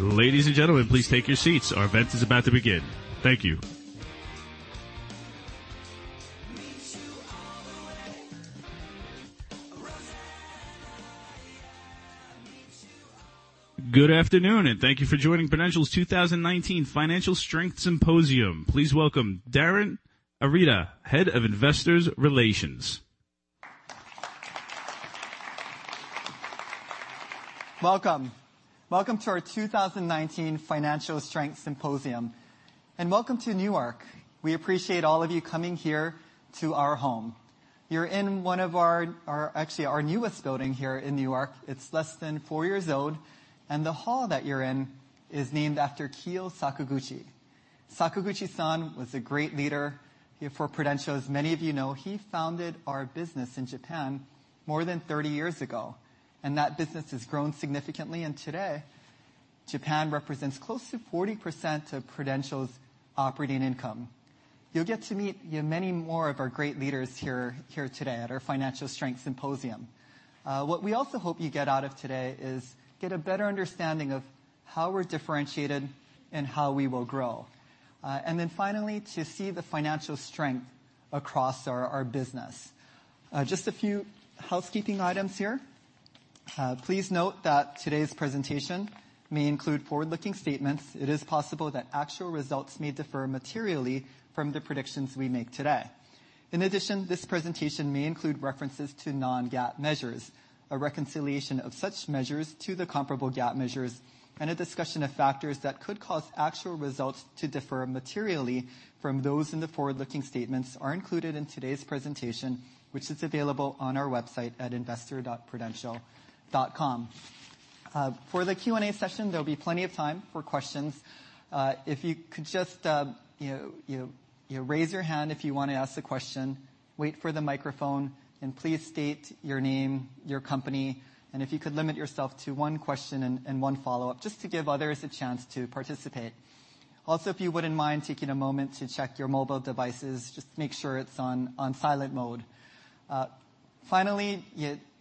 Ladies and gentlemen, please take your seats. Our event is about to begin. Thank you. Meet you all the way. Rosanna, yeah. Meet you all the way. Good afternoon, thank you for joining Prudential's 2019 Financial Strength Symposium. Please welcome Darin Arita, Head of Investor Relations. Welcome. Welcome to our 2019 Financial Strength Symposium, welcome to Newark. We appreciate all of you coming here to our home. You're in one of our, actually our newest building here in Newark. It's less than 4 years old, and the hall that you're in is named after Kiyofumi Sakaguchi. Sakaguchi-san was a great leader here for Prudential. As many of you know, he founded our business in Japan more than 30 years ago, and that business has grown significantly, today, Japan represents close to 40% of Prudential's operating income. You'll get to meet many more of our great leaders here today at our Financial Strength Symposium. What we also hope you get out of today is get a better understanding of how we're differentiated and how we will grow. Then finally, to see the financial strength across our business. Just a few housekeeping items here. Please note that today's presentation may include forward-looking statements. It is possible that actual results may differ materially from the predictions we make today. In addition, this presentation may include references to non-GAAP measures. A reconciliation of such measures to the comparable GAAP measures and a discussion of factors that could cause actual results to differ materially from those in the forward-looking statements are included in today's presentation, which is available on our website at investor.prudential.com. For the Q&A session, there'll be plenty of time for questions. If you could just raise your hand if you want to ask a question, wait for the microphone, and please state your name, your company, and if you could limit yourself to one question and one follow-up, just to give others a chance to participate. If you wouldn't mind taking a moment to check your mobile devices, just make sure it's on silent mode. Finally,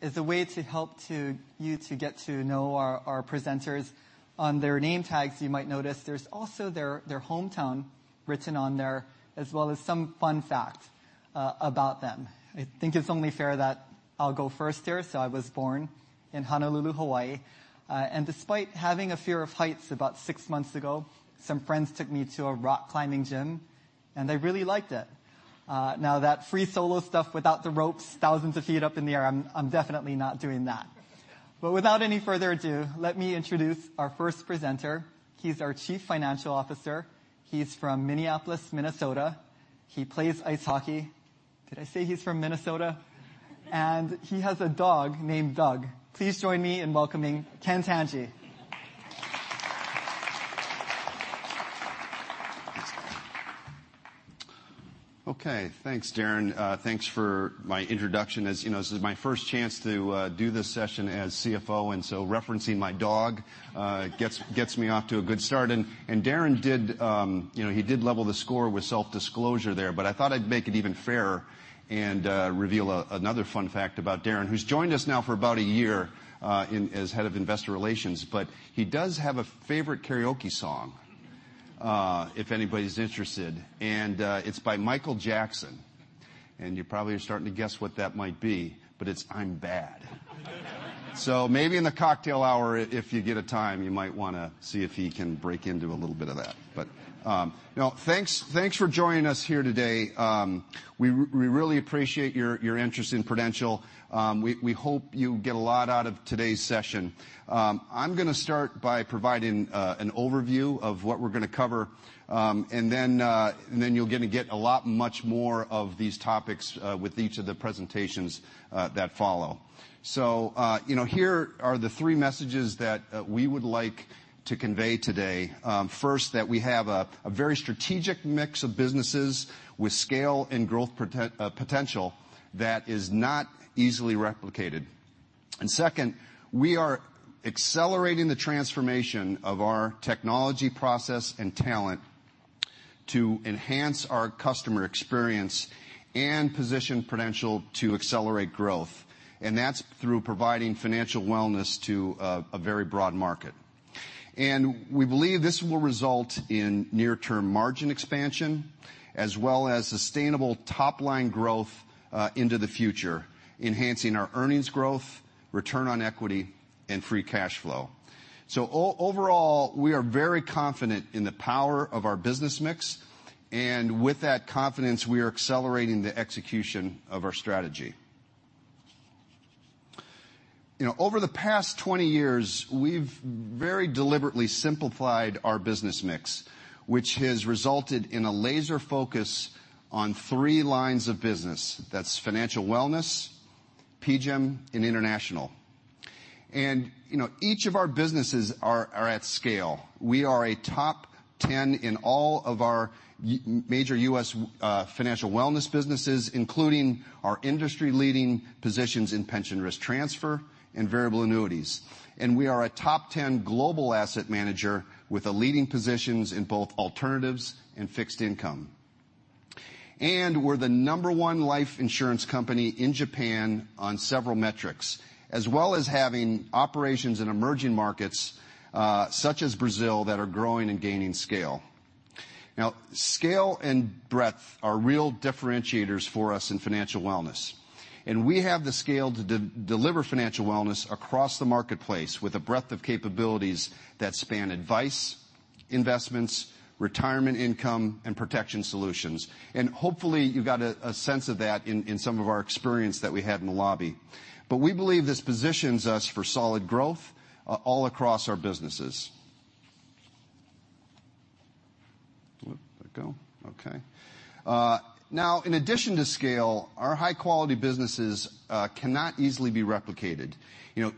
as a way to help you to get to know our presenters, on their name tags, you might notice there's also their hometown written on there, as well as some fun fact about them. I think it's only fair that I'll go first here. I was born in Honolulu, Hawaii. Despite having a fear of heights, about six months ago, some friends took me to a rock climbing gym, and I really liked it. That free solo stuff without the ropes, thousands of feet up in the air, I'm definitely not doing that. Without any further ado, let me introduce our first presenter. He's our Chief Financial Officer. He's from Minneapolis, Minnesota. He plays ice hockey. Did I say he's from Minnesota? He has a dog named Doug. Please join me in welcoming Ken Tanji. Okay. Thanks, Darin. Thanks for my introduction. As you know, this is my first chance to do this session as CFO, referencing my dog gets me off to a good start. Darin did level the score with self-disclosure there, but I thought I'd make it even fairer and reveal another fun fact about Darin, who's joined us now for about a year as Head of Investor Relations. He does have a favorite karaoke song, if anybody's interested. It's by Michael Jackson. You probably are starting to guess what that might be, but it's "I'm Bad." Maybe in the cocktail hour, if you get a time, you might want to see if he can break into a little bit of that. No, thanks for joining us here today. We really appreciate your interest in Prudential. We hope you get a lot out of today's session. I'm going to start by providing an overview of what we're going to cover, then you're going to get much more of these topics, with each of the presentations that follow. Here are the three messages that we would like to convey today. First, that we have a very strategic mix of businesses with scale and growth potential that is not easily replicated. Second, we are accelerating the transformation of our technology process and talent to enhance our customer experience and position Prudential to accelerate growth. That's through providing financial wellness to a very broad market. We believe this will result in near-term margin expansion as well as sustainable top-line growth into the future, enhancing our earnings growth, return on equity, and free cash flow. Overall, we are very confident in the power of our business mix, with that confidence, we are accelerating the execution of our strategy. Over the past 20 years, we've very deliberately simplified our business mix, which has resulted in a laser focus on three lines of business. That's financial wellness, PGIM, and International. Each of our businesses are at scale. We are a top 10 in all of our major U.S. financial wellness businesses, including our industry-leading positions in pension risk transfer and variable annuities. We are a top 10 global asset manager with a leading positions in both alternatives and fixed income. We're the number 1 life insurance company in Japan on several metrics, as well as having operations in emerging markets, such as Brazil, that are growing and gaining scale. Now, scale and breadth are real differentiators for us in financial wellness. We have the scale to deliver financial wellness across the marketplace with a breadth of capabilities that span advice, investments, retirement income, and protection solutions. Hopefully, you got a sense of that in some of our experience that we had in the lobby. We believe this positions us for solid growth all across our businesses. Let go. Okay. Now, in addition to scale, our high-quality businesses cannot easily be replicated.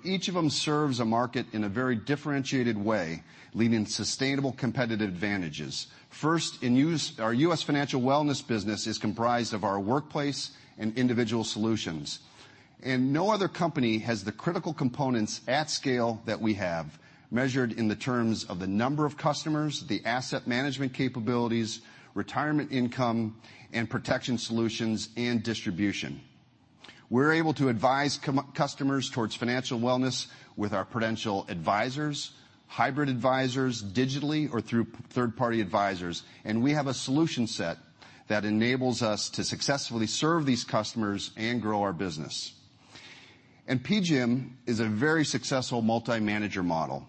Each of them serves a market in a very differentiated way, leading sustainable competitive advantages. First, our U.S. financial wellness business is comprised of our Workplace and Individual Solutions. No other company has the critical components at scale that we have, measured in the terms of the number of customers, the asset management capabilities, retirement income, and protection solutions, and distribution. We're able to advise customers towards financial wellness with our Prudential Advisors, hybrid advisors, digitally or through third-party advisors, we have a solution set that enables us to successfully serve these customers and grow our business. PGIM is a very successful multi-manager model.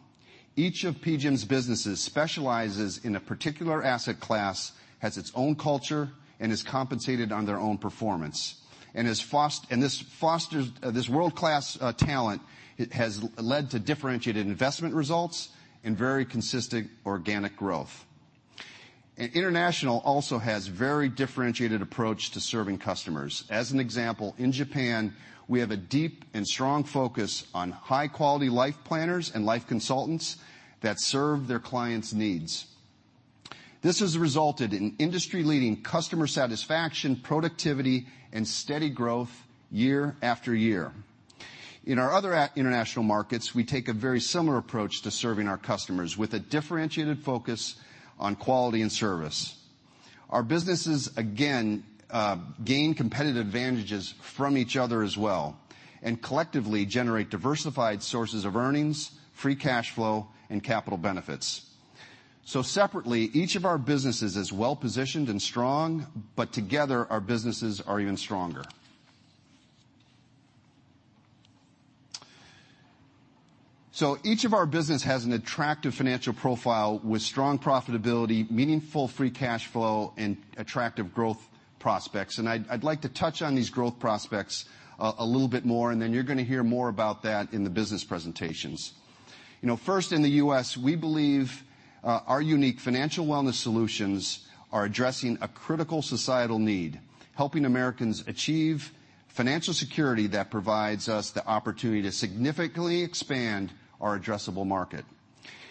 Each of PGIM's businesses specializes in a particular asset class, has its own culture, and is compensated on their own performance. This world-class talent has led to differentiated investment results and very consistent organic growth. International also has very differentiated approach to serving customers. As an example, in Japan, we have a deep and strong focus on high-quality life planners and life consultants that serve their clients' needs. This has resulted in industry-leading customer satisfaction, productivity, and steady growth year after year. In our other international markets, we take a very similar approach to serving our customers, with a differentiated focus on quality and service. Our businesses, again, gain competitive advantages from each other as well and collectively generate diversified sources of earnings, free cash flow, and capital benefits. Separately, each of our businesses is well-positioned and strong, but together, our businesses are even stronger. Each of our businesses has an attractive financial profile with strong profitability, meaningful free cash flow, and attractive growth prospects. I'd like to touch on these growth prospects a little bit more, you're going to hear more about that in the business presentations. First, in the U.S., we believe our unique financial wellness solutions are addressing a critical societal need, helping Americans achieve financial security that provides us the opportunity to significantly expand our addressable market.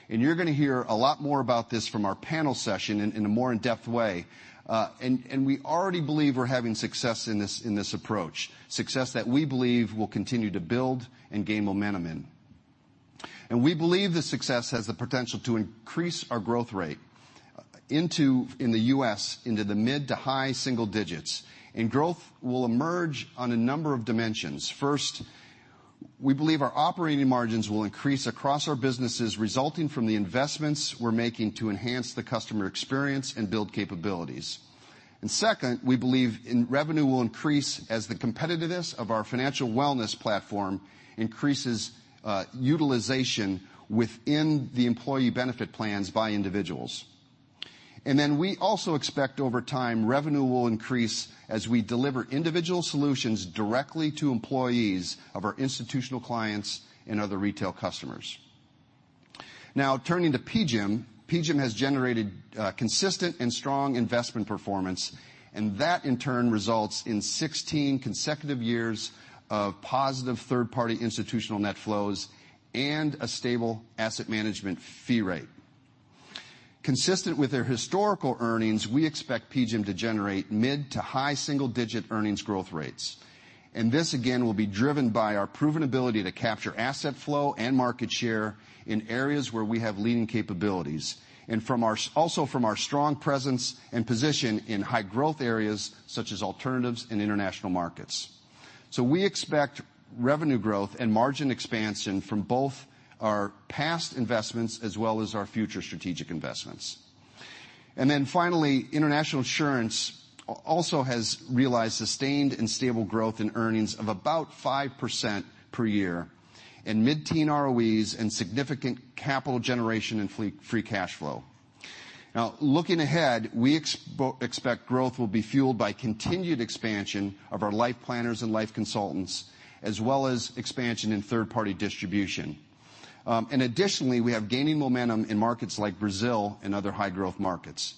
You're going to hear a lot more about this from our panel session in a more in-depth way. We already believe we're having success in this approach, success that we believe will continue to build and gain momentum in. We believe the success has the potential to increase our growth rate in the U.S. into the mid-to-high single digits, growth will emerge on a number of dimensions. First, we believe our operating margins will increase across our businesses, resulting from the investments we're making to enhance the customer experience and build capabilities. Second, we believe revenue will increase as the competitiveness of our financial wellness platform increases utilization within the employee benefit plans by individuals. We also expect over time, revenue will increase as we deliver individual solutions directly to employees of our institutional clients and other retail customers. Now, turning to PGIM. PGIM has generated consistent and strong investment performance, that in turn results in 16 consecutive years of positive third-party institutional net flows and a stable asset management fee rate. Consistent with their historical earnings, we expect PGIM to generate mid-to-high single-digit earnings growth rates. This, again, will be driven by our proven ability to capture asset flow and market share in areas where we have leading capabilities, also from our strong presence and position in high-growth areas such as alternatives and international markets. We expect revenue growth and margin expansion from both our past investments as well as our future strategic investments. Finally, International Insurance also has realized sustained and stable growth in earnings of about 5% per year and mid-teen ROEs and significant capital generation and free cash flow. Now, looking ahead, we expect growth will be fueled by continued expansion of our life planners and life consultants, as well as expansion in third-party distribution. Additionally, we have gaining momentum in markets like Brazil and other high-growth markets.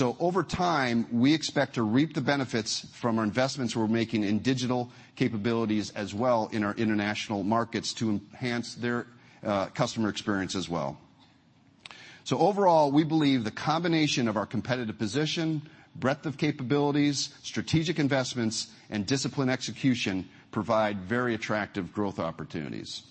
Over time, we expect to reap the benefits from our investments we're making in digital capabilities as well in our international markets to enhance their customer experience as well. Overall, we believe the combination of our competitive position, breadth of capabilities, strategic investments, and disciplined execution provide very attractive growth opportunities.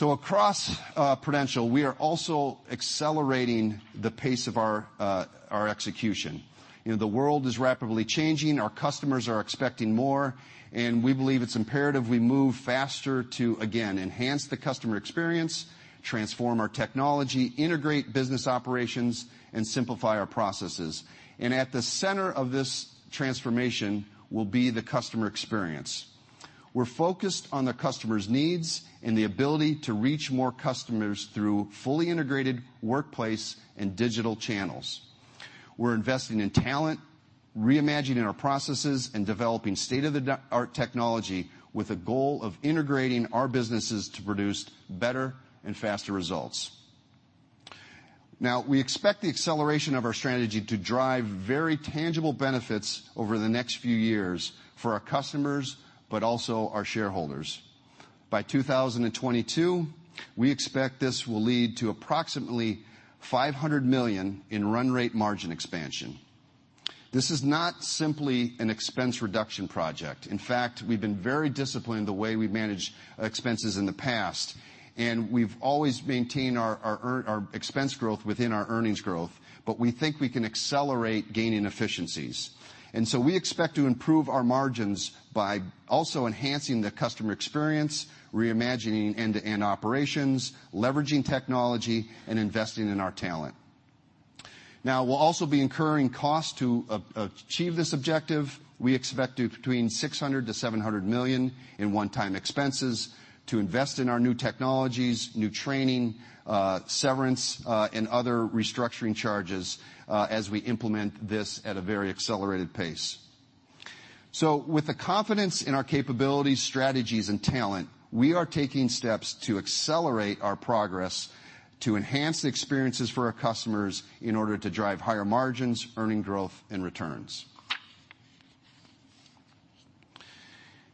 Across Prudential, we are also accelerating the pace of our execution. The world is rapidly changing, our customers are expecting more, we believe it's imperative we move faster to, again, enhance the customer experience, transform our technology, integrate business operations, and simplify our processes. At the center of this transformation will be the customer experience. We're focused on the customer's needs and the ability to reach more customers through fully integrated workplace and digital channels. We're investing in talent, reimagining our processes, and developing state-of-the-art technology with a goal of integrating our businesses to produce better and faster results. We expect the acceleration of our strategy to drive very tangible benefits over the next few years for our customers, but also our shareholders. By 2022, we expect this will lead to approximately $500 million in run rate margin expansion. This is not simply an expense reduction project. In fact, we've been very disciplined in the way we've managed expenses in the past, and we've always maintained our expense growth within our earnings growth. We think we can accelerate gaining efficiencies. We expect to improve our margins by also enhancing the customer experience, reimagining end-to-end operations, leveraging technology, and investing in our talent. We'll also be incurring costs to achieve this objective. We expect between $600 million-$700 million in one-time expenses to invest in our new technologies, new training, severance, and other restructuring charges as we implement this at a very accelerated pace. With the confidence in our capabilities, strategies, and talent, we are taking steps to accelerate our progress to enhance the experiences for our customers in order to drive higher margins, earning growth, and returns.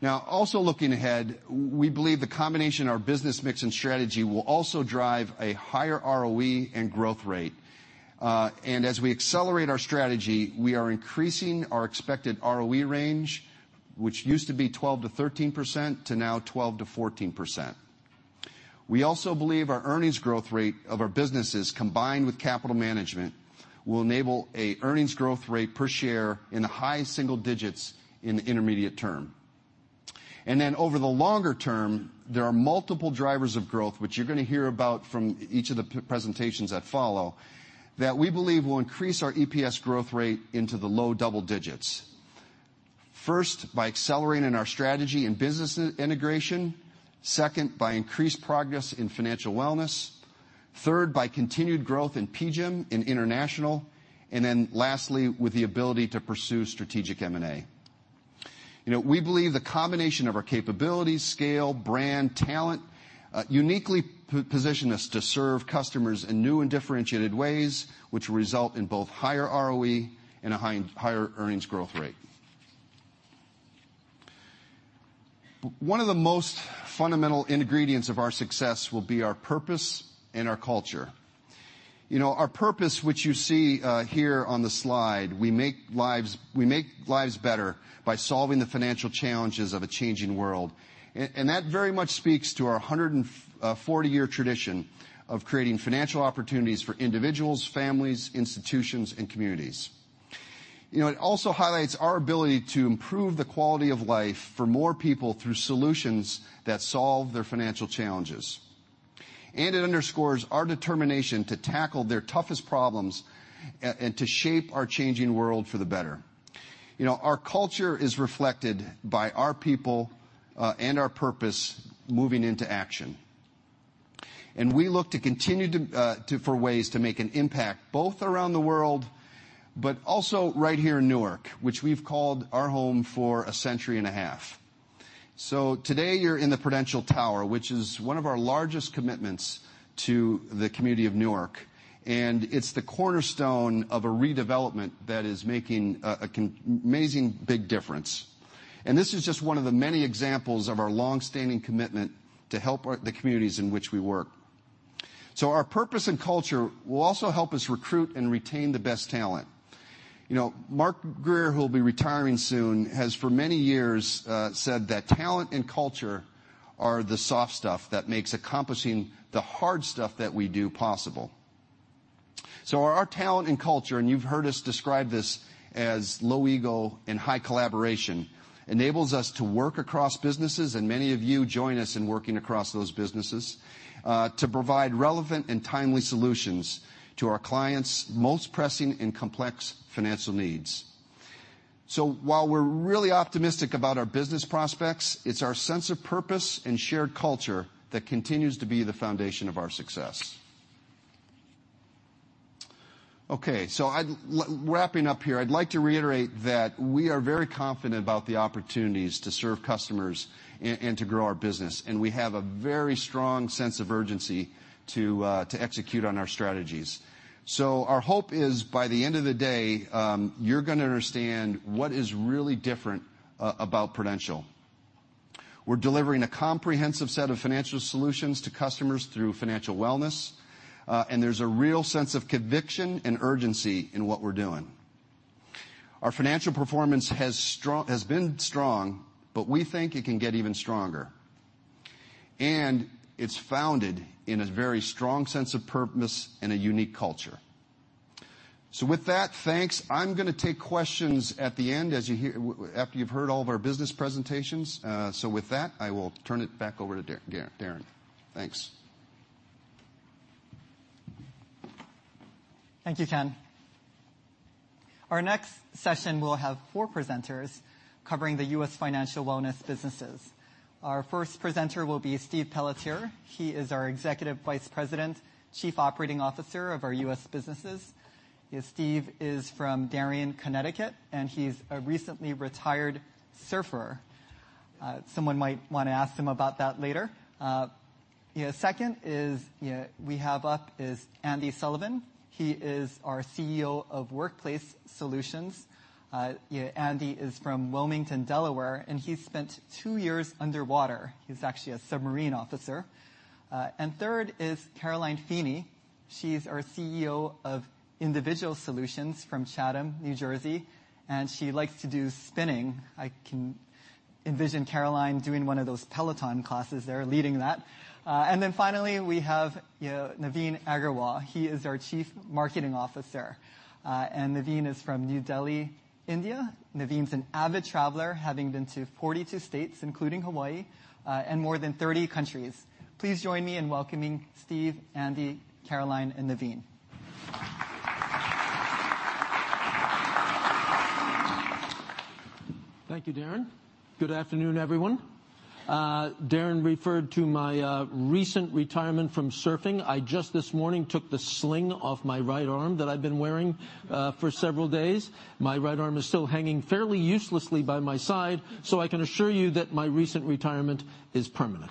Also looking ahead, we believe the combination of our business mix and strategy will also drive a higher ROE and growth rate. As we accelerate our strategy, we are increasing our expected ROE range, which used to be 12%-13%, to now 12%-14%. We also believe our earnings growth rate of our businesses, combined with capital management, will enable an earnings growth rate per share in the high single digits in the intermediate term. Over the longer term, there are multiple drivers of growth, which you're going to hear about from each of the presentations that follow, that we believe will increase our EPS growth rate into the low double digits. First, by accelerating our strategy in business integration. Second, by increased progress in financial wellness. Third, by continued growth in PGIM, in international. Lastly, with the ability to pursue strategic M&A. We believe the combination of our capabilities, scale, brand, talent, uniquely position us to serve customers in new and differentiated ways, which result in both higher ROE and a higher earnings growth rate. One of the most fundamental ingredients of our success will be our purpose and our culture. Our purpose, which you see here on the slide, we make lives better by solving the financial challenges of a changing world. That very much speaks to our 140-year tradition of creating financial opportunities for individuals, families, institutions, and communities. It also highlights our ability to improve the quality of life for more people through solutions that solve their financial challenges. It underscores our determination to tackle their toughest problems and to shape our changing world for the better. Our culture is reflected by our people and our purpose moving into action. We look to continue for ways to make an impact, both around the world, but also right here in Newark, which we've called our home for a century and a half. Today, you're in the Prudential Tower, which is one of our largest commitments to the community of Newark, and it's the cornerstone of a amazing, big difference. This is just one of the many examples of our longstanding commitment to help our the communities in which we work. Our purpose and culture will also help us recruit and retain the best talent. Mark Grier, who'll be retiring soon, has for many years said that talent and culture are the soft stuff that makes accomplishing the hard stuff that we do possible. Our talent and culture, and you've heard us describe this as low ego and high collaboration, enables us to work across businesses, and many of you join us in working across those businesses, to provide relevant and timely solutions to our clients' most pressing and complex financial needs. While we're really optimistic about our business prospects, it's our sense of purpose and shared culture that continues to be the foundation of our success. Wrapping up here, I'd like to reiterate that we are very confident about the opportunities to serve customers and to grow our business, and we have a very strong sense of urgency to execute on our strategies. Our hope is, by the end of the day, you're going to understand what is really different about Prudential. We're delivering a comprehensive set of financial solutions to customers through financial wellness, and there's a real sense of conviction and urgency in what we're doing. Our financial performance has been strong, but we think it can get even stronger, and it's founded in a very strong sense of purpose and a unique culture. With that, thanks. I'm going to take questions at the end after you've heard all of our business presentations. With that, I will turn it back over to Darin. Thanks. Thank you, Ken. Our next session will have four presenters covering the U.S. financial wellness businesses. Our first presenter will be Steve Pelletier. He is our Executive Vice President, Chief Operating Officer of our U.S. businesses. Steve is from Darien, Connecticut, and he's a recently retired surfer. Someone might want to ask him about that later. Second is Andy Sullivan. He is our CEO of Workplace Solutions. Andy is from Wilmington, Delaware, and he spent two years underwater. He's actually a submarine officer. Third is Caroline Feeney. She's our CEO of Individual Solutions from Chatham, New Jersey, and she likes to do spinning. I can envision Caroline doing one of those Peloton classes there, leading that. Finally, we have Naveen Agarwal. He is our Chief Marketing Officer. Naveen is from New Delhi, India. Naveen's an avid traveler, having been to 42 states, including Hawaii, and more than 30 countries. Please join me in welcoming Steve, Andy, Caroline, and Naveen. Thank you, Darin. Good afternoon, everyone. Darin referred to my recent retirement from surfing. I just this morning took the sling off my right arm that I've been wearing for several days. My right arm is still hanging fairly uselessly by my side, so I can assure you that my recent retirement is permanent.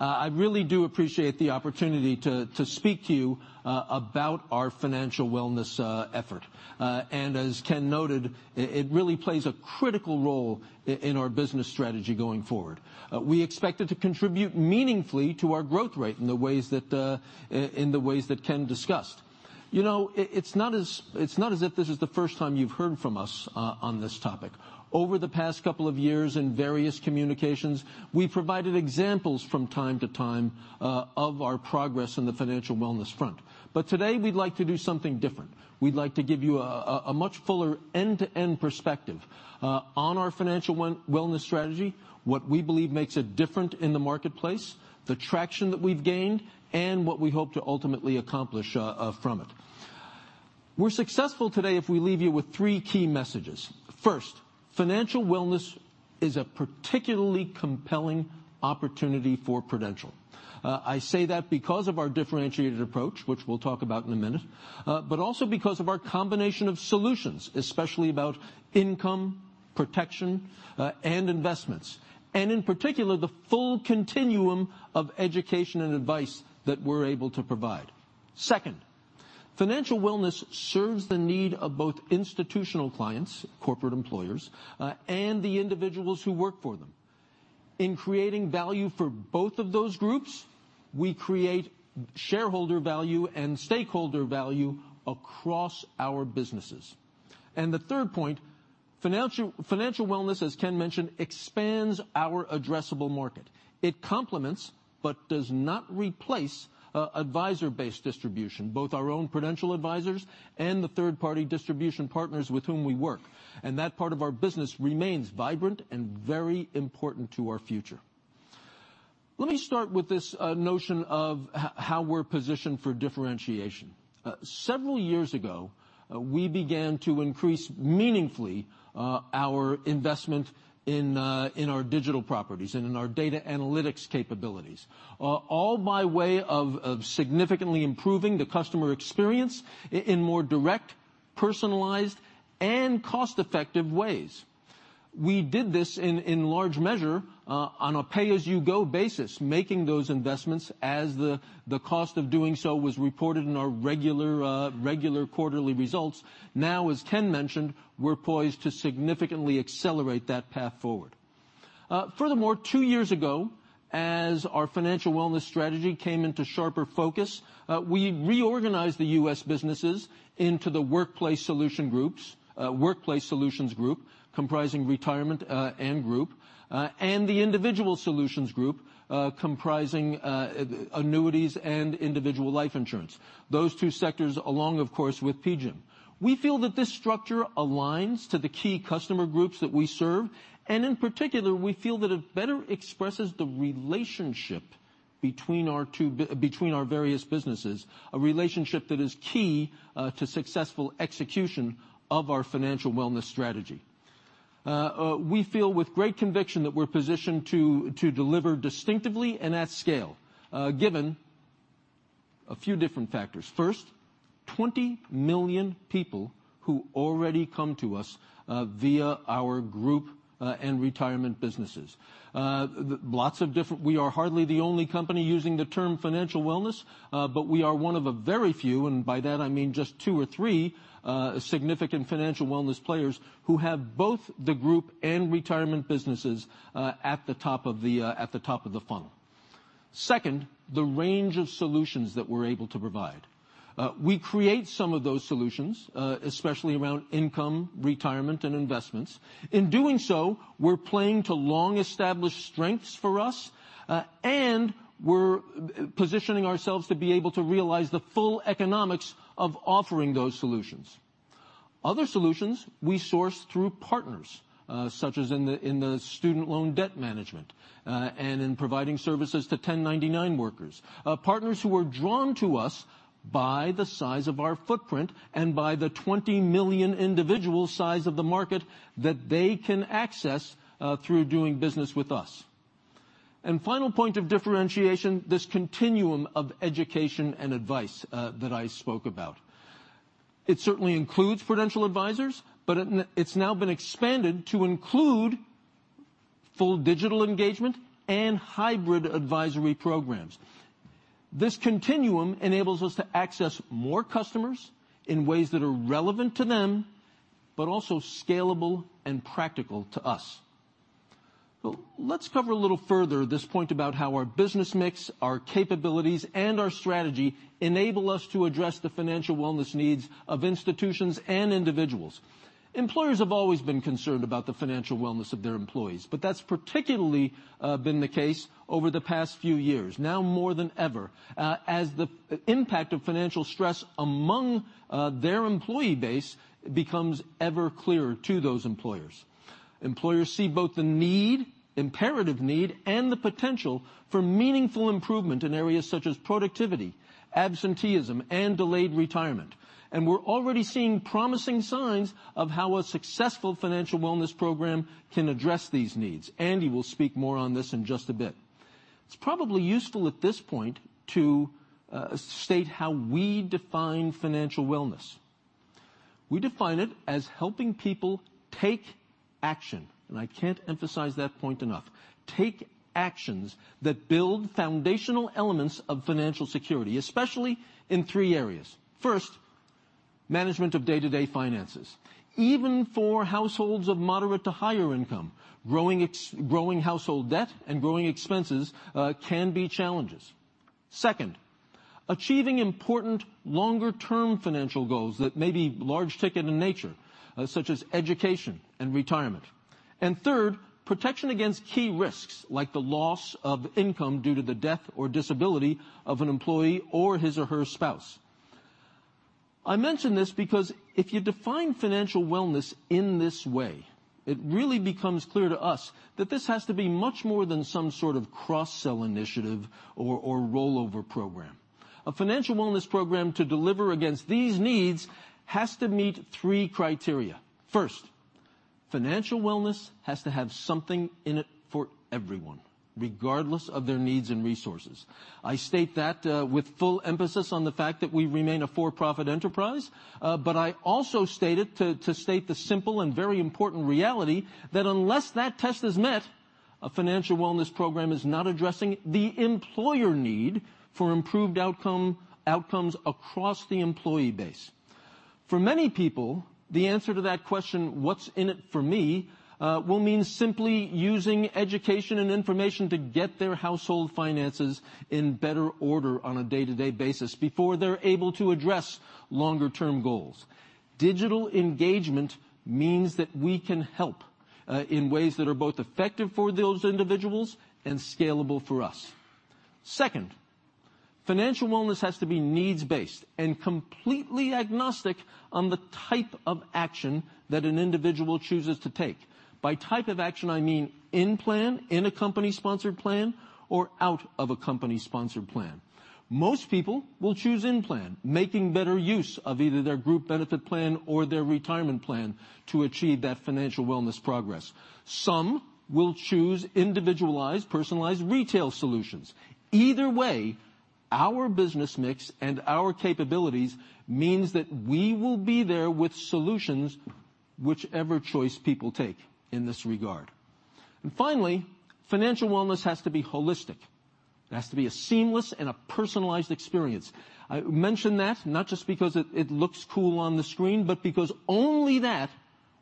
I really do appreciate the opportunity to speak to you about our financial wellness effort. As Ken noted, it really plays a critical role in our business strategy going forward. We expect it to contribute meaningfully to our growth rate in the ways that Ken discussed. It's not as if this is the first time you've heard from us on this topic. Over the past couple of years in various communications, we provided examples from time to time of our progress in the financial wellness front. Today we'd like to do something different. We'd like to give you a much fuller end-to-end perspective on our financial wellness strategy, what we believe makes it different in the marketplace, the traction that we've gained, and what we hope to ultimately accomplish from it. We're successful today if we leave you with three key messages. First, financial wellness is a particularly compelling opportunity for Prudential. I say that because of our differentiated approach, which we'll talk about in a minute, but also because of our combination of solutions, especially about income, protection, and investments, and in particular, the full continuum of education and advice that we're able to provide. Second, financial wellness serves the need of both institutional clients, corporate employers, and the individuals who work for them. In creating value for both of those groups, we create shareholder value and stakeholder value across our businesses. The third point, financial wellness, as Ken mentioned, expands our addressable market. It complements but does not replace advisor-based distribution, both our own Prudential Advisors and the third-party distribution partners with whom we work, that part of our business remains vibrant and very important to our future. Let me start with this notion of how we're positioned for differentiation. Several years ago, we began to increase meaningfully our investment in our digital properties and in our data analytics capabilities, all by way of significantly improving the customer experience in more direct, personalized, and cost-effective ways. We did this in large measure on a pay-as-you-go basis, making those investments as the cost of doing so was reported in our regular quarterly results. As Ken mentioned, we're poised to significantly accelerate that path forward. Furthermore, 2 years ago, as our financial wellness strategy came into sharper focus, we reorganized the U.S. businesses into the U.S. Workplace Solutions, comprising retirement and group, and the U.S. Individual Solutions comprising annuities and individual life insurance. Those two sectors along, of course, with PGIM. We feel that this structure aligns to the key customer groups that we serve, in particular, we feel that it better expresses the relationship between our various businesses, a relationship that is key to successful execution of our financial wellness strategy. We feel with great conviction that we're positioned to deliver distinctively and at scale, given a few different factors. First, 20 million people who already come to us via our group and retirement businesses. We are hardly the only company using the term financial wellness, we are one of a very few, by that I mean just two or three significant financial wellness players who have both the group and retirement businesses at the top of the funnel. Second, the range of solutions that we're able to provide. We create some of those solutions, especially around income, retirement, and investments. In doing so, we're playing to long-established strengths for us, we're positioning ourselves to be able to realize the full economics of offering those solutions. Other solutions we source through partners, such as in the student loan debt management, in providing services to 1099 workers. Partners who are drawn to us by the size of our footprint by the 20 million individual size of the market that they can access through doing business with us. Final point of differentiation, this continuum of education and advice that I spoke about. It certainly includes Prudential Advisors, it's now been expanded to include full digital engagement and hybrid advisory programs. This continuum enables us to access more customers in ways that are relevant to them, also scalable and practical to us. Let's cover a little further this point about how our business mix, our capabilities, and our strategy enable us to address the financial wellness needs of institutions and individuals. Employers have always been concerned about the financial wellness of their employees, that's particularly been the case over the past few years, now more than ever, as the impact of financial stress among their employee base becomes ever clearer to those employers. Employers see both the need, imperative need, and the potential for meaningful improvement in areas such as productivity, absenteeism, and delayed retirement. We're already seeing promising signs of how a successful financial wellness program can address these needs. Andy will speak more on this in just a bit. It's probably useful at this point to state how we define financial wellness. We define it as helping people take action, I can't emphasize that point enough. Take actions that build foundational elements of financial security, especially in three areas. First, management of day-to-day finances. Even for households of moderate to higher income, growing household debt and growing expenses can be challenges. Second, achieving important longer-term financial goals that may be large ticket in nature, such as education and retirement. Third, protection against key risks like the loss of income due to the death or disability of an employee or his or her spouse. I mention this because if you define financial wellness in this way, it really becomes clear to us that this has to be much more than some sort of cross-sell initiative or rollover program. A financial wellness program to deliver against these needs has to meet three criteria. First, financial wellness has to have something in it for everyone, regardless of their needs and resources. I state that with full emphasis on the fact that we remain a for-profit enterprise, but I also state it to state the simple and very important reality that unless that test is met, a financial wellness program is not addressing the employer need for improved outcomes across the employee base. For many people, the answer to that question, what's in it for me, will mean simply using education and information to get their household finances in better order on a day-to-day basis before they're able to address longer-term goals. Digital engagement means that we can help in ways that are both effective for those individuals and scalable for us. Second, financial wellness has to be needs-based and completely agnostic on the type of action that an individual chooses to take. By type of action, I mean in plan, in a company-sponsored plan, or out of a company-sponsored plan. Most people will choose in plan, making better use of either their group benefit plan or their retirement plan to achieve that financial wellness progress. Some will choose individualized, personalized retail solutions. Either way, our business mix and our capabilities means that we will be there with solutions whichever choice people take in this regard. Finally, financial wellness has to be holistic. It has to be a seamless and a personalized experience. I mention that not just because it looks cool on the screen, but because only that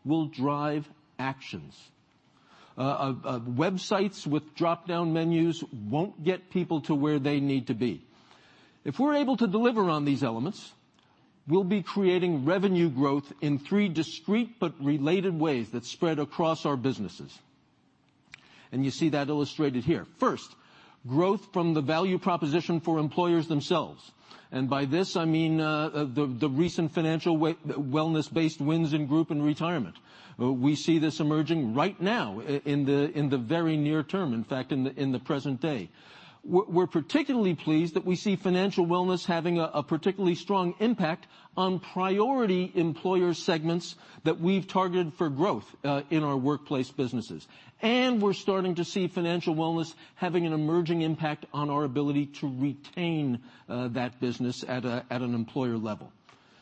will drive actions. Websites with dropdown menus won't get people to where they need to be. If we're able to deliver on these elements, we'll be creating revenue growth in three discrete but related ways that spread across our businesses, and you see that illustrated here. First, growth from the value proposition for employers themselves. By this, I mean, the recent financial wellness-based wins in group and retirement. We see this emerging right now in the very near term, in fact, in the present day. We're particularly pleased that we see financial wellness having a particularly strong impact on priority employer segments that we've targeted for growth in our workplace businesses. We're starting to see financial wellness having an emerging impact on our ability to retain that business at an employer level.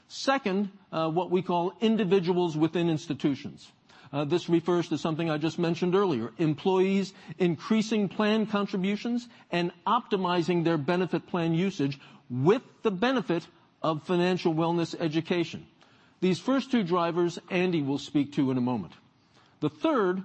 Second, what we call individuals within institutions. This refers to something I just mentioned earlier, employees increasing plan contributions and optimizing their benefit plan UCITS with the benefit of financial wellness education. These first two drivers, Andy will speak to in a moment. The third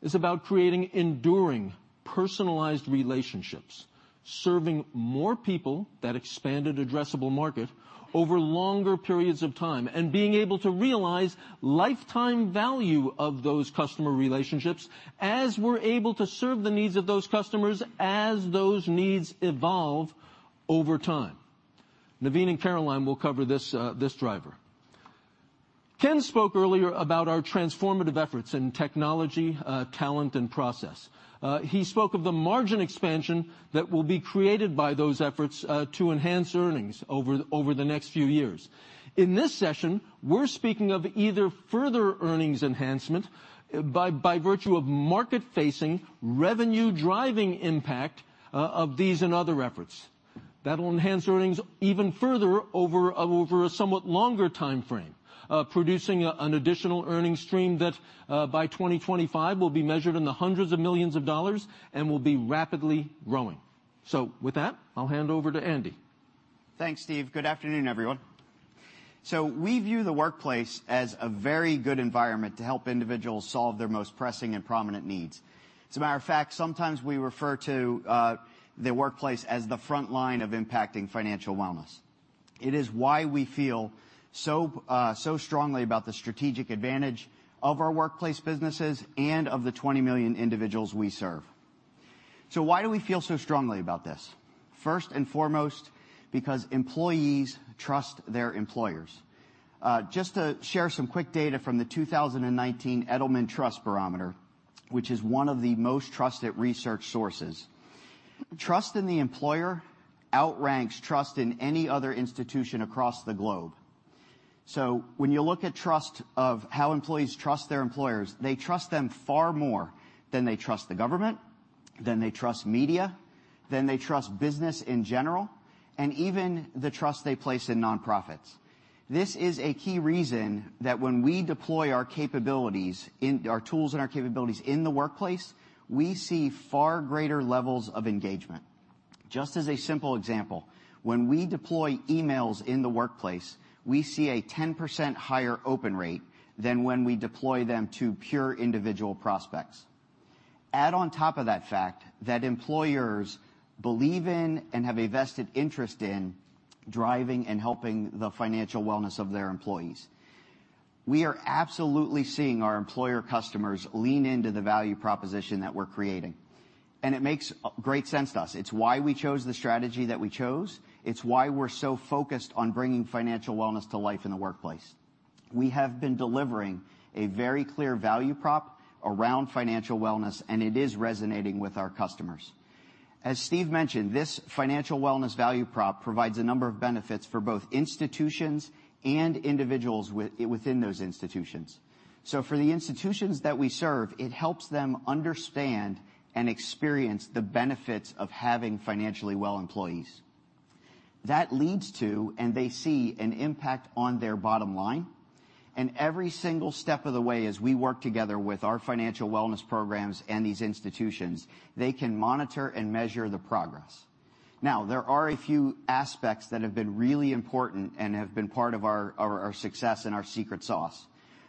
is about creating enduring, personalized relationships, serving more people, that expanded addressable market, over longer periods of time, and being able to realize lifetime value of those customer relationships as we're able to serve the needs of those customers as those needs evolve over time. Naveen and Caroline will cover this driver. Ken spoke earlier about our transformative efforts in technology, talent, and process. He spoke of the margin expansion that will be created by those efforts to enhance earnings over the next few years. In this session, we're speaking of either further earnings enhancement by virtue of market-facing, revenue-driving impact of these and other efforts. That'll enhance earnings even further over a somewhat longer timeframe, producing an additional earnings stream that by 2025 will be measured in the hundreds of millions of dollars and will be rapidly growing. With that, I'll hand over to Andy. Thanks, Steve. Good afternoon, everyone. We view the workplace as a very good environment to help individuals solve their most pressing and prominent needs. As a matter of fact, sometimes we refer to the workplace as the front line of impacting financial wellness. It is why we feel so strongly about the strategic advantage of our workplace businesses and of the 20 million individuals we serve. Why do we feel so strongly about this? First and foremost, because employees trust their employers. Just to share some quick data from the 2019 Edelman Trust Barometer, which is one of the most trusted research sources. Trust in the employer outranks trust in any other institution across the globe. When you look at trust of how employees trust their employers, they trust them far more than they trust the government, than they trust media, than they trust business in general, and even the trust they place in nonprofits. This is a key reason that when we deploy our tools and our capabilities in the workplace, we see far greater levels of engagement. Just as a simple example, when we deploy emails in the workplace, we see a 10% higher open rate than when we deploy them to pure individual prospects. Add on top of that fact that employers believe in and have a vested interest in driving and helping the financial wellness of their employees. We are absolutely seeing our employer customers lean into the value proposition that we're creating, it makes great sense to us. It's why we chose the strategy that we chose. It's why we're so focused on bringing financial wellness to life in the workplace. We have been delivering a very clear value prop around financial wellness, it is resonating with our customers. As Steve mentioned, this financial wellness value prop provides a number of benefits for both institutions and individuals within those institutions. For the institutions that we serve, it helps them understand and experience the benefits of having financially well employees. That leads to, they see an impact on their bottom line, and every single step of the way as we work together with our financial wellness programs and these institutions, they can monitor and measure the progress. There are a few aspects that have been really important and have been part of our success and our secret sauce.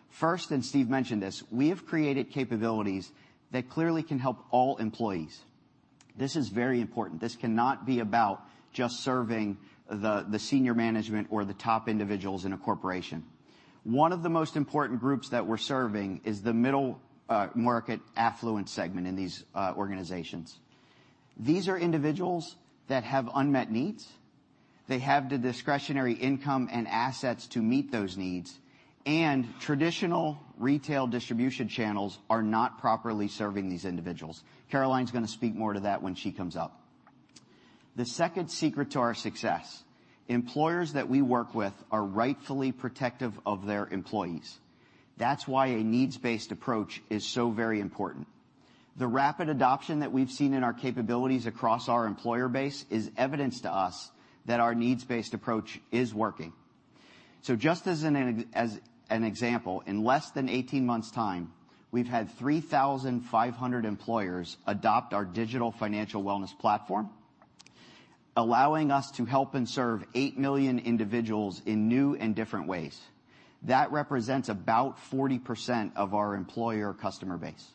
First, Steve mentioned this, we have created capabilities that clearly can help all employees. This is very important. This cannot be about just serving the senior management or the top individuals in a corporation. One of the most important groups that we're serving is the middle market affluent segment in these organizations. These are individuals that have unmet needs. They have the discretionary income and assets to meet those needs, and traditional retail distribution channels are not properly serving these individuals. Caroline's going to speak more to that when she comes up. The second secret to our success, employers that we work with are rightfully protective of their employees. That's why a needs-based approach is so very important. The rapid adoption that we've seen in our capabilities across our employer base is evidence to us that our needs-based approach is working. Just as an example, in less than 18 months' time, we've had 3,500 employers adopt our digital financial wellness platform, allowing us to help and serve 8 million individuals in new and different ways. That represents about 40% of our employer customer base.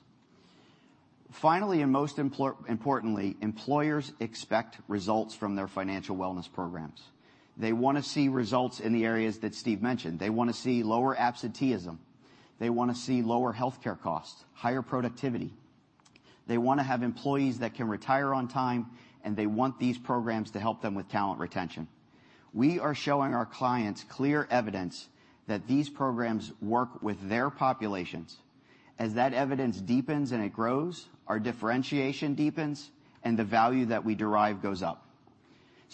Finally, most importantly, employers expect results from their financial wellness programs. They want to see results in the areas that Steve mentioned. They want to see lower absenteeism. They want to see lower healthcare costs, higher productivity. They want to have employees that can retire on time, and they want these programs to help them with talent retention. We are showing our clients clear evidence that these programs work with their populations. As that evidence deepens and it grows, our differentiation deepens and the value that we derive goes up.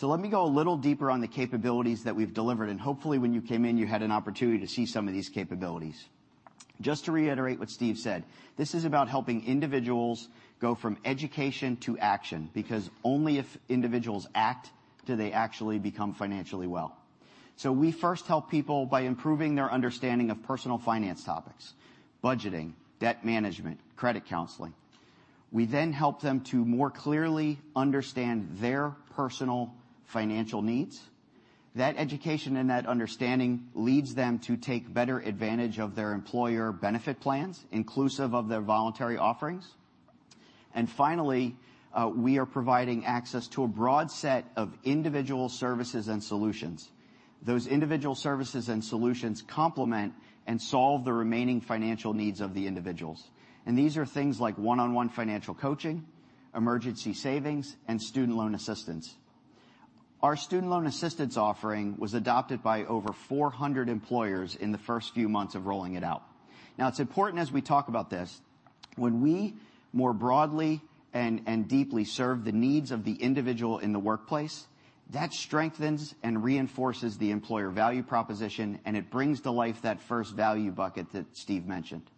Let me go a little deeper on the capabilities that we've delivered. Hopefully when you came in, you had an opportunity to see some of these capabilities. Just to reiterate what Steve said, this is about helping individuals go from education to action, because only if individuals act do they actually become financially well. We first help people by improving their understanding of personal finance topics, budgeting, debt management, credit counseling. Then we help them to more clearly understand their personal financial needs. That education and that understanding leads them to take better advantage of their employer benefit plans, inclusive of their voluntary offerings. Finally, we are providing access to a broad set of individual services and solutions. Those individual services and solutions complement and solve the remaining financial needs of the individuals. These are things like one-on-one financial coaching, emergency savings, and student loan assistance. Our student loan assistance offering was adopted by over 400 employers in the first few months of rolling it out. It's important as we talk about this, when we more broadly and deeply serve the needs of the individual in the workplace, that strengthens and reinforces the employer value proposition, and it brings to life that first value bucket that Steve mentioned.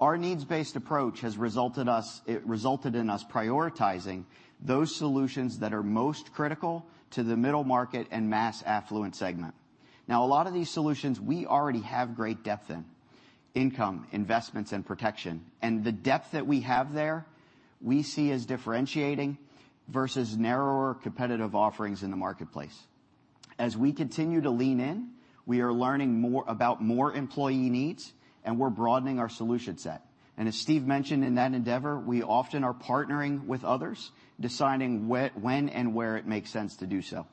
Our needs-based approach has resulted in us prioritizing those solutions that are most critical to the middle market and mass affluent segment. A lot of these solutions we already have great depth in, income, investments, and protection. The depth that we have there, we see as differentiating versus narrower competitive offerings in the marketplace. As we continue to lean in, we are learning about more employee needs, and we're broadening our solution set. As Steve mentioned, in that endeavor, we often are partnering with others, deciding when and where it makes sense to do so.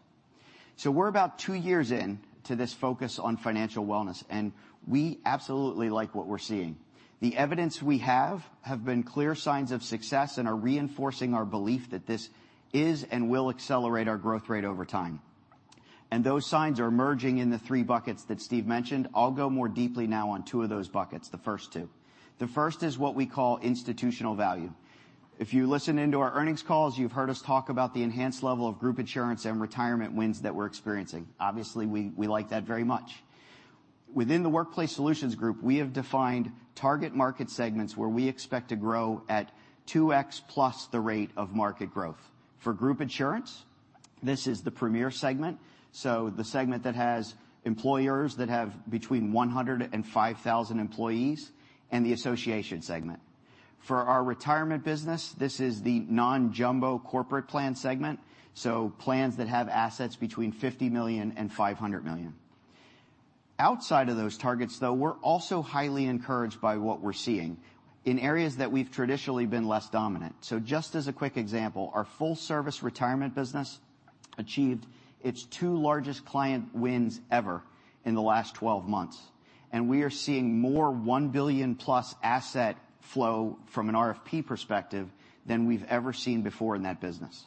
We're about two years in to this focus on financial wellness, and we absolutely like what we're seeing. The evidence we have been clear signs of success and are reinforcing our belief that this is and will accelerate our growth rate over time. Those signs are emerging in the three buckets that Steve mentioned. I'll go more deeply now on two of those buckets, the first two. The first is what we call institutional value. If you listen into our earnings calls, you've heard us talk about the enhanced level of group insurance and retirement wins that we're experiencing. Obviously, we like that very much. Within the U.S. Workplace Solutions, we have defined target market segments where we expect to grow at 2x plus the rate of market growth. For group insurance, this is the premier segment, so the segment that has employers that have between 100 and 5,000 employees, and the association segment. For our retirement business, this is the non-jumbo corporate plan segment, so plans that have assets between $50 million and $500 million. Outside of those targets, though, we're also highly encouraged by what we're seeing in areas that we've traditionally been less dominant. Just as a quick example, our full-service retirement business achieved its two largest client wins ever in the last 12 months, and we are seeing more $1 billion-plus asset flow from an RFP perspective than we've ever seen before in that business.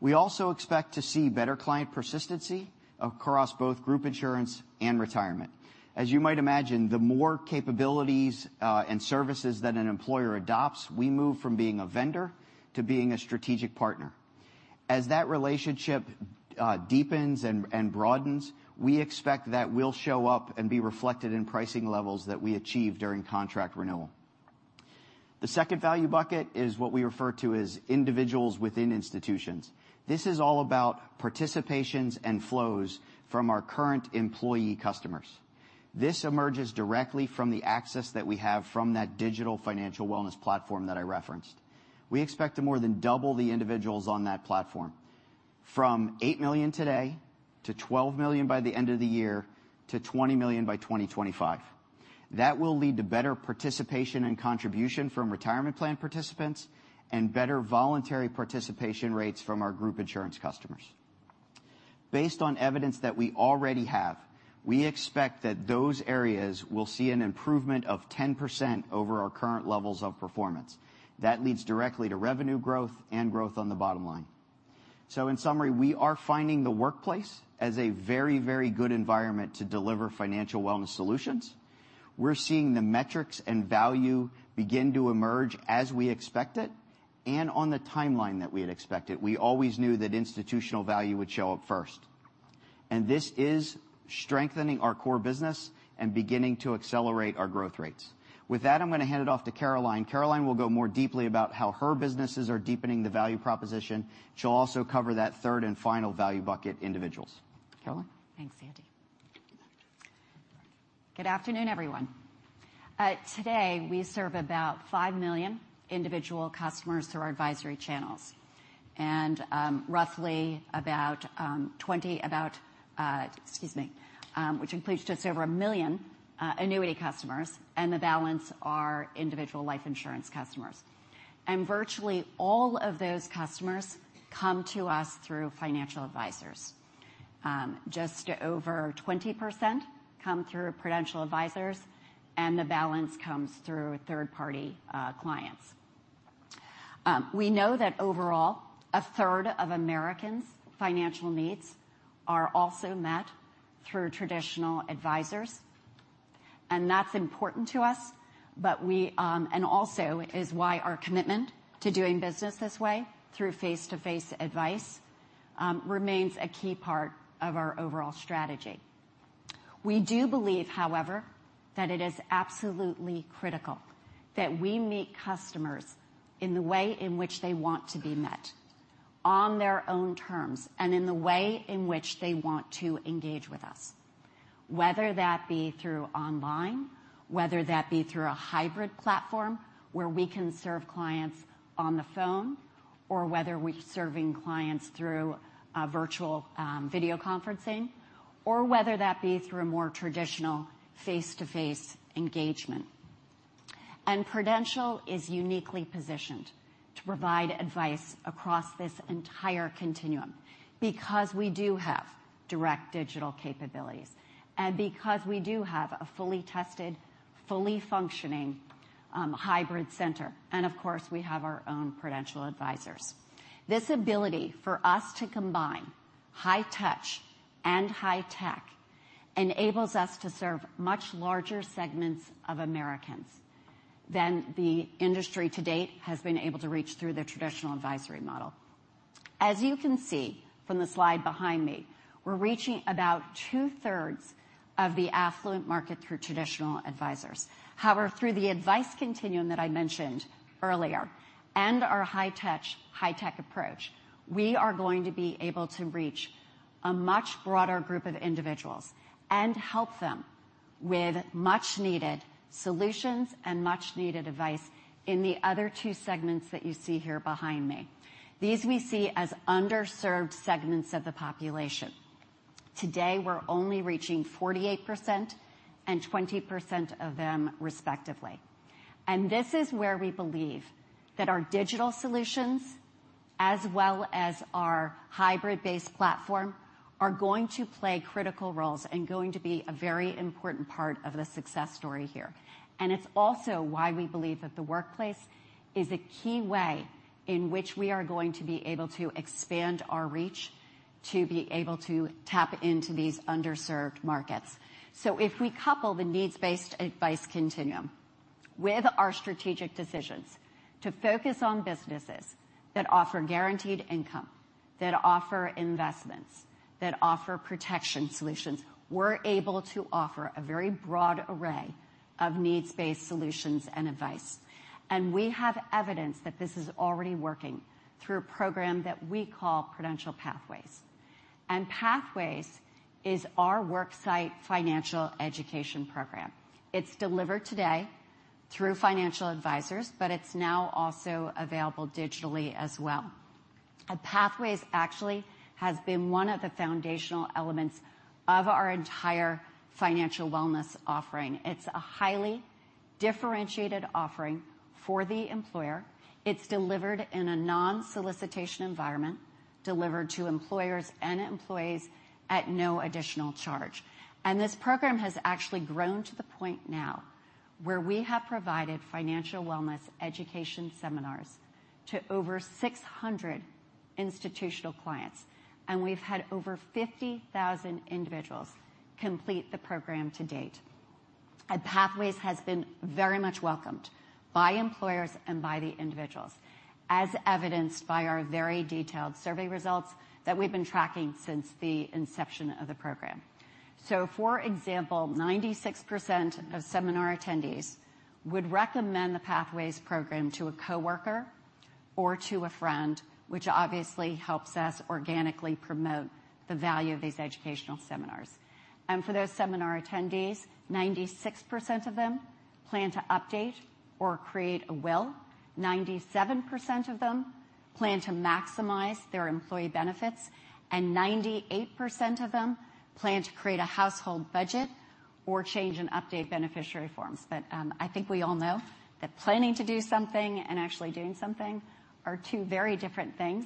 We also expect to see better client persistency across both group insurance and retirement. As you might imagine, the more capabilities and services that an employer adopts, we move from being a vendor to being a strategic partner. As that relationship deepens and broadens, we expect that will show up and be reflected in pricing levels that we achieve during contract renewal. The second value bucket is what we refer to as individuals within institutions. This is all about participations and flows from our current employee customers. This emerges directly from the access that we have from that digital financial wellness platform that I referenced. We expect to more than double the individuals on that platform from 8 million today to 12 million by the end of the year, to 20 million by 2025. That will lead to better participation and contribution from retirement plan participants and better voluntary participation rates from our group insurance customers. Based on evidence that we already have, we expect that those areas will see an improvement of 10% over our current levels of performance. That leads directly to revenue growth and growth on the bottom line. In summary, we are finding the workplace as a very good environment to deliver financial wellness solutions. We're seeing the metrics and value begin to emerge as we expected and on the timeline that we had expected. We always knew that institutional value would show up first, and this is strengthening our core business and beginning to accelerate our growth rates. With that, I'm going to hand it off to Caroline. Caroline will go more deeply about how her businesses are deepening the value proposition. She'll also cover that third and final value bucket, individuals. Caroline? Thanks, Andy. Good afternoon, everyone. Today, we serve about 5 million individual customers through our advisory channels and roughly about 20. Excuse me, which includes just over 1 million annuity customers and the balance are individual life insurance customers. Virtually all of those customers come to us through financial advisors. Just over 20% come through Prudential Advisors, and the balance comes through third-party clients. We know that overall, a third of Americans' financial needs are also met through traditional advisors. That's important to us, also is why our commitment to doing business this way through face-to-face advice remains a key part of our overall strategy. We do believe, however, that it is absolutely critical that we meet customers in the way in which they want to be met, on their own terms, and in the way in which they want to engage with us. Whether that be through online, whether that be through a hybrid platform where we can serve clients on the phone, or whether we're serving clients through virtual video conferencing, or whether that be through a more traditional face-to-face engagement. Prudential is uniquely positioned to provide advice across this entire continuum because we do have direct digital capabilities and because we do have a fully tested, fully functioning hybrid center, and of course, we have our own Prudential Advisors. This ability for us to combine high touch and high tech enables us to serve much larger segments of Americans than the industry to date has been able to reach through the traditional advisory model. As you can see from the slide behind me, we're reaching about two-thirds of the affluent market through traditional advisors. However, through the advice continuum that I mentioned earlier and our high touch, high tech approach, we are going to be able to reach a much broader group of individuals and help them with much needed solutions and much needed advice in the other two segments that you see here behind me. These we see as underserved segments of the population. Today, we're only reaching 48% and 20% of them respectively. This is where we believe that our digital solutions, as well as our hybrid-based platform, are going to play critical roles and going to be a very important part of the success story here. It's also why we believe that the workplace is a key way in which we are going to be able to expand our reach to be able to tap into these underserved markets. If we couple the needs-based advice continuum with our strategic decisions to focus on businesses that offer guaranteed income, that offer investments, that offer protection solutions, we're able to offer a very broad array of needs-based solutions and advice. We have evidence that this is already working through a program that we call Prudential Pathways. Pathways is our worksite financial education program. It's delivered today through financial advisors, but it's now also available digitally as well. Pathways actually has been one of the foundational elements of our entire financial wellness offering. It's a highly differentiated offering for the employer. It's delivered in a non-solicitation environment, delivered to employers and employees at no additional charge. This program has actually grown to the point now where we have provided financial wellness education seminars to over 600 institutional clients, and we've had over 50,000 individuals complete the program to date. Pathways has been very much welcomed by employers and by the individuals, as evidenced by our very detailed survey results that we've been tracking since the inception of the program. For example, 96% of seminar attendees would recommend the Pathways program to a coworker or to a friend, which obviously helps us organically promote the value of these educational seminars. For those seminar attendees, 96% of them plan to update or create a will, 97% of them plan to maximize their employee benefits, and 98% of them plan to create a household budget or change and update beneficiary forms. I think we all know that planning to do something and actually doing something are two very different things.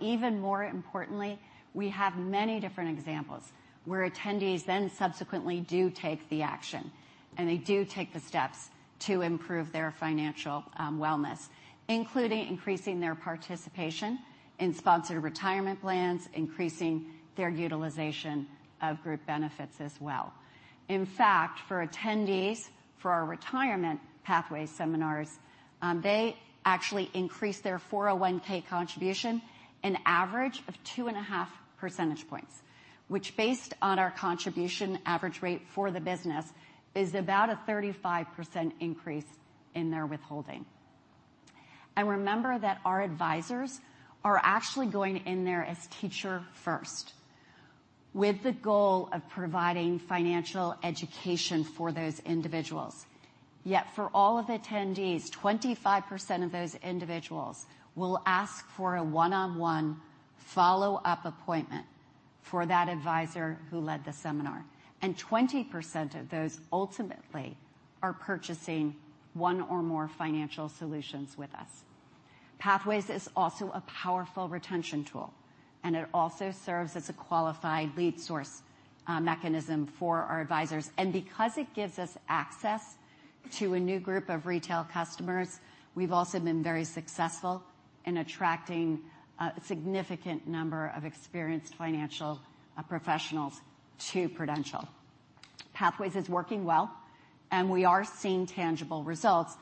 Even more importantly, we have many different examples where attendees then subsequently do take the action, and they do take the steps to improve their financial wellness, including increasing their participation in sponsored retirement plans, increasing their utilization of group benefits as well. In fact, for attendees for our retirement Pathways seminars, they actually increase their 401 contribution an average of 2.5 percentage points, which based on our contribution average rate for the business, is about a 35% increase in their withholding. Remember that our advisors are actually going in there as teacher first, with the goal of providing financial education for those individuals. Yet for all of the attendees, 25% of those individuals will ask for a one-on-one follow-up appointment for that advisor who led the seminar, and 20% of those ultimately are purchasing one or more financial solutions with us. Pathways is also a powerful retention tool, and it also serves as a qualified lead source mechanism for our advisors. Because it gives us access to a new group of retail customers, we've also been very successful in attracting a significant number of experienced financial professionals to Prudential. Pathways is working well, we are seeing tangible results,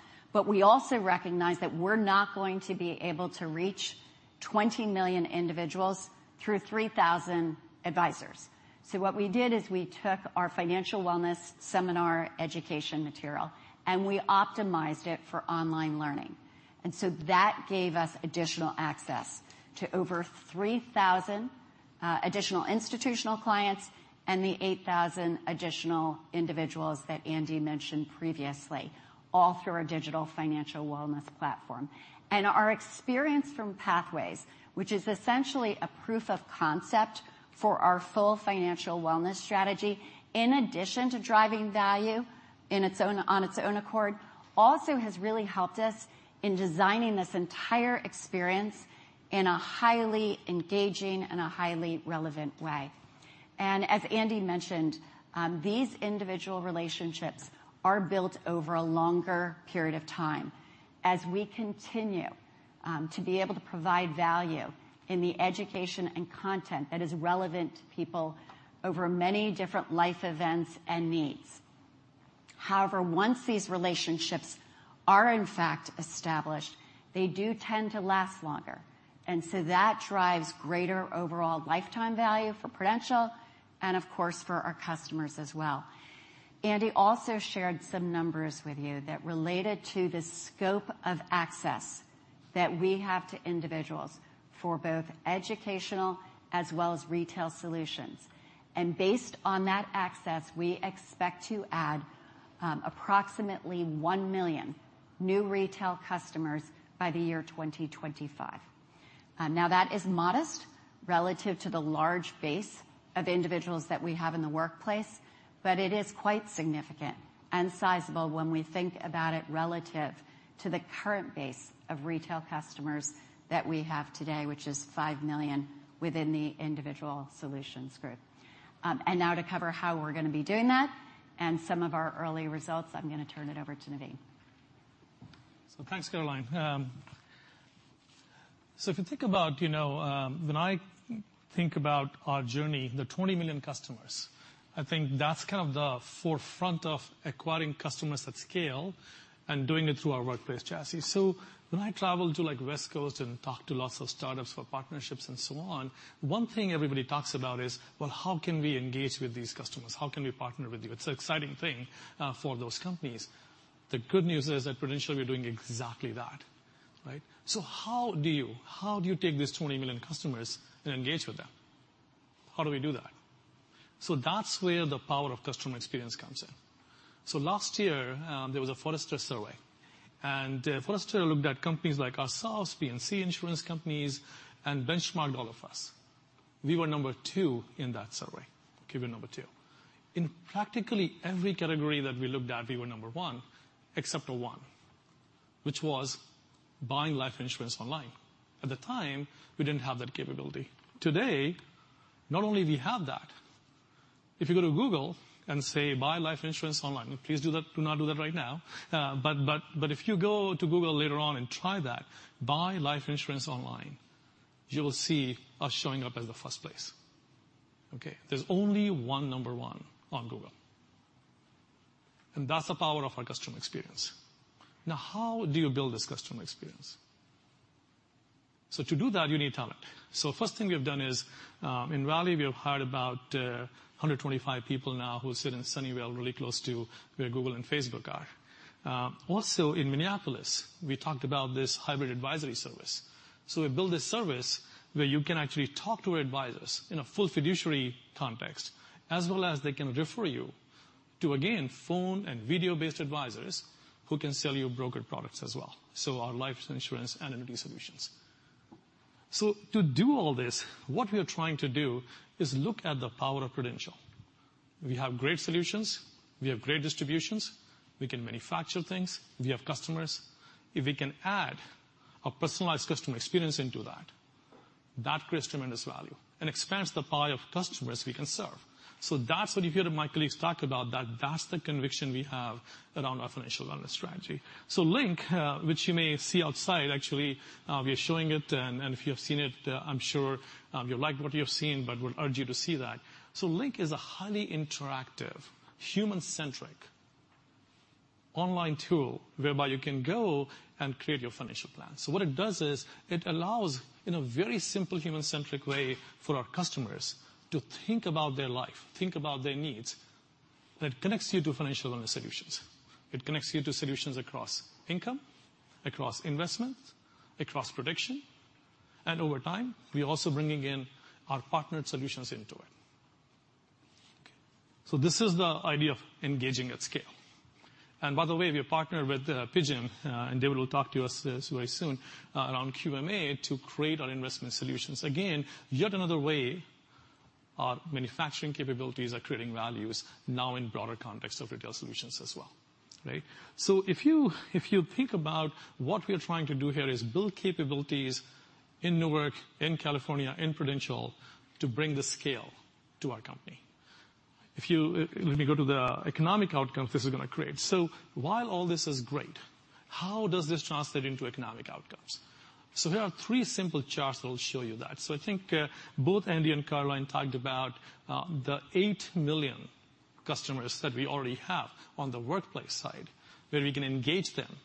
we also recognize that we're not going to be able to reach 20 million individuals through 3,000 advisors. What we did is we took our financial wellness seminar education material, we optimized it for online learning. That gave us additional access to over 3,000 additional institutional clients and the 8,000 additional individuals that Andy mentioned previously, all through our digital financial wellness platform. Our experience from Pathways, which is essentially a proof of concept for our full financial wellness strategy, in addition to driving value on its own accord, also has really helped us in designing this entire experience in a highly engaging and a highly relevant way. As Andy mentioned, these individual relationships are built over a longer period of time as we continue to be able to provide value in the education and content that is relevant to people over many different life events and needs. However, once these relationships are in fact established, they do tend to last longer. That drives greater overall lifetime value for Prudential, and of course, for our customers as well. Andy also shared some numbers with you that related to the scope of access that we have to individuals for both educational as well as retail solutions. Based on that access, we expect to add approximately 1 million new retail customers by the year 2025. That is modest relative to the large base of individuals that we have in the workplace, but it is quite significant and sizable when we think about it relative to the current base of retail customers that we have today, which is 5 million within the U.S. Individual Solutions. To cover how we're going to be doing that and some of our early results, I'm going to turn it over to Naveen. Thanks, Caroline. When I think about our journey, the 20 million customers, I think that's kind of the forefront of acquiring customers at scale and doing it through our workplace chassis. When I travel to West Coast and talk to lots of startups for partnerships and so on, one thing everybody talks about is, well, how can we engage with these customers? How can we partner with you? It's an exciting thing for those companies. The good news is at Prudential, we're doing exactly that, right? How do you take these 20 million customers and engage with them? How do we do that? That's where the power of customer experience comes in. Last year, there was a Forrester survey, and Forrester looked at companies like ourselves, P&C insurance companies, and benchmarked all of us. We were number 2 in that survey. Came in number 2. In practically every category that we looked at, we were number 1 except for 1, which was buying life insurance online. At the time, we didn't have that capability. Today, not only do we have that, if you go to Google and say, "Buy life insurance online," please do not do that right now, but if you go to Google later on and try that, buy life insurance online, you will see us showing up as the first place. Okay? There's only 1 number 1 on Google, and that's the power of our customer experience. How do you build this customer experience? To do that, you need talent. The first thing we've done is, in Raleigh, we have hired about 125 people now who sit in Sunnyvale, really close to where Google and Facebook are. Also in Minneapolis, we talked about this hybrid advisory service. We built a service where you can actually talk to our advisors in a full fiduciary context as well as they can refer you to, again, phone and video-based advisors who can sell you broker products as well. Our life insurance and annuity solutions. To do all this, what we are trying to do is look at the power of Prudential. We have great solutions. We have great distributions. We can manufacture things. We have customers. If we can add a personalized customer experience into that creates tremendous value and expands the pie of customers we can serve. That's what you hear my colleagues talk about, that that's the conviction we have around our financial wellness strategy. Link, which you may see outside, actually, we are showing it, and if you have seen it, I'm sure you liked what you've seen, but we'll urge you to see that. Link is a highly interactive, human-centric online tool whereby you can go and create your financial plan. What it does is it allows, in a very simple human-centric way, for our customers to think about their life, think about their needs. That connects you to financial wellness solutions. It connects you to solutions across income, across investments, across protection, and over time, we're also bringing in our partnered solutions into it. This is the idea of engaging at scale. By the way, we have partnered with PGIM, and David will talk to us very soon around QMA to create our investment solutions. Again, yet another way our manufacturing capabilities are creating value now in broader context of retail solutions as well. Right. If you think about what we are trying to do here is build capabilities in Newark, in California, in Prudential to bring the scale to our company. If you let me go to the economic outcomes this is going to create. While all this is great, how does this translate into economic outcomes? Here are three simple charts that will show you that. I think both Andy and Caroline talked about the 8 million customers that we already have on the workplace side, where we can engage them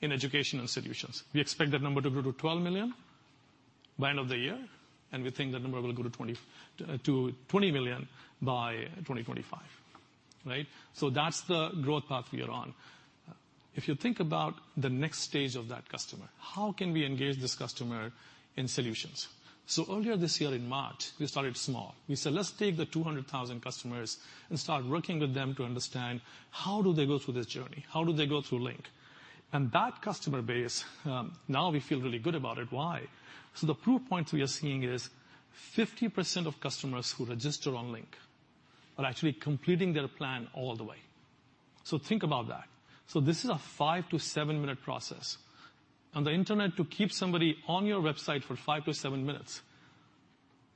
in educational solutions. We expect that number to grow to 12 million by end of the year, and we think that number will go to 20 million by 2025. Right. That's the growth path we are on. If you think about the next stage of that customer, how can we engage this customer in solutions? Earlier this year in March, we started small. We said, "Let's take the 200,000 customers and start working with them to understand how do they go through this journey." How do they go through Link? That customer base, now we feel really good about it. Why? The proof points we are seeing is 50% of customers who register on Link are actually completing their plan all the way. Think about that. This is a five to seven-minute process. On the internet, to keep somebody on your website for five to seven minutes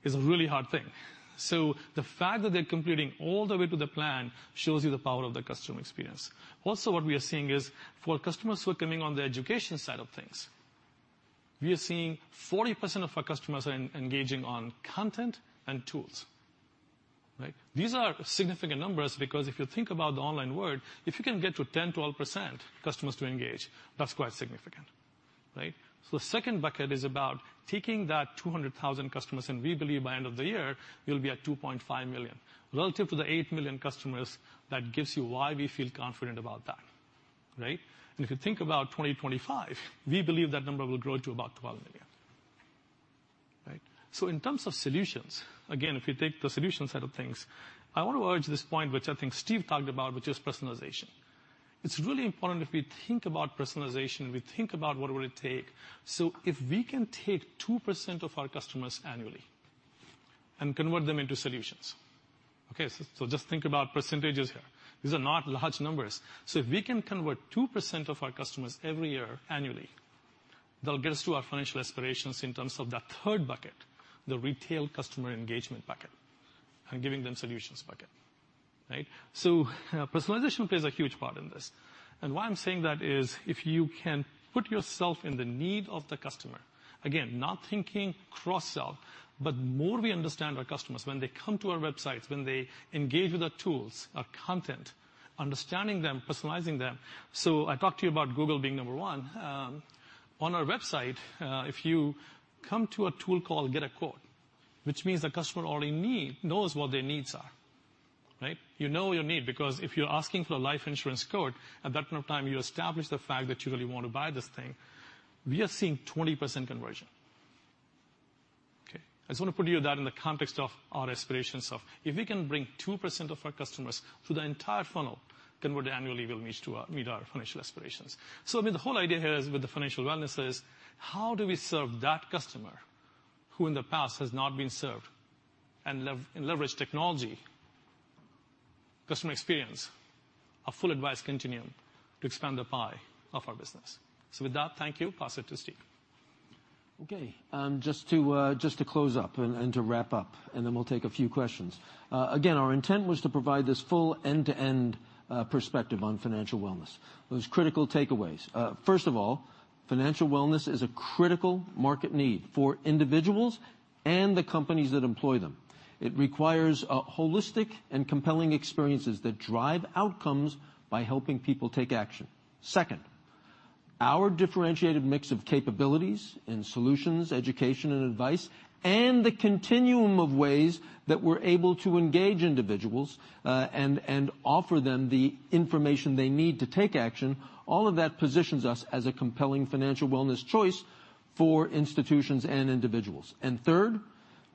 is a really hard thing. The fact that they're completing all the way to the plan shows you the power of the customer experience. Also what we are seeing is, for customers who are coming on the education side of things, we are seeing 40% of our customers are engaging on content and tools. Right. These are significant numbers because if you think about the online world, if you can get to 10%, 12% customers to engage, that's quite significant. Right. The second bucket is about taking that 200,000 customers, and we believe by end of the year, we'll be at 2.5 million. Relative to the 8 million customers, that gives you why we feel confident about that. Right. If you think about 2025, we believe that number will grow to about 12 million. Right. In terms of solutions, again, if you take the solutions side of things, I want to urge this point, which I think Steve talked about, which is personalization. It's really important if we think about personalization, we think about what will it take. If we can take 2% of our customers annually and convert them into solutions, okay, just think about percentages here. These are not large numbers. If we can convert 2% of our customers every year annually, that'll get us to our financial aspirations in terms of that third bucket, the retail customer engagement bucket, and giving them solutions bucket. Right. Personalization plays a huge part in this. Why I'm saying that is if you can put yourself in the need of the customer, again, not thinking cross-sell, but more we understand our customers when they come to our websites, when they engage with our tools, our content, understanding them, personalizing them. I talked to you about Google being number one. On our website, if you come to a tool called Get a Quote, which means the customer already knows what their needs are. Right. You know your need because if you're asking for a life insurance quote, at that point of time, you establish the fact that you really want to buy this thing. We are seeing 20% conversion. Okay. I just want to put you that in the context of our aspirations of if we can bring 2% of our customers through the entire funnel convert annually, we'll meet our financial aspirations. I mean, the whole idea here is with the financial wellness is how do we serve that customer who in the past has not been served and leverage technology, customer experience, a full advice continuum to expand the pie of our business. With that, thank you. Pass it to Steve. Okay. Just to close up and to wrap up, and then we'll take a few questions. Again, our intent was to provide this full end-to-end perspective on financial wellness. Those critical takeaways. First of all, financial wellness is a critical market need for individuals and the companies that employ them. It requires holistic and compelling experiences that drive outcomes by helping people take action. Second, our differentiated mix of capabilities and solutions, education and advice, and the continuum of ways that we're able to engage individuals, and offer them the information they need to take action, all of that positions us as a compelling financial wellness choice for institutions and individuals. Third,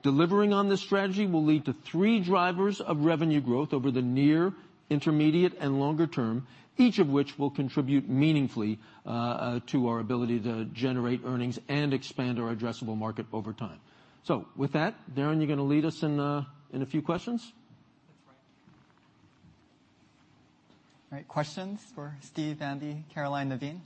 delivering on this strategy will lead to three drivers of revenue growth over the near, intermediate, and longer term, each of which will contribute meaningfully to our ability to generate earnings and expand our addressable market over time. With that, Darin, you're going to lead us in a few questions? That's right. All right, questions for Steve, Andy, Caroline, Naveen?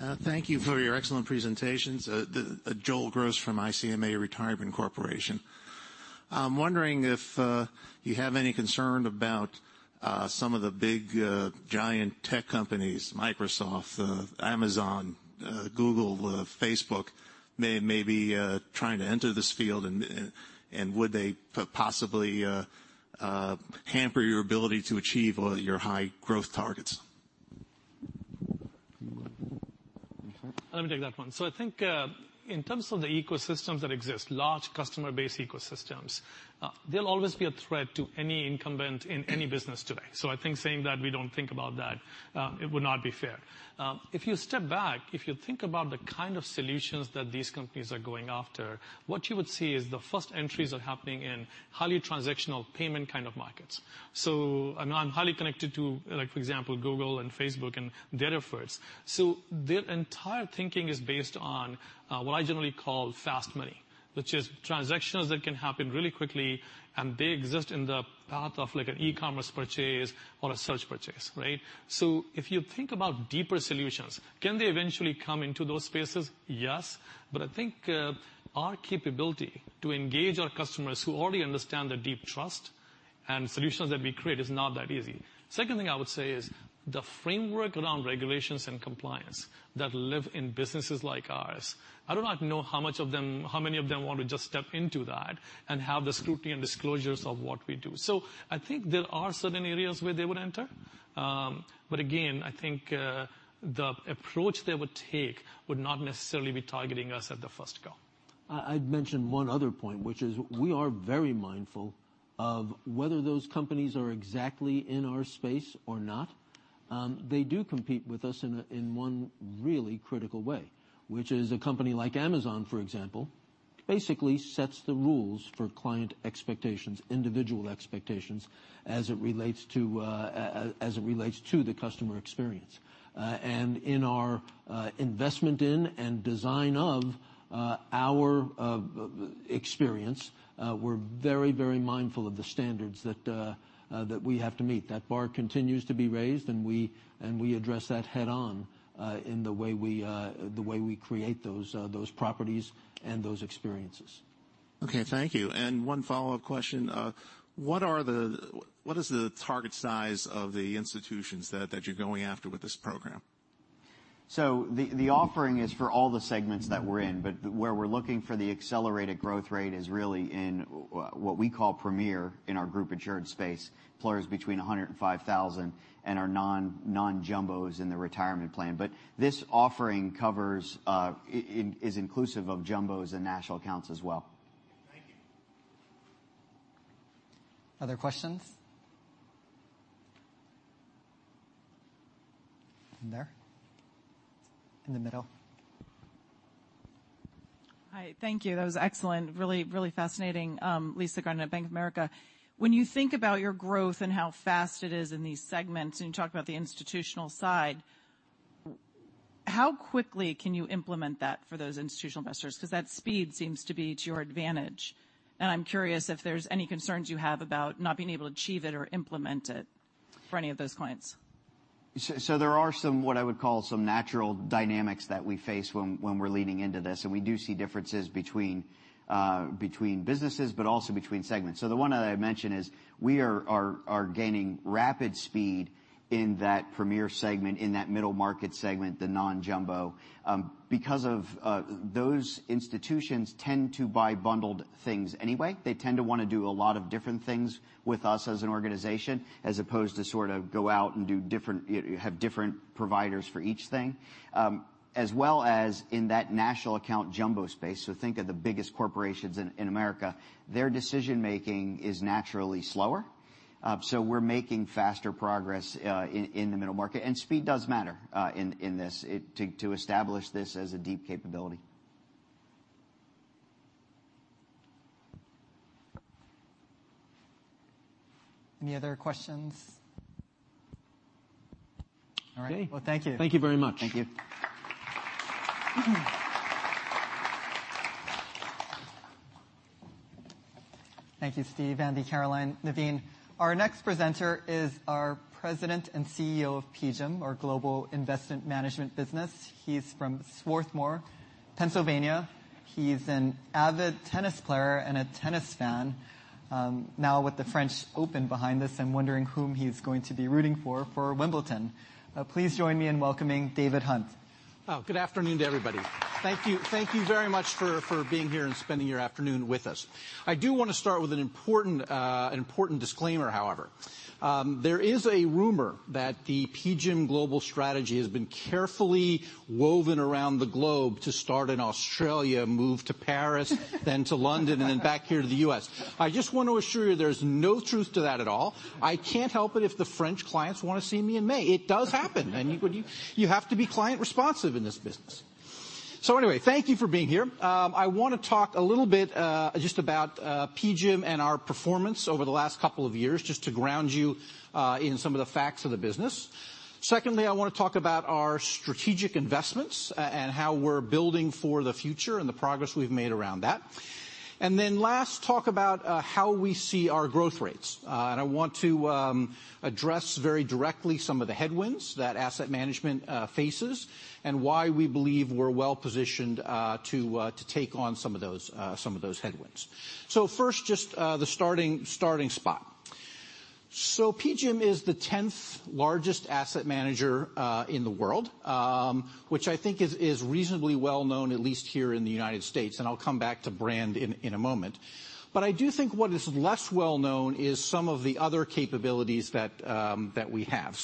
Here. Thank you for your excellent presentations. Joel Gross from ICMA Retirement Corporation. I'm wondering if you have any concern about some of the big giant tech companies, Microsoft, Amazon, Google, Facebook, may be trying to enter this field and would they possibly hamper your ability to achieve your high growth targets? Let me take that one. I think, in terms of the ecosystems that exist, large customer-based ecosystems, they'll always be a threat to any incumbent in any business today. I think saying that we don't think about that, it would not be fair. If you step back, if you think about the kind of solutions that these companies are going after, what you would see is the first entries are happening in highly transactional payment kind of markets. I'm highly connected to, like, for example, Google and Facebook and their efforts. Their entire thinking is based on what I generally call fast money, which is transactions that can happen really quickly, and they exist in the path of, like, an e-commerce purchase or a search purchase, right? If you think about deeper solutions, can they eventually come into those spaces? Yes. I think our capability to engage our customers who already understand the deep trust and solutions that we create is not that easy. Second thing I would say is the framework around regulations and compliance that live in businesses like ours, I do not know how many of them want to just step into that and have the scrutiny and disclosures of what we do. I think there are certain areas where they would enter. Again, I think the approach they would take would not necessarily be targeting us at the first go. I'd mention one other point, which is we are very mindful of whether those companies are exactly in our space or not. They do compete with us in one really critical way, which is a company like Amazon, for example, basically sets the rules for client expectations, individual expectations, as it relates to the customer experience. In our investment in and design of our experience, we're very mindful of the standards that we have to meet. That bar continues to be raised, and we address that head-on in the way we create those properties and those experiences. Okay, thank you. One follow-up question. What is the target size of the institutions that you're going after with this program? The offering is for all the segments that we're in, but where we're looking for the accelerated growth rate is really in what we call Premier in our group-insured space. Employers between 100 and 5,000 and our non-jumbos in the retirement plan. This offering is inclusive of jumbos and national accounts as well. Thank you. Other questions? In there. In the middle. Hi, thank you. That was excellent. Really fascinating. Lisa Granat, Bank of America. When you think about your growth and how fast it is in these segments, and you talk about the institutional side, how quickly can you implement that for those institutional investors? Because that speed seems to be to your advantage, and I'm curious if there's any concerns you have about not being able to achieve it or implement it for any of those clients. There are some, what I would call some natural dynamics that we face when we're leaning into this, and we do see differences between businesses, but also between segments. The one that I mentioned is we are gaining rapid speed in that premier segment, in that middle-market segment, the non-jumbo. Because of those institutions tend to buy bundled things anyway. They tend to want to do a lot of different things with us as an organization, as opposed to sort of go out and have different providers for each thing. As well as in that national account jumbo space, so think of the biggest corporations in America, their decision-making is naturally slower. We're making faster progress in the middle market, and speed does matter in this, to establish this as a deep capability. Any other questions? All right. Okay. Well, thank you. Thank you very much. Thank you. Thank you, Steve, Andy, Caroline, Naveen. Our next presenter is our President and CEO of PGIM, our global investment management business. He's from Swarthmore, Pennsylvania. He's an avid tennis player and a tennis fan. Now with the French Open behind us, I'm wondering whom he's going to be rooting for Wimbledon. Please join me in welcoming David Hunt. Good afternoon to everybody. Thank you very much for being here and spending your afternoon with us. I do want to start with an important disclaimer, however. There is a rumor that the PGIM global strategy has been carefully woven around the globe to start in Australia, move to Paris, then to London, and then back here to the U.S. I just want to assure you there's no truth to that at all. I can't help it if the French clients want to see me in May. It does happen. You have to be client-responsive in this business. Anyway, thank you for being here. I want to talk a little bit, just about PGIM and our performance over the last couple of years, just to ground you in some of the facts of the business. Secondly, I want to talk about our strategic investments, and how we're building for the future and the progress we've made around that. Last, talk about how we see our growth rates. I want to address very directly some of the headwinds that asset management faces, and why we believe we're well-positioned to take on some of those headwinds. First, just the starting spot. PGIM is the 10th largest asset manager in the world, which I think is reasonably well-known, at least here in the U.S., and I'll come back to brand in a moment. I do think what is less well-known is some of the other capabilities that we have.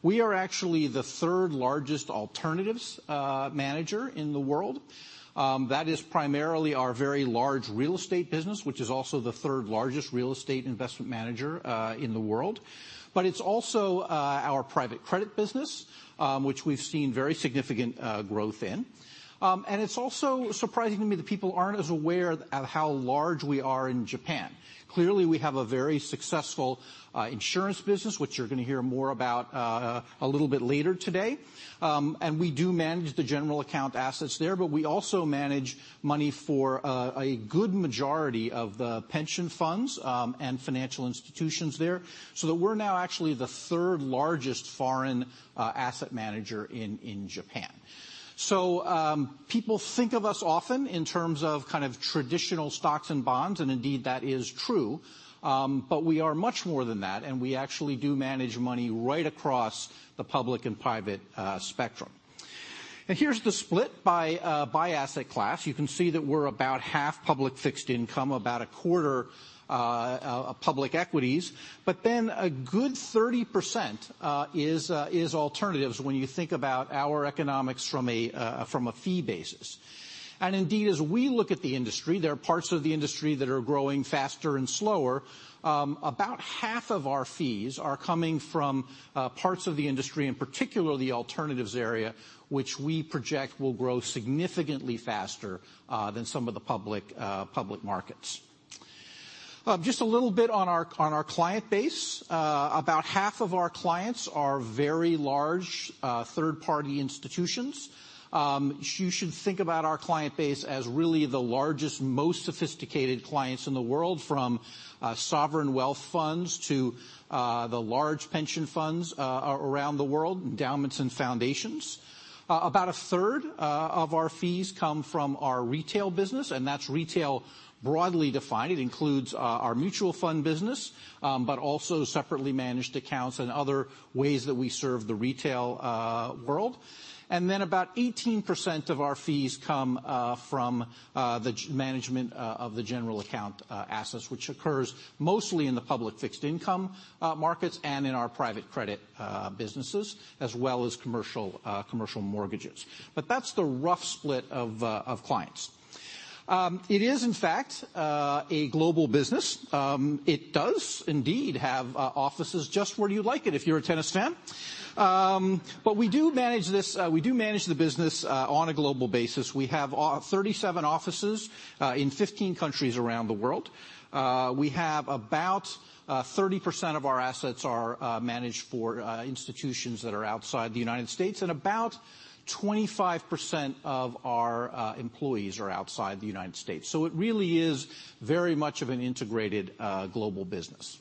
We are actually the third-largest alternatives manager in the world. That is primarily our very large real estate business, which is also the third-largest real estate investment manager in the world. It's also our private credit business, which we've seen very significant growth in. It's also surprising to me that people aren't as aware at how large we are in Japan. Clearly, we have a very successful insurance business, which you're going to hear more about a little bit later today. We do manage the general account assets there, but we also manage money for a good majority of the pension funds and financial institutions there, so that we're now actually the third-largest foreign asset manager in Japan. People think of us often in terms of kind of traditional stocks and bonds, and indeed, that is true. We are much more than that, and we actually do manage money right across the public and private spectrum. Here's the split by asset class. You can see that we're about half public fixed income, about a quarter public equities. A good 30% is alternatives when you think about our economics from a fee basis. Indeed, as we look at the industry, there are parts of the industry that are growing faster and slower. About half of our fees are coming from parts of the industry, in particular the alternatives area, which we project will grow significantly faster than some of the public markets. Just a little bit on our client base. About half of our clients are very large third-party institutions. You should think about our client base as really the largest, most sophisticated clients in the world, from sovereign wealth funds to the large pension funds around the world, endowments and foundations. About a third of our fees come from our retail business, and that's retail broadly defined. It includes our mutual fund business, but also separately managed accounts and other ways that we serve the retail world. About 18% of our fees come from the management of the general account assets, which occurs mostly in the public fixed income markets and in our private credit businesses, as well as commercial mortgages. That's the rough split of clients. It is, in fact, a global business. It does indeed have offices just where you'd like it if you're a tennis fan. We do manage the business on a global basis. We have 37 offices in 15 countries around the world. We have about 30% of our assets are managed for institutions that are outside the U.S., and about 25% of our employees are outside the U.S. It really is very much of an integrated global business.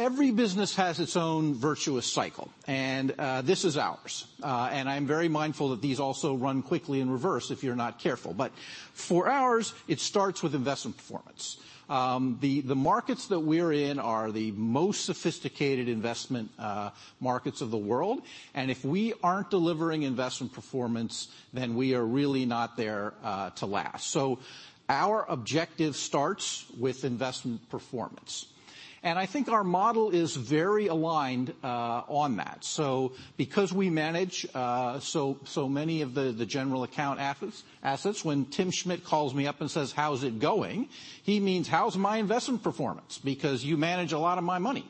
Every business has its own virtuous cycle, and this is ours. I'm very mindful that these also run quickly in reverse if you're not careful. For ours, it starts with investment performance. The markets that we're in are the most sophisticated investment markets of the world, and if we aren't delivering investment performance, then we are really not there to last. Our objective starts with investment performance. I think our model is very aligned on that. Because we manage so many of the general account assets, when Tim Schmidt calls me up and says, "How's it going?" He means, "How's my investment performance? Because you manage a lot of my money."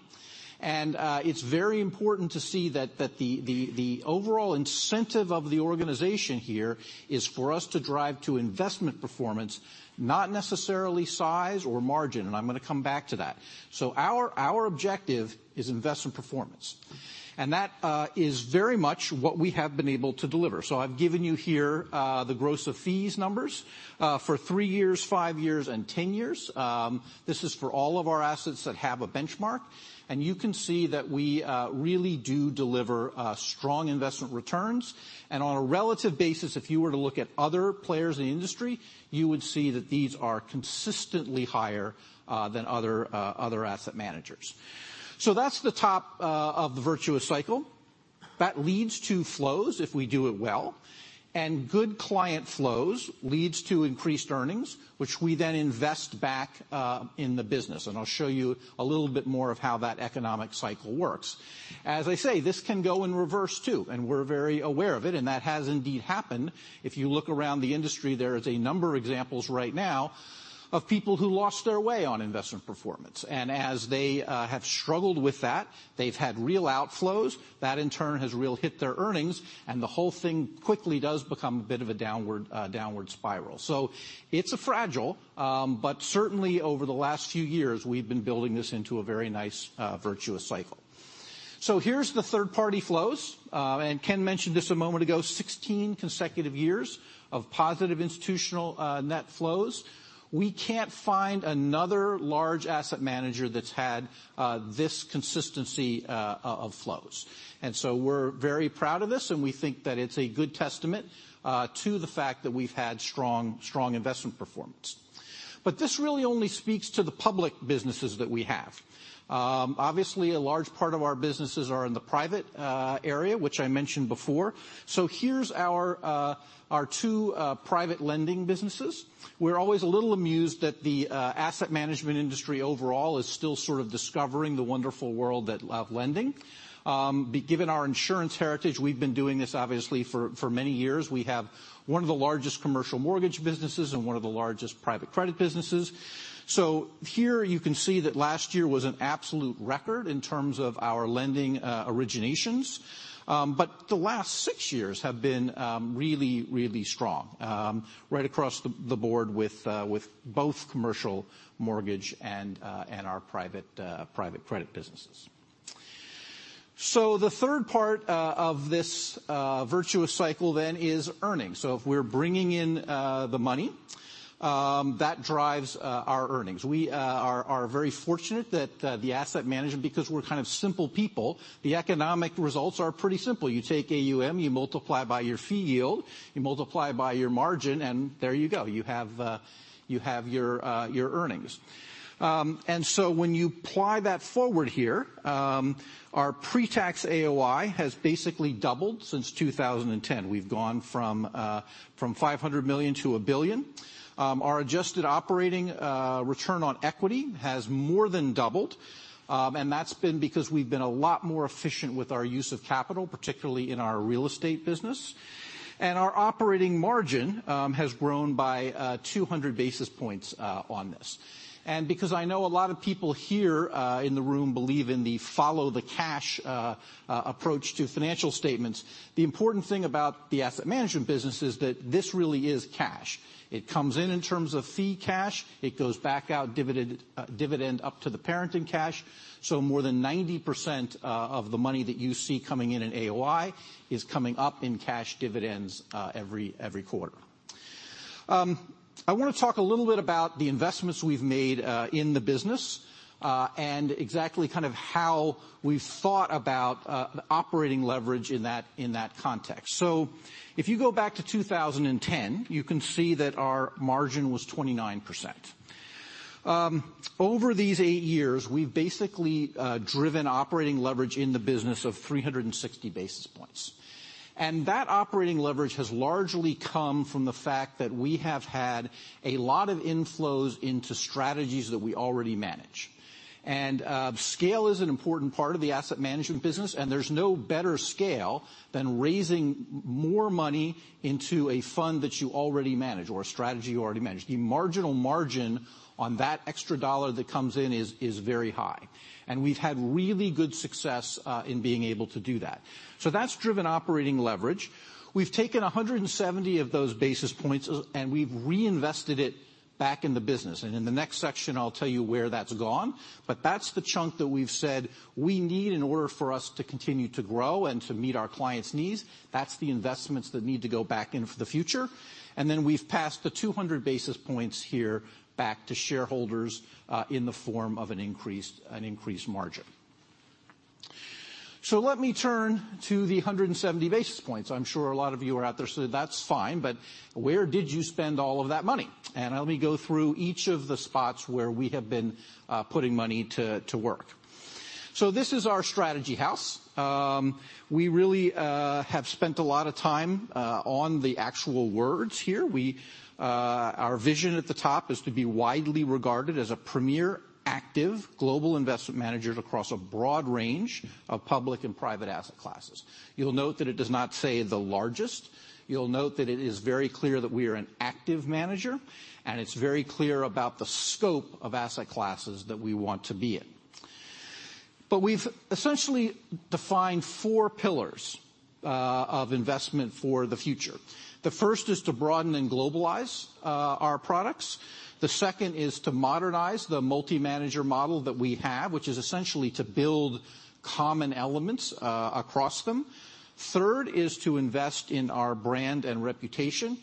It's very important to see that the overall incentive of the organization here is for us to drive to investment performance, not necessarily size or margin, and I'm going to come back to that. Our objective is investment performance, and that is very much what we have been able to deliver. I've given you here the gross of fees numbers for three years, five years, and 10 years. This is for all of our assets that have a benchmark. You can see that we really do deliver strong investment returns. On a relative basis, if you were to look at other players in the industry, you would see that these are consistently higher than other asset managers. That's the top of the virtuous cycle. That leads to flows if we do it well, and good client flows leads to increased earnings, which we then invest back in the business. I'll show you a little bit more of how that economic cycle works. As I say, this can go in reverse, too, and we're very aware of it, and that has indeed happened. If you look around the industry, there is a number of examples right now of people who lost their way on investment performance. As they have struggled with that, they've had real outflows. That in turn has real hit their earnings, and the whole thing quickly does become a bit of a downward spiral. It's fragile, but certainly over the last few years, we've been building this into a very nice virtuous cycle. Here's the third-party flows. Ken mentioned this a moment ago, 16 consecutive years of positive institutional net flows. We can't find another large asset manager that's had this consistency of flows. We're very proud of this, and we think that it's a good testament to the fact that we've had strong investment performance. This really only speaks to the public businesses that we have. Obviously, a large part of our businesses are in the private area, which I mentioned before. Here's our two private lending businesses. We're always a little amused that the asset management industry overall is still sort of discovering the wonderful world of lending. Given our insurance heritage, we've been doing this obviously for many years. We have one of the largest commercial mortgage businesses and one of the largest private credit businesses. Here you can see that last year was an absolute record in terms of our lending originations. The last six years have been really, really strong, right across the board with both commercial mortgage and our private credit businesses. The third part of this virtuous cycle then is earnings. If we're bringing in the money, that drives our earnings. We are very fortunate that the asset management, because we're kind of simple people, the economic results are pretty simple. You take AUM, you multiply by your fee yield, you multiply by your margin, there you go, you have your earnings. When you ply that forward here, our pre-tax AOI has basically doubled since 2010. We've gone from $500 million to $1 billion. Our adjusted operating return on equity has more than doubled, and that's been because we've been a lot more efficient with our use of capital, particularly in our real estate business. Our operating margin has grown by 200 basis points on this. Because I know a lot of people here in the room believe in the follow the cash approach to financial statements, the important thing about the asset management business is that this really is cash. It comes in in terms of fee cash. It goes back out dividend up to the parent in cash. More than 90% of the money that you see coming in in AOI is coming up in cash dividends every quarter. I want to talk a little bit about the investments we've made in the business, and exactly how we've thought about operating leverage in that context. If you go back to 2010, you can see that our margin was 29%. Over these eight years, we've basically driven operating leverage in the business of 360 basis points. That operating leverage has largely come from the fact that we have had a lot of inflows into strategies that we already manage. Scale is an important part of the asset management business, and there's no better scale than raising more money into a fund that you already manage or a strategy you already manage. The marginal margin on that extra dollar that comes in is very high, and we've had really good success in being able to do that. That's driven operating leverage. We've taken 170 of those basis points and we've reinvested it back in the business, in the next section I'll tell you where that's gone. That's the chunk that we've said we need in order for us to continue to grow and to meet our clients' needs. That's the investments that need to go back in for the future. We've passed the 200 basis points here back to shareholders, in the form of an increased margin. Let me turn to the 170 basis points. I'm sure a lot of you are out there, saying, "That's fine, where did you spend all of that money?" Let me go through each of the spots where we have been putting money to work. This is our strategy house. We really have spent a lot of time on the actual words here. Our vision at the top is to be widely regarded as a premier active global investment manager across a broad range of public and private asset classes. You'll note that it does not say the largest. You'll note that it is very clear that we are an active manager, and it's very clear about the scope of asset classes that we want to be in. We've essentially defined four pillars of investment for the future. The first is to broaden and globalize our products. The second is to modernize the multi-manager model that we have, which is essentially to build common elements across them. Third is to invest in our brand and reputation,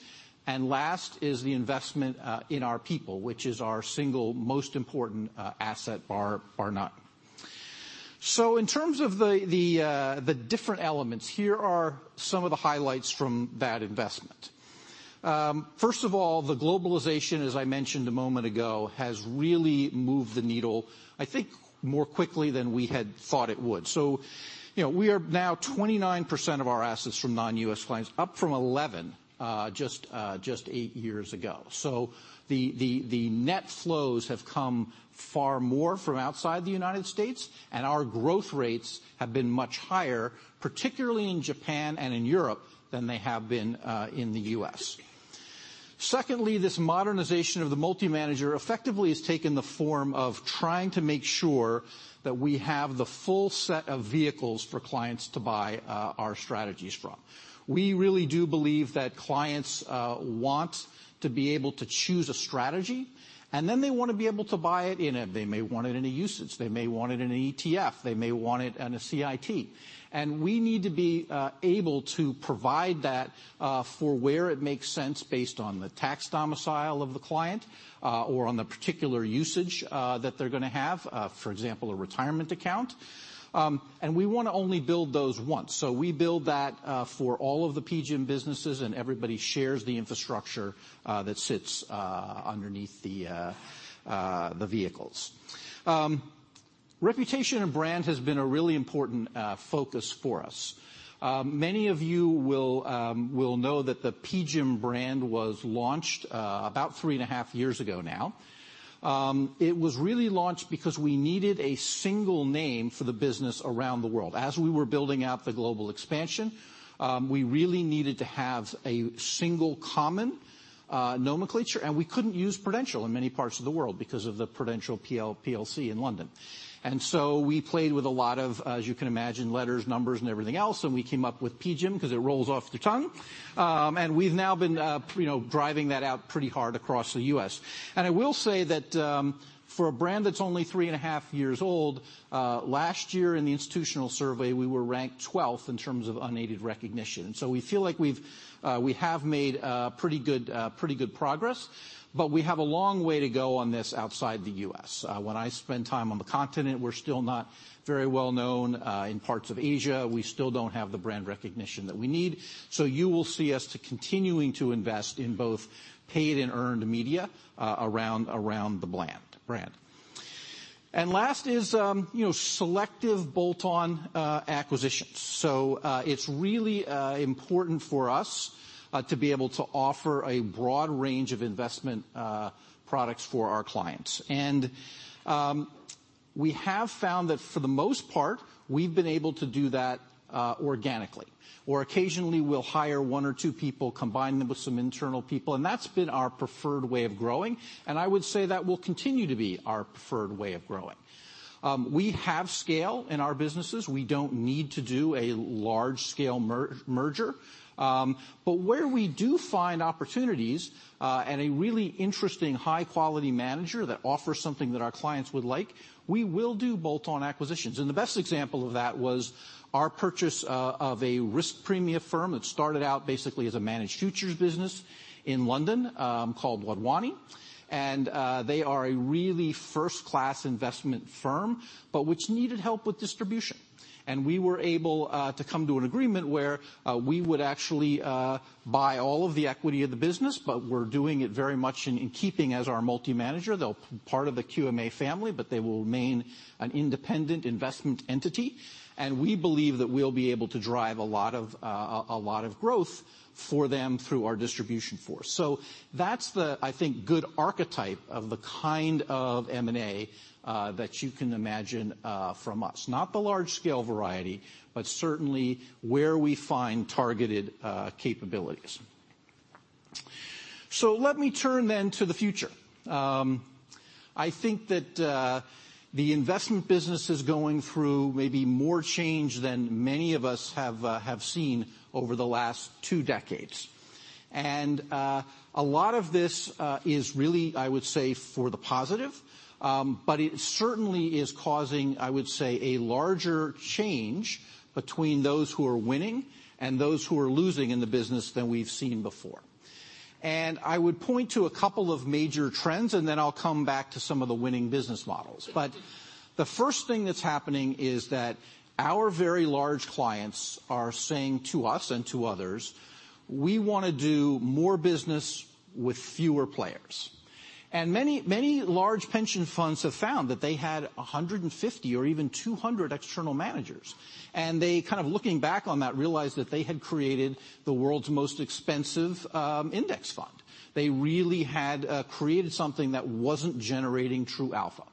and last is the investment in our people, which is our single most important asset bar none. In terms of the different elements, here are some of the highlights from that investment. First of all, the globalization, as I mentioned a moment ago, has really moved the needle, I think, more quickly than we had thought it would. We are now 29% of our assets from non-U.S. clients, up from 11 just eight years ago. The net flows have come far more from outside the United States, and our growth rates have been much higher, particularly in Japan and in Europe, than they have been in the U.S. Secondly, this modernization of the multi-manager effectively has taken the form of trying to make sure that we have the full set of vehicles for clients to buy our strategies from. We really do believe that clients want to be able to choose a strategy, and then they want to be able to buy it in a They may want it in a UCITS, they may want it in an ETF, they may want it in a CIT. We need to be able to provide that for where it makes sense based on the tax domicile of the client, or on the particular usage that they're going to have, for example, a retirement account. We want to only build those once. We build that for all of the PGIM businesses, and everybody shares the infrastructure that sits underneath the vehicles. Reputation and brand has been a really important focus for us. Many of you will know that the PGIM brand was launched about three and a half years ago now. It was really launched because we needed a single name for the business around the world. As we were building out the global expansion, we really needed to have a single common nomenclature, and we couldn't use Prudential in many parts of the world because of the Prudential PLC in London. We played with a lot of, as you can imagine, letters, numbers, and everything else, and we came up with PGIM because it rolls off the tongue. We've now been driving that out pretty hard across the U.S. I will say that for a brand that's only three and a half years old, last year in the institutional survey, we were ranked 12th in terms of unaided recognition. We feel like we have made pretty good progress, but we have a long way to go on this outside the U.S. When I spend time on the continent, we're still not very well known. In parts of Asia, we still don't have the brand recognition that we need. You will see us continuing to invest in both paid and earned media around the brand. Last is selective bolt-on acquisitions. It's really important for us to be able to offer a broad range of investment products for our clients. We have found that for the most part, we've been able to do that organically. Occasionally we'll hire one or two people, combine them with some internal people, and that's been our preferred way of growing. I would say that will continue to be our preferred way of growing. We have scale in our businesses. We don't need to do a large-scale merger. Where we do find opportunities, and a really interesting high-quality manager that offers something that our clients would like, we will do bolt-on acquisitions. The best example of that was our purchase of a risk premia firm that started out basically as a managed futures business in London, called Wadhwani. They are a really first-class investment firm, but which needed help with distribution. We were able to come to an agreement where we would actually buy all of the equity of the business, but we're doing it very much in keeping as our multi-manager. They'll be part of the QMA family, but they will remain an independent investment entity, and we believe that we'll be able to drive a lot of growth for them through our distribution force. That's the, I think, good archetype of the kind of M&A that you can imagine from us. Not the large-scale variety, but certainly where we find targeted capabilities. Let me turn then to the future. I think that the investment business is going through maybe more change than many of us have seen over the last two decades. A lot of this is really, I would say, for the positive. It certainly is causing, I would say, a larger change between those who are winning and those who are losing in the business than we've seen before. I would point to a couple of major trends, and then I'll come back to some of the winning business models. The first thing that's happening is that our very large clients are saying to us and to others, "We want to do more business with fewer players." Many large pension funds have found that they had 150 or even 200 external managers, and they kind of looking back on that, realized that they had created the world's most expensive index fund. They really had created something that wasn't generating true alpha.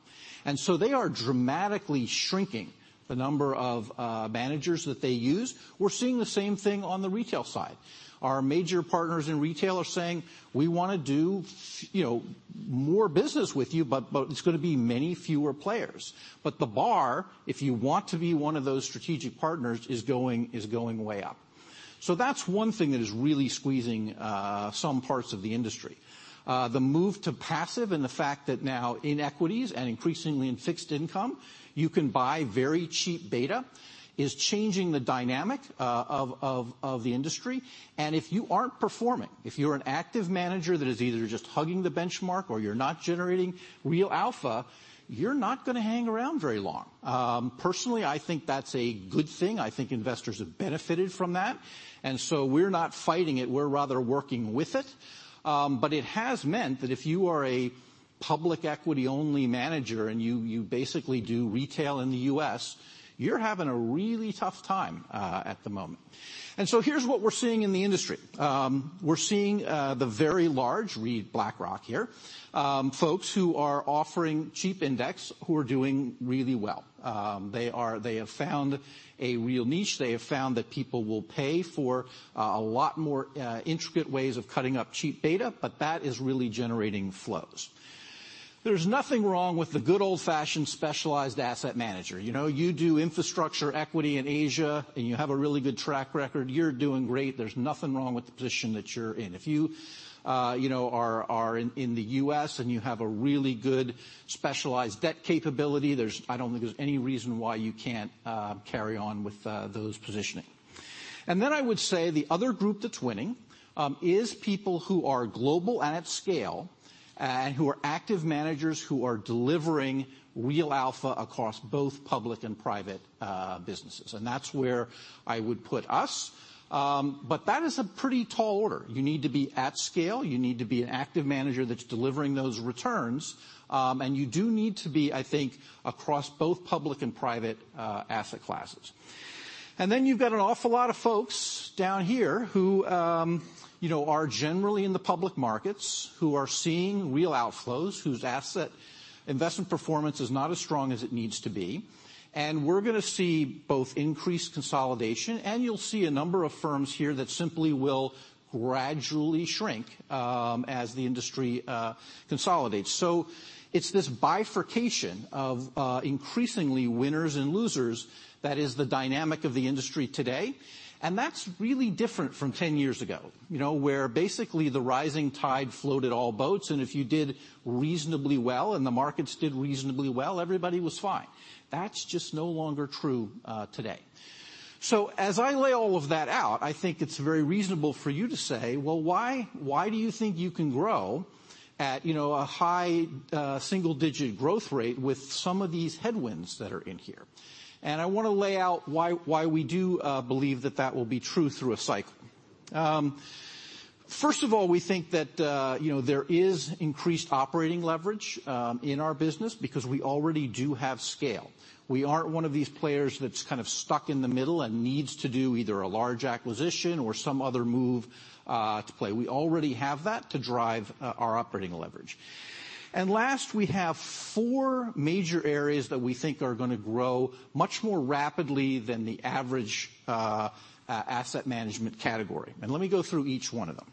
They are dramatically shrinking the number of managers that they use. We're seeing the same thing on the retail side. Our major partners in retail are saying, "We want to do more business with you, but it's going to be many fewer players." The bar, if you want to be one of those strategic partners, is going way up. That's one thing that is really squeezing some parts of the industry. The move to passive and the fact that now in equities and increasingly in fixed income, you can buy very cheap beta, is changing the dynamic of the industry. If you aren't performing, if you're an active manager that is either just hugging the benchmark or you're not generating real alpha, you're not going to hang around very long. Personally, I think that's a good thing. I think investors have benefited from that, we're not fighting it. We're rather working with it. It has meant that if you are a public equity-only manager and you basically do retail in the U.S., you're having a really tough time at the moment. Here's what we're seeing in the industry. We're seeing the very large, read BlackRock here, folks who are offering cheap index who are doing really well. They have found a real niche. They have found that people will pay for a lot more intricate ways of cutting up cheap beta, but that is really generating flows. There's nothing wrong with the good old-fashioned specialized asset manager. You do infrastructure equity in Asia, and you have a really good track record, you're doing great. There's nothing wrong with the position that you're in. If you are in the U.S. and you have a really good specialized debt capability, I don't think there's any reason why you can't carry on with those positioning. I would say the other group that's winning is people who are global and at scale, and who are active managers who are delivering real alpha across both public and private businesses. That's where I would put us. That is a pretty tall order. You need to be at scale, you need to be an active manager that's delivering those returns, and you do need to be, I think, across both public and private asset classes. You've got an awful lot of folks down here who are generally in the public markets who are seeing real outflows, whose asset investment performance is not as strong as it needs to be. We're going to see both increased consolidation, and you'll see a number of firms here that simply will gradually shrink as the industry consolidates. It's this bifurcation of increasingly winners and losers that is the dynamic of the industry today, and that's really different from 10 years ago. Where basically the rising tide floated all boats, and if you did reasonably well and the markets did reasonably well, everybody was fine. That's just no longer true today. As I lay all of that out, I think it's very reasonable for you to say, "Well, why do you think you can grow at a high single-digit growth rate with some of these headwinds that are in here?" I want to lay out why we do believe that that will be true through a cycle. First of all, we think that there is increased operating leverage in our business because we already do have scale. We aren't one of these players that's kind of stuck in the middle and needs to do either a large acquisition or some other move to play. We already have that to drive our operating leverage. Last, we have four major areas that we think are going to grow much more rapidly than the average asset management category. Let me go through each one of them.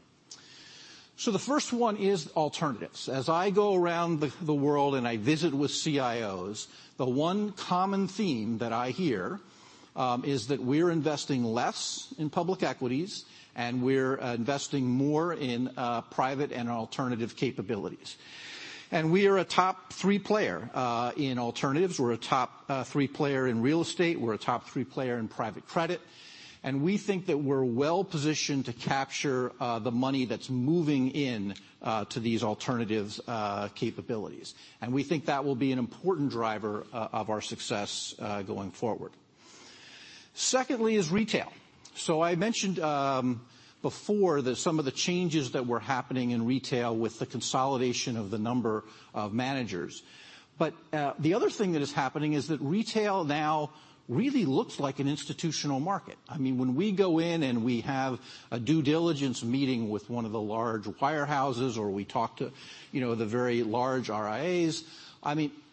The first one is alternatives. As I go around the world and I visit with CIOs, the one common theme that I hear is that we're investing less in public equities and we're investing more in private and alternative capabilities. We are a top three player in alternatives. We're a top three player in real estate. We're a top three player in private credit. We think that we're well-positioned to capture the money that's moving in to these alternatives capabilities. We think that will be an important driver of our success going forward. Secondly is retail. I mentioned before that some of the changes that were happening in retail with the consolidation of the number of managers. The other thing that is happening is that retail now really looks like an institutional market. When we go in and we have a due diligence meeting with one of the large wire houses, or we talk to the very large RIAs,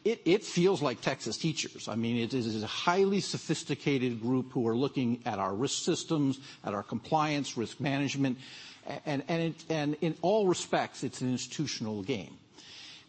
it feels like Texas teachers. It is a highly sophisticated group who are looking at our risk systems, at our compliance risk management. In all respects, it's an institutional game.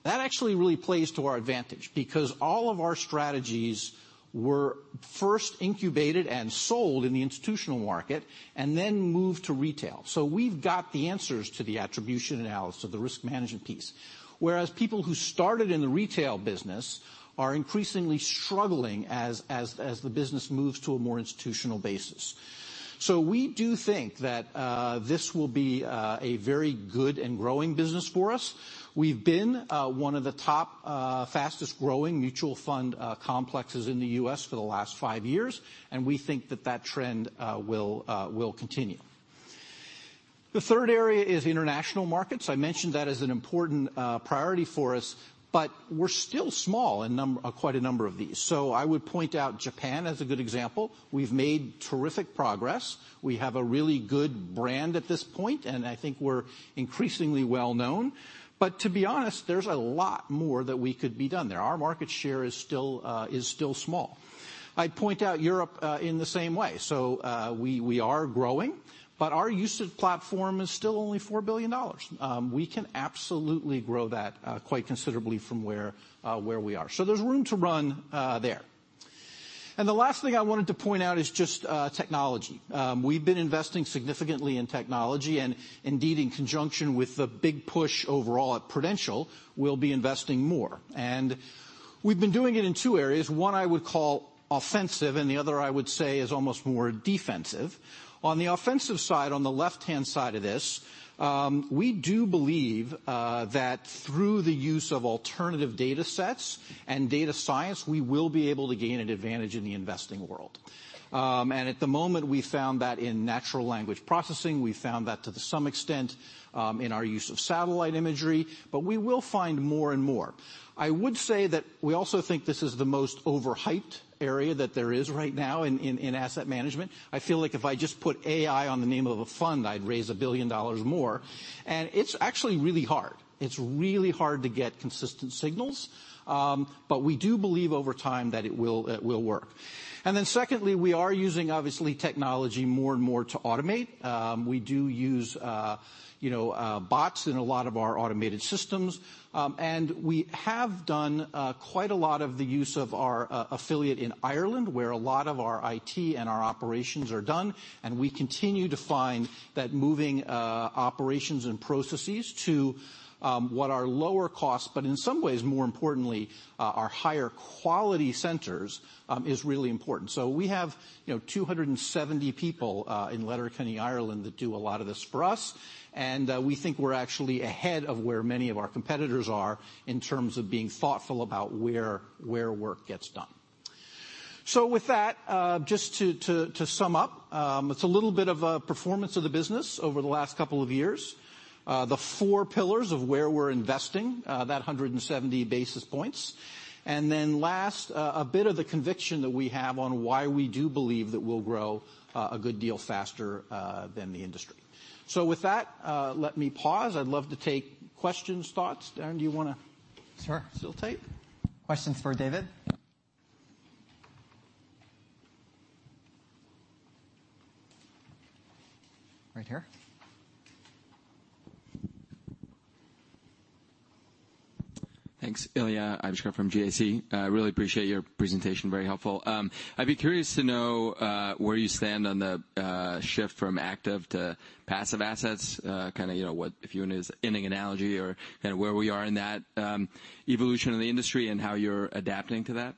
That actually really plays to our advantage because all of our strategies were first incubated and sold in the institutional market and then moved to retail. We've got the answers to the attribution analysis, to the risk management piece. Whereas people who started in the retail business are increasingly struggling as the business moves to a more institutional basis. We do think that this will be a very good and growing business for us. We've been one of the top fastest-growing mutual fund complexes in the U.S. for the last five years, and we think that that trend will continue. The third area is international markets. I mentioned that as an important priority for us, we're still small in quite a number of these. I would point out Japan as a good example. We've made terrific progress. We have a really good brand at this point, and I think we're increasingly well-known. To be honest, there's a lot more that could be done there. Our market share is still small. I'd point out Europe in the same way. We are growing, our usage platform is still only $4 billion. We can absolutely grow that quite considerably from where we are. There's room to run there. The last thing I wanted to point out is just technology. We've been investing significantly in technology, and indeed, in conjunction with the big push overall at Prudential, we'll be investing more. We've been doing it in two areas. One I would call offensive, and the other I would say is almost more defensive. On the offensive side, on the left-hand side of this, we do believe that through the use of alternative data sets and data science, we will be able to gain an advantage in the investing world. At the moment, we found that in natural language processing, we found that to some extent, in our use of satellite imagery, but we will find more and more. I would say that we also think this is the most overhyped area that there is right now in asset management. I feel like if I just put AI on the name of a fund, I'd raise $1 billion more. It's actually really hard. It's really hard to get consistent signals. We do believe over time that it will work. Secondly, we are using, obviously, technology more and more to automate. We do use bots in a lot of our automated systems. We have done quite a lot of the use of our affiliate in Ireland, where a lot of our IT and our operations are done, and we continue to find that moving operations and processes to what are lower costs, but in some ways, more importantly, are higher quality centers, is really important. We have 270 people in Letterkenny, Ireland, that do a lot of this for us. We think we're actually ahead of where many of our competitors are in terms of being thoughtful about where work gets done. With that, just to sum up, it's a little bit of a performance of the business over the last couple of years. The four pillars of where we're investing, that 170 basis points. Last, a bit of the conviction that we have on why we do believe that we'll grow a good deal faster than the industry. With that, let me pause. I'd love to take questions, thoughts. Darin, do you want to? Sure facilitate? Questions for David? Right here. Thanks. Ilya Ivushkin from GAC. I really appreciate your presentation, very helpful. I'd be curious to know where you stand on the shift from active to passive assets. If you want to use an inning analogy or where we are in that evolution of the industry and how you're adapting to that?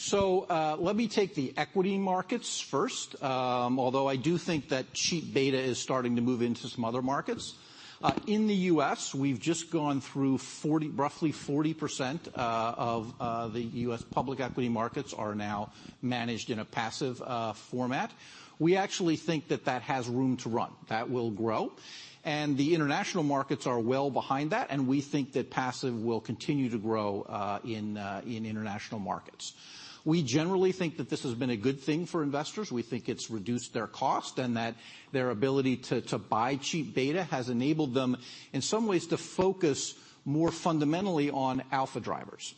Let me take the equity markets first. Although I do think that cheap beta is starting to move into some other markets. In the U.S., we've just gone through roughly 40% of the U.S. public equity markets are now managed in a passive format. We actually think that that has room to run. That will grow. The international markets are well behind that, and we think that passive will continue to grow in international markets. We generally think that this has been a good thing for investors. We think it's reduced their cost and that their ability to buy cheap beta has enabled them, in some ways, to focus more fundamentally on alpha drivers.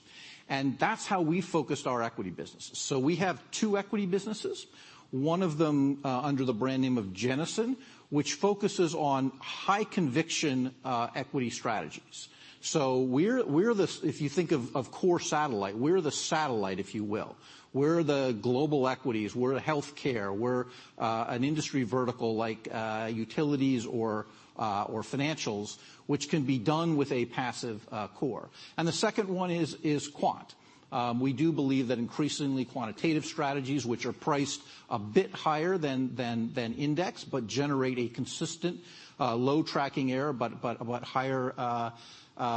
That's how we focused our equity businesses. We have two equity businesses, one of them under the brand name of Jennison, which focuses on high-conviction equity strategies. If you think of core satellite, we're the satellite, if you will. We're the global equities, we're the healthcare, we're an industry vertical like utilities or financials, which can be done with a passive core. The second one is quant. We do believe that increasingly quantitative strategies, which are priced a bit higher than index, but generate a consistent low tracking error, but higher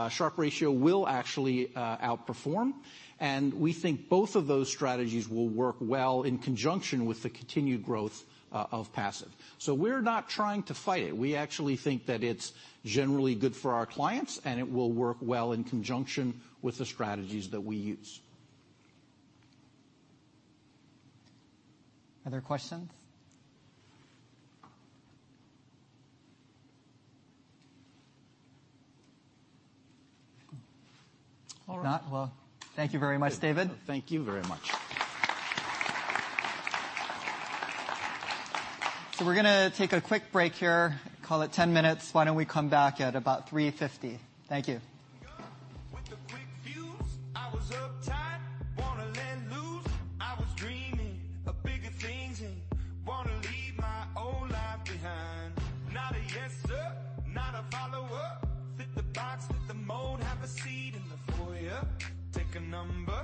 Sharpe ratio, will actually outperform. We think both of those strategies will work well in conjunction with the continued growth of passive. We're not trying to fight it. We actually think that it's generally good for our clients, and it will work well in conjunction with the strategies that we use. Other questions? If not, well, thank you very much, David. Thank you very much. We're going to take a quick break here, call it 10 minutes. Why don't we come back at about 3:50 P.M.? Thank you. With a quick fuse, I was uptight, want to let loose. I was dreaming of bigger things and want to leave my old life behind. Not a yes sir, not a follower. Fit the box, fit the mold, have a seat in the foyer. Take a number.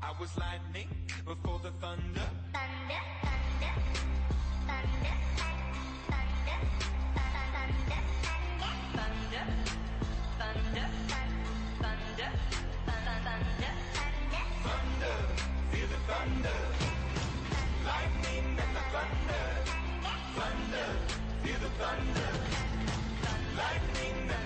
I was lightning before the thunder. Thunder, thunder, thunder. Thunder, thunder. Thunder, thunder. Thunder, thunder. Thunder. Feel the thunder. Lightning then the thunder. Thunder. Feel the thunder. Lightning then the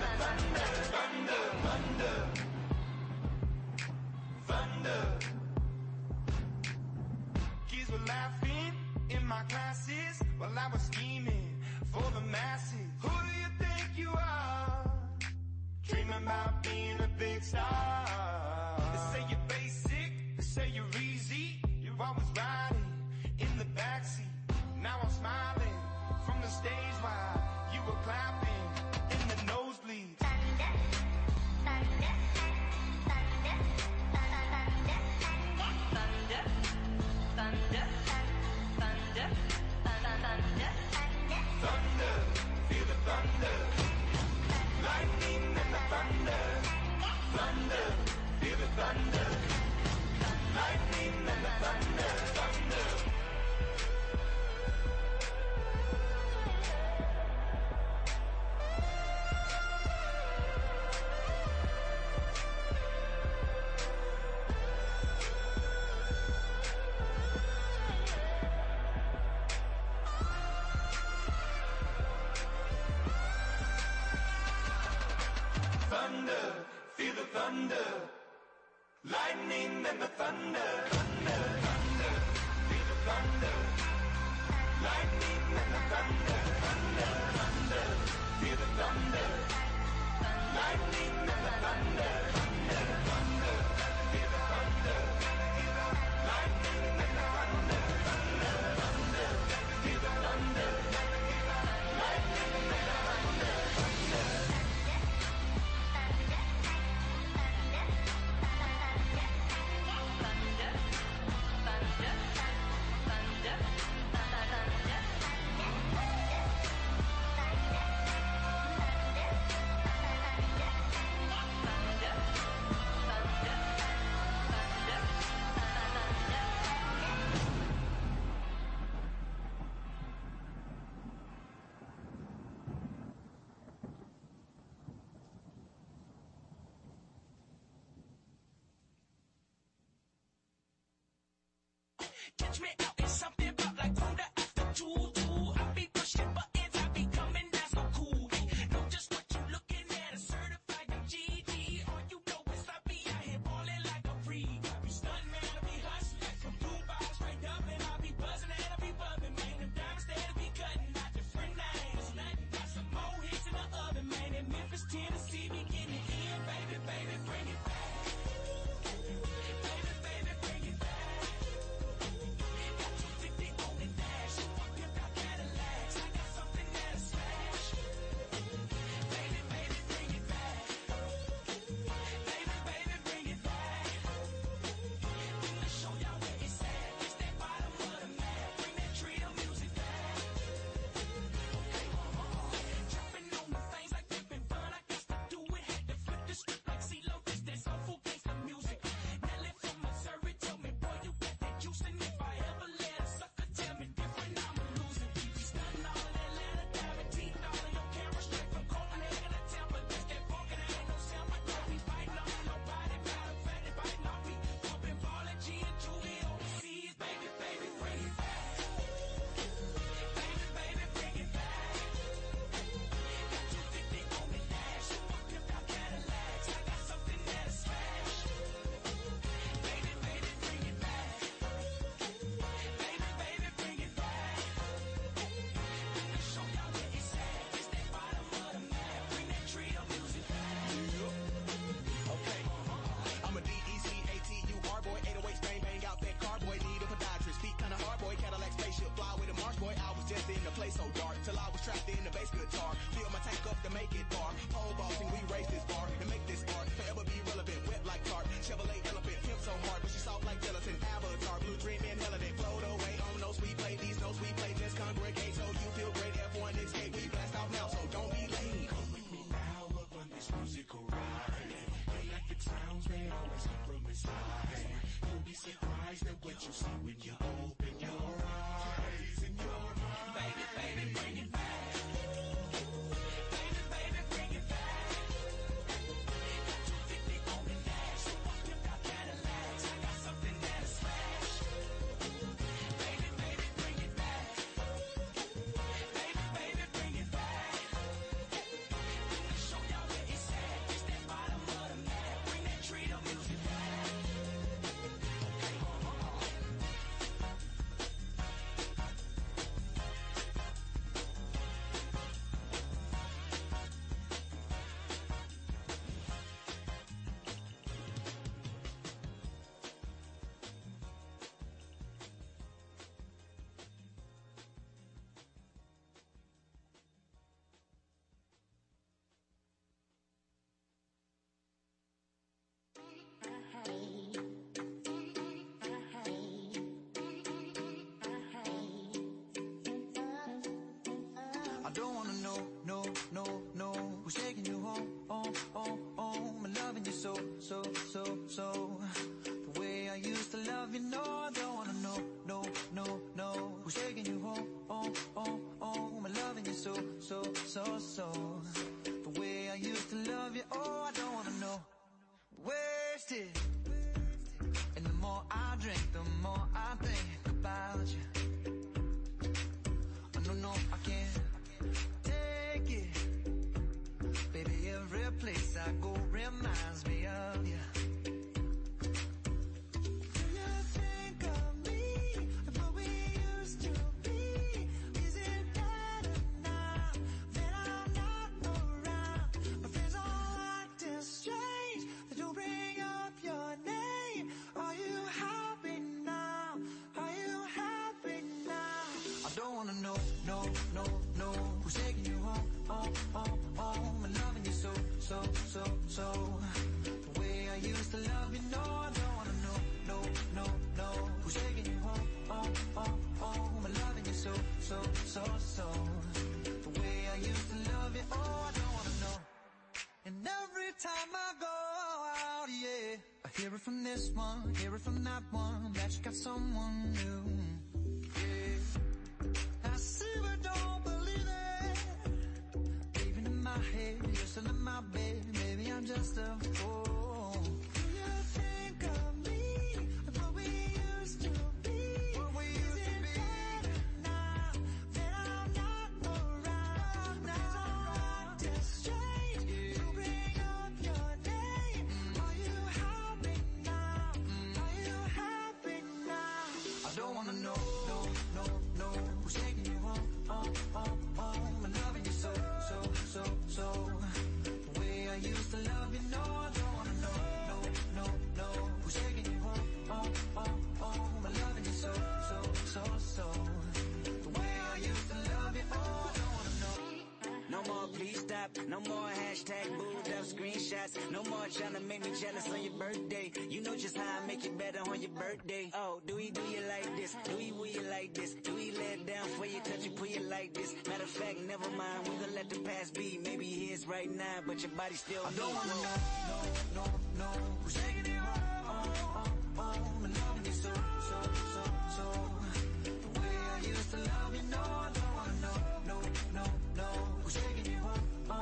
you open your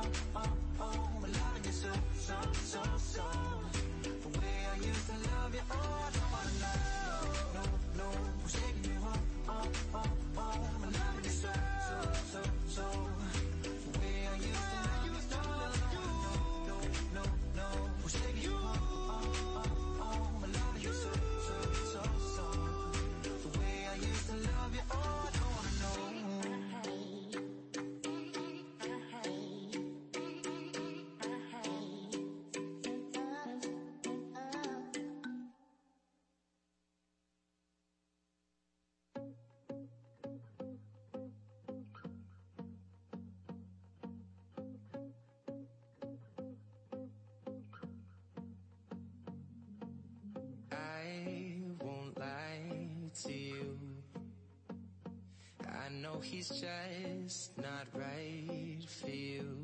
so, so. The way I used to love you, oh. I don't want to know, know. Who's taking you home, home. Loving you so, so. The way I used to love you. The way I used to love you. I don't want to know, know. Who's taking I won't lie to you. I know he's just not right for you.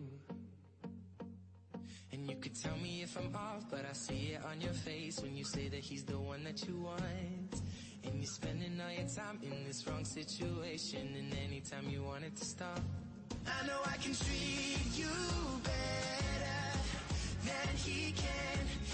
You can tell me if I'm off, but I see it on your face, when you say that he's the one that you want. You're spending all your time in this wrong situation, and anytime you want it to stop. I know I can treat you better than he can.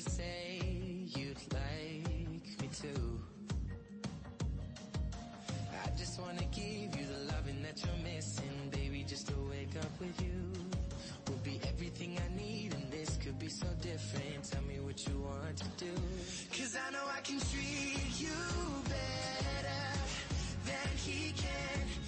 Any girl like you deserves a gentleman. Tell me why are we wasting time on all your wasted crying when you should be with me instead. I know I can treat you better. Better than he can. I'll stop time for you. The second you say you'd like me too. I just wanna give you the loving that you're missing. Baby, just to wake up with you would be everything I need, and this could be so different. Tell me what you want to do. 'Cause I know I can treat you better than he can.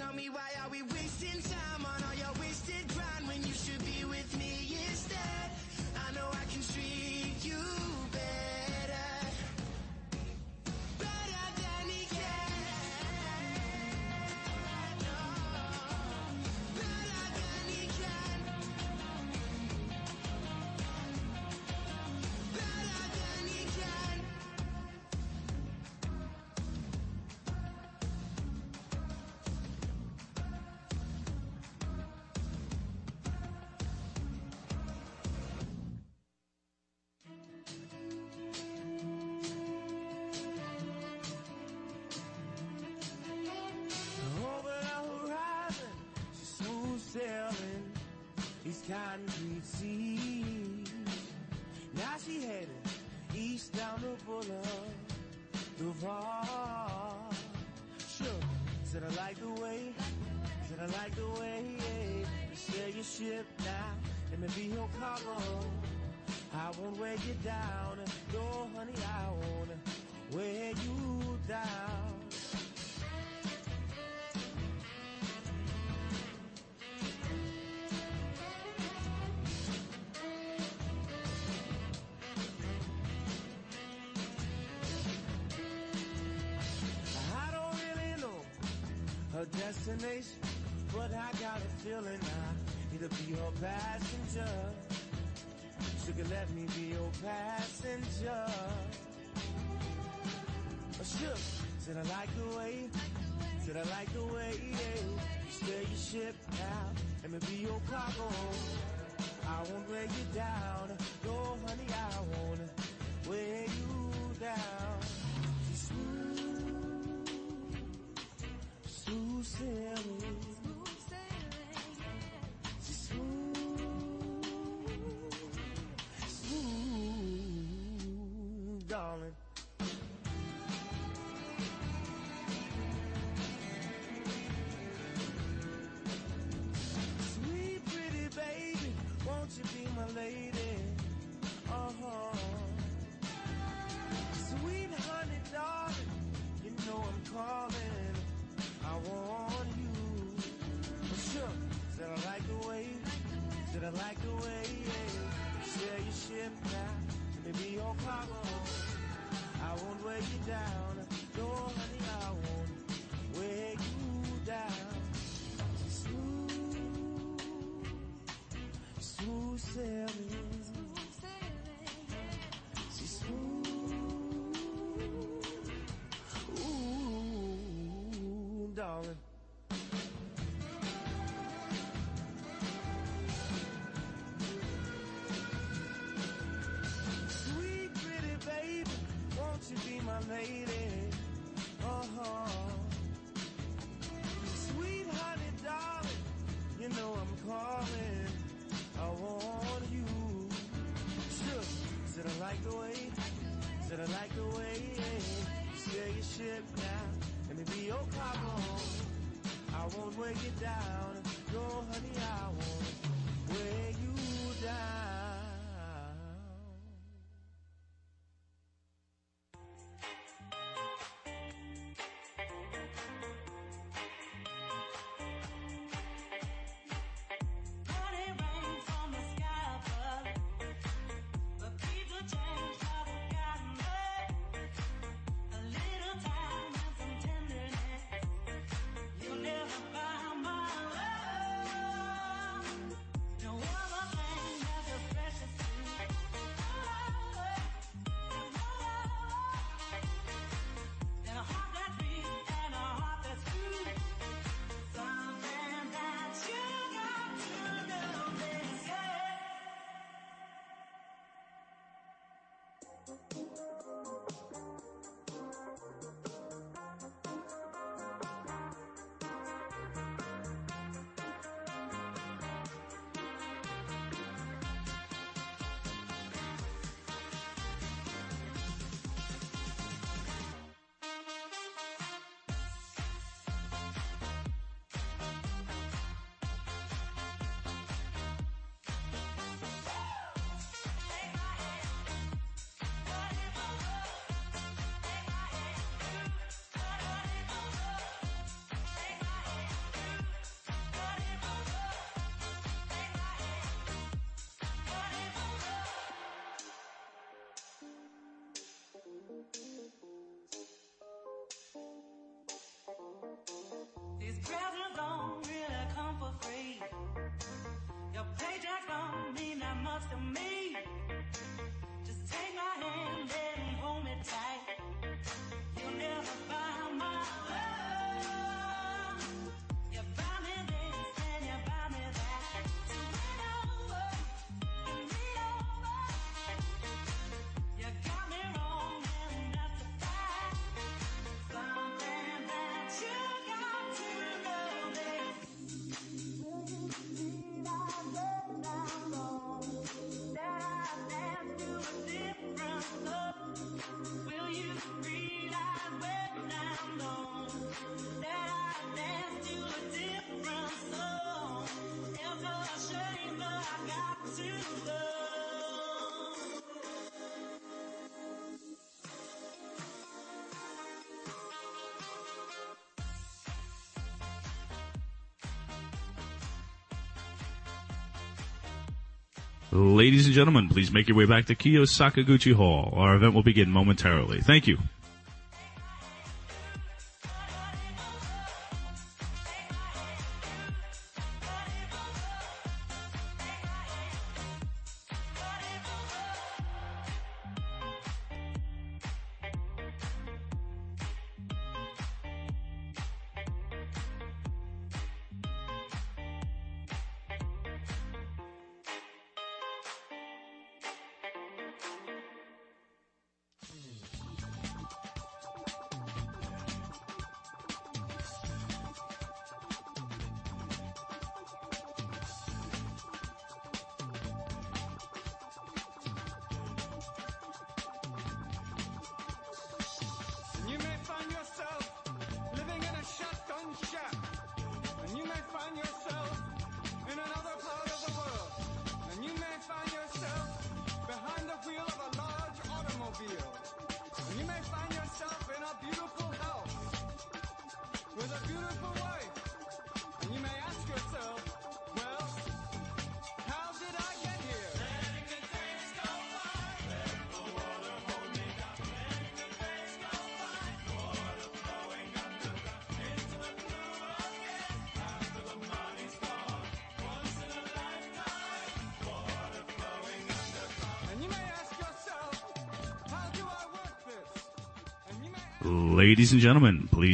Any girl like you deserves a gentleman. Tell me why are we wasting time on all your wasted crying when you should be with me instead. I know I can treat you better. Better than he can. Better than he can. Give me a sign. Take my hand, we'll be fine. Promise I won't let you down. Just know that you don't have to do this alone. Promise I'll never let you down. 'Cause I know I can treat you better than he can. Any girl like you deserves a gentleman. Tell Ladies and gentlemen, please make your way back to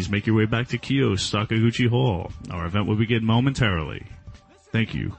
[Dr. Sanbo Sakaguchi Hall. Our event will begin momentarily. Thank you.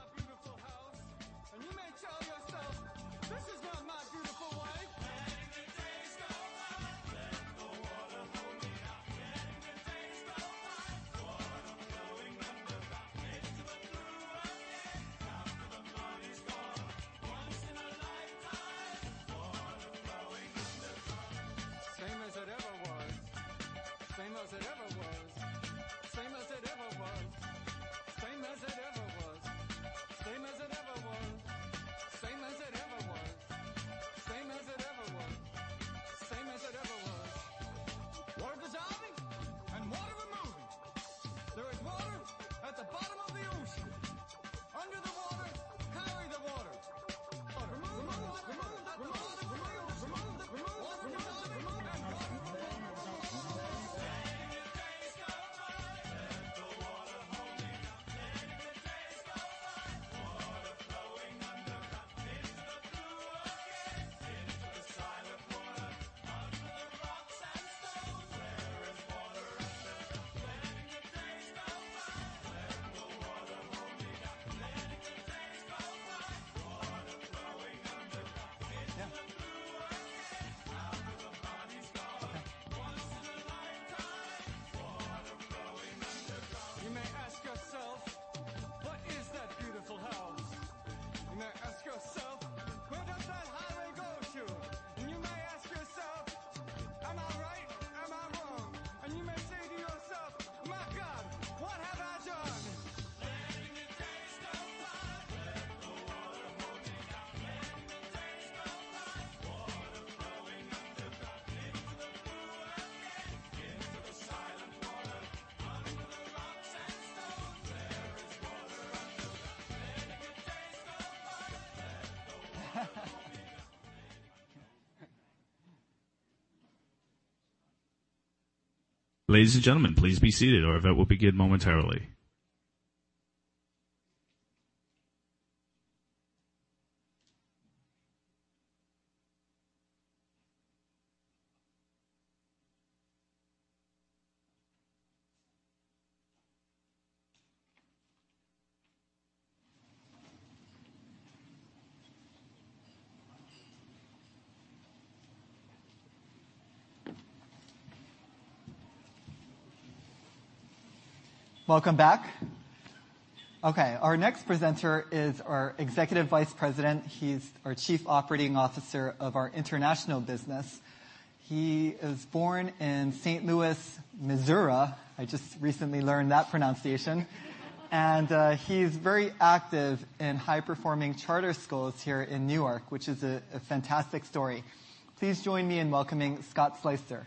Welcome back. Okay, our next presenter is our Executive Vice President. He's our Chief Operating Officer of our International Businesses. He is born in St. Louis, Missouri. I just recently learned that pronunciation. He's very active in high-performing charter schools here in New York, which is a fantastic story. Please join me in welcoming Scott Sleyster.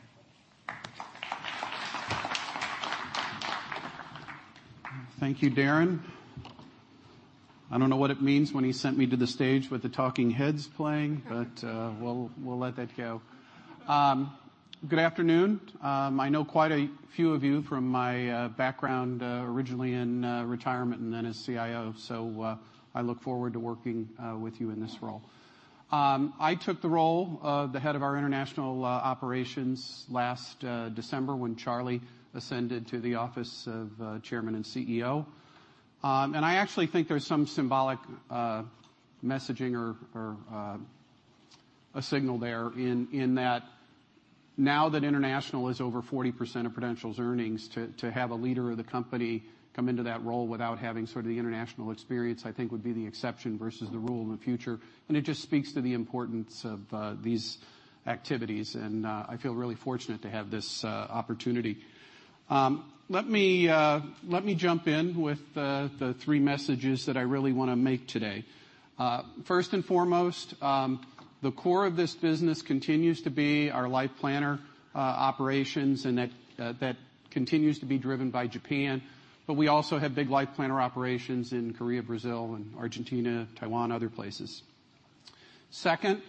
Thank you, Darin. I don't know what it means when he sent me to the stage with the Talking Heads playing. We'll let that go. Good afternoon. I know quite a few of you from my background, originally in retirement and then as CIO, so I look forward to working with you in this role. I took the role of the head of our International Businesses last December when Charlie ascended to the office of Chairman and CEO. I actually think there's some symbolic messaging or a signal there in that now that international is over 40% of Prudential's earnings, to have a leader of the company come into that role without having sort of the international experience, I think would be the exception versus the rule in the future, and it just speaks to the importance of these activities, and I feel really fortunate to have this opportunity. Let me jump in with the three messages that I really want to make today. First and foremost, the core of this business continues to be our life planner operations, and that continues to be driven by Japan, but we also have big life planner operations in Korea, Brazil, and Argentina, Taiwan, other places. Second,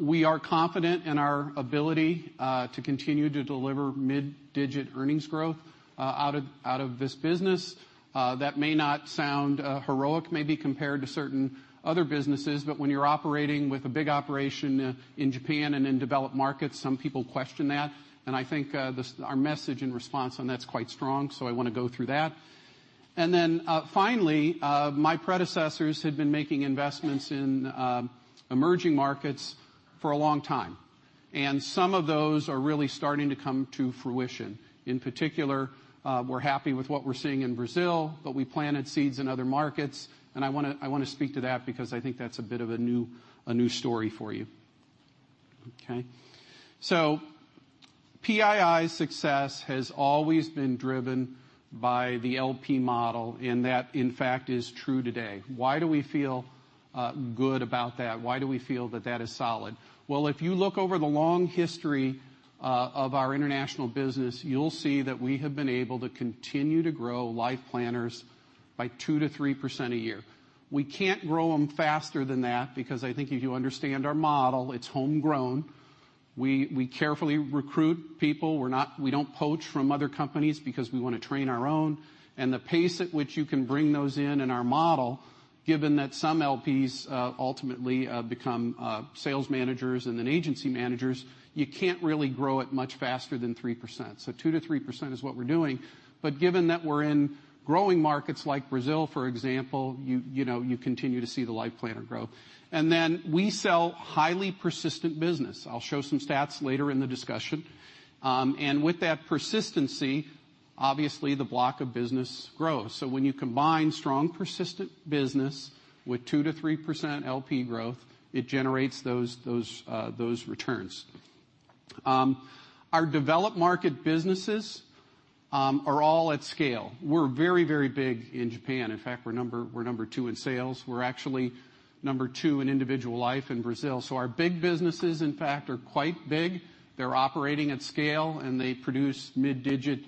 we are confident in our ability to continue to deliver mid-digit earnings growth out of this business. That may not sound heroic, maybe compared to certain other businesses, but when you're operating with a big operation in Japan and in developed markets, some people question that, and I think our message in response on that's quite strong, so I want to go through that. Finally, my predecessors had been making investments in emerging markets for a long time, and some of those are really starting to come to fruition. In particular, we're happy with what we're seeing in Brazil, but we planted seeds in other markets, and I want to speak to that because I think that's a bit of a new story for you. Okay. PII's success has always been driven by the LP model, and that, in fact, is true today. Why do we feel good about that? Why do we feel that that is solid? If you look over the long history of our international business, you'll see that we have been able to continue to grow life planners by 2%-3% a year. We can't grow them faster than that because I think if you understand our model, it's homegrown. We carefully recruit people. We don't poach from other companies because we want to train our own. The pace at which you can bring those in in our model, given that some LPs ultimately become sales managers and then agency managers, you can't really grow it much faster than 3%. 2%-3% is what we're doing. Given that we're in growing markets, like Brazil, for example, you continue to see the life planner grow. We sell highly persistent business. I'll show some stats later in the discussion. With that persistency, obviously the block of business grows. When you combine strong, persistent business with 2%-3% LP growth, it generates those returns. Our developed market businesses are all at scale. We're very big in Japan. In fact, we're number 2 in sales. We're actually number 2 in individual life in Brazil. Our big businesses, in fact, are quite big. They're operating at scale, and they produce mid-digit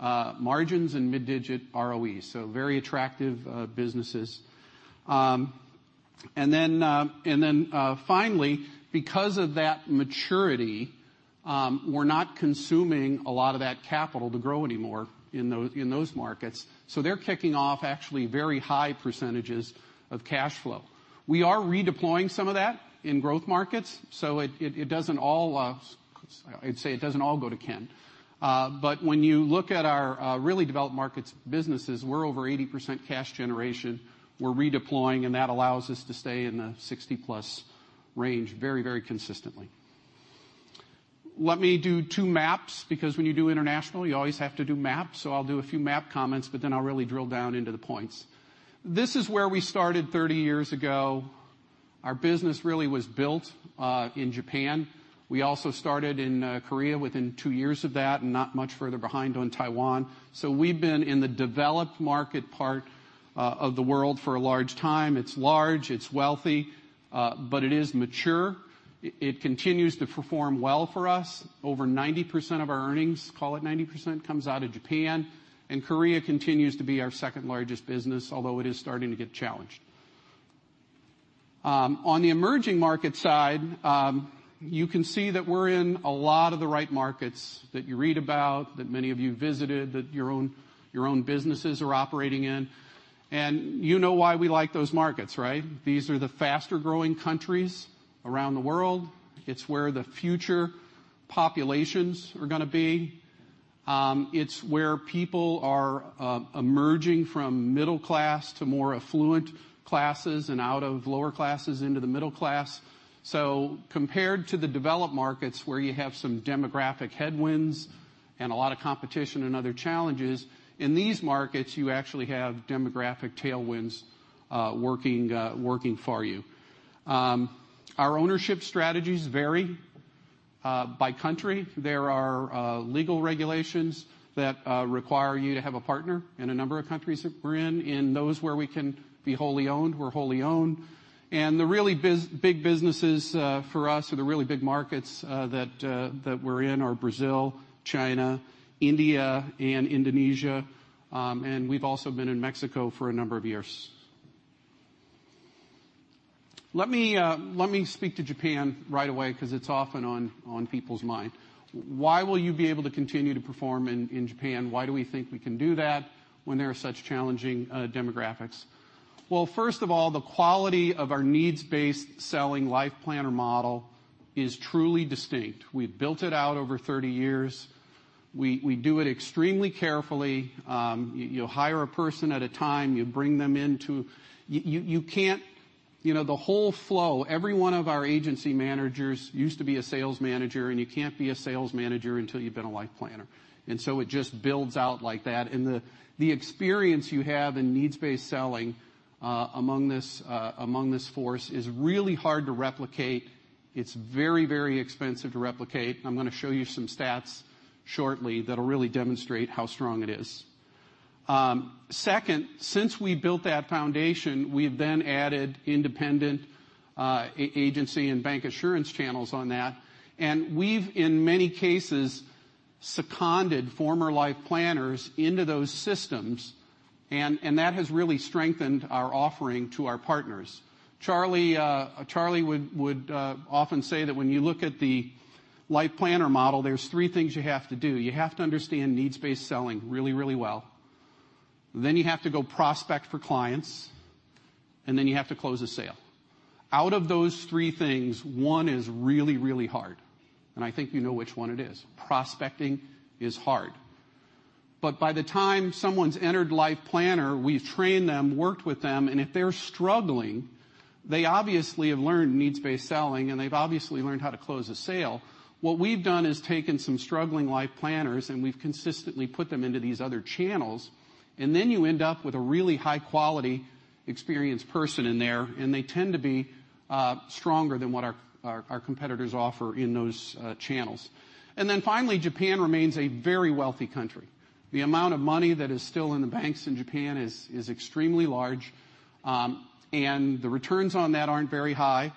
margins and mid-digit ROEs. Very attractive businesses. Finally, because of that maturity, we're not consuming a lot of that capital to grow anymore in those markets. They're kicking off actually very high percentages of cash flow. We are redeploying some of that in growth markets, so I'd say it doesn't all go to Ken. But when you look at our really developed markets businesses, we're over 80% cash generation. We're redeploying, that allows us to stay in the 60-plus range very consistently. Let me do two maps because when you do international, you always have to do maps. I'll do a few map comments, I'll really drill down into the points. This is where we started 30 years ago. Our business really was built in Japan. We also started in Korea within two years of that and not much further behind on Taiwan. We've been in the developed market part of the world for a large time. It's large, it's wealthy, but it is mature. It continues to perform well for us. Over 90% of our earnings, call it 90%, comes out of Japan. Korea continues to be our second largest business, although it is starting to get challenged. On the emerging market side, you can see that we're in a lot of the right markets that you read about, that many of you visited, that your own businesses are operating in. You know why we like those markets, right? These are the faster-growing countries around the world. It's where the future populations are going to be. It's where people are emerging from middle class to more affluent classes and out of lower classes into the middle class. Compared to the developed markets where you have some demographic headwinds and a lot of competition and other challenges, in these markets, you actually have demographic tailwinds working for you. Our ownership strategies vary by country. There are legal regulations that require you to have a partner in a number of countries that we're in. In those where we can be wholly owned, we're wholly owned. The really big businesses for us, or the really big markets that we're in are Brazil, China, India, and Indonesia. We've also been in Mexico for a number of years. Let me speak to Japan right away because it's often on people's mind. Why will you be able to continue to perform in Japan? Why do we think we can do that when there are such challenging demographics? Well, first of all, the quality of our needs-based selling life planner model is truly distinct. We've built it out over 30 years. We do it extremely carefully. You'll hire a person at a time. You bring them in. The whole flow, every one of our agency managers used to be a sales manager, you can't be a sales manager until you've been a life planner, it just builds out like that. The experience you have in needs-based selling among this force is really hard to replicate. It's very, very expensive to replicate. I'm going to show you some stats shortly that'll really demonstrate how strong it is. Second, since we built that foundation, we've then added independent agency and bancassurance channels on that, we've, in many cases, seconded former life planners into those systems, that has really strengthened our offering to our partners. Charlie would often say that when you look at the life planner model, there's three things you have to do. You have to understand needs-based selling really, really well. You have to go prospect for clients. You have to close a sale. Out of those three things, one is really, really hard, and I think you know which one it is. Prospecting is hard. By the time someone's entered life planner, we've trained them, worked with them, and if they're struggling, they obviously have learned needs-based selling, and they've obviously learned how to close a sale. What we've done is taken some struggling life planners and we've consistently put them into these other channels, and then you end up with a really high quality, experienced person in there, and they tend to be stronger than what our competitors offer in those channels. Finally, Japan remains a very wealthy country. The amount of money that is still in the banks in Japan is extremely large. The returns on that aren't very high.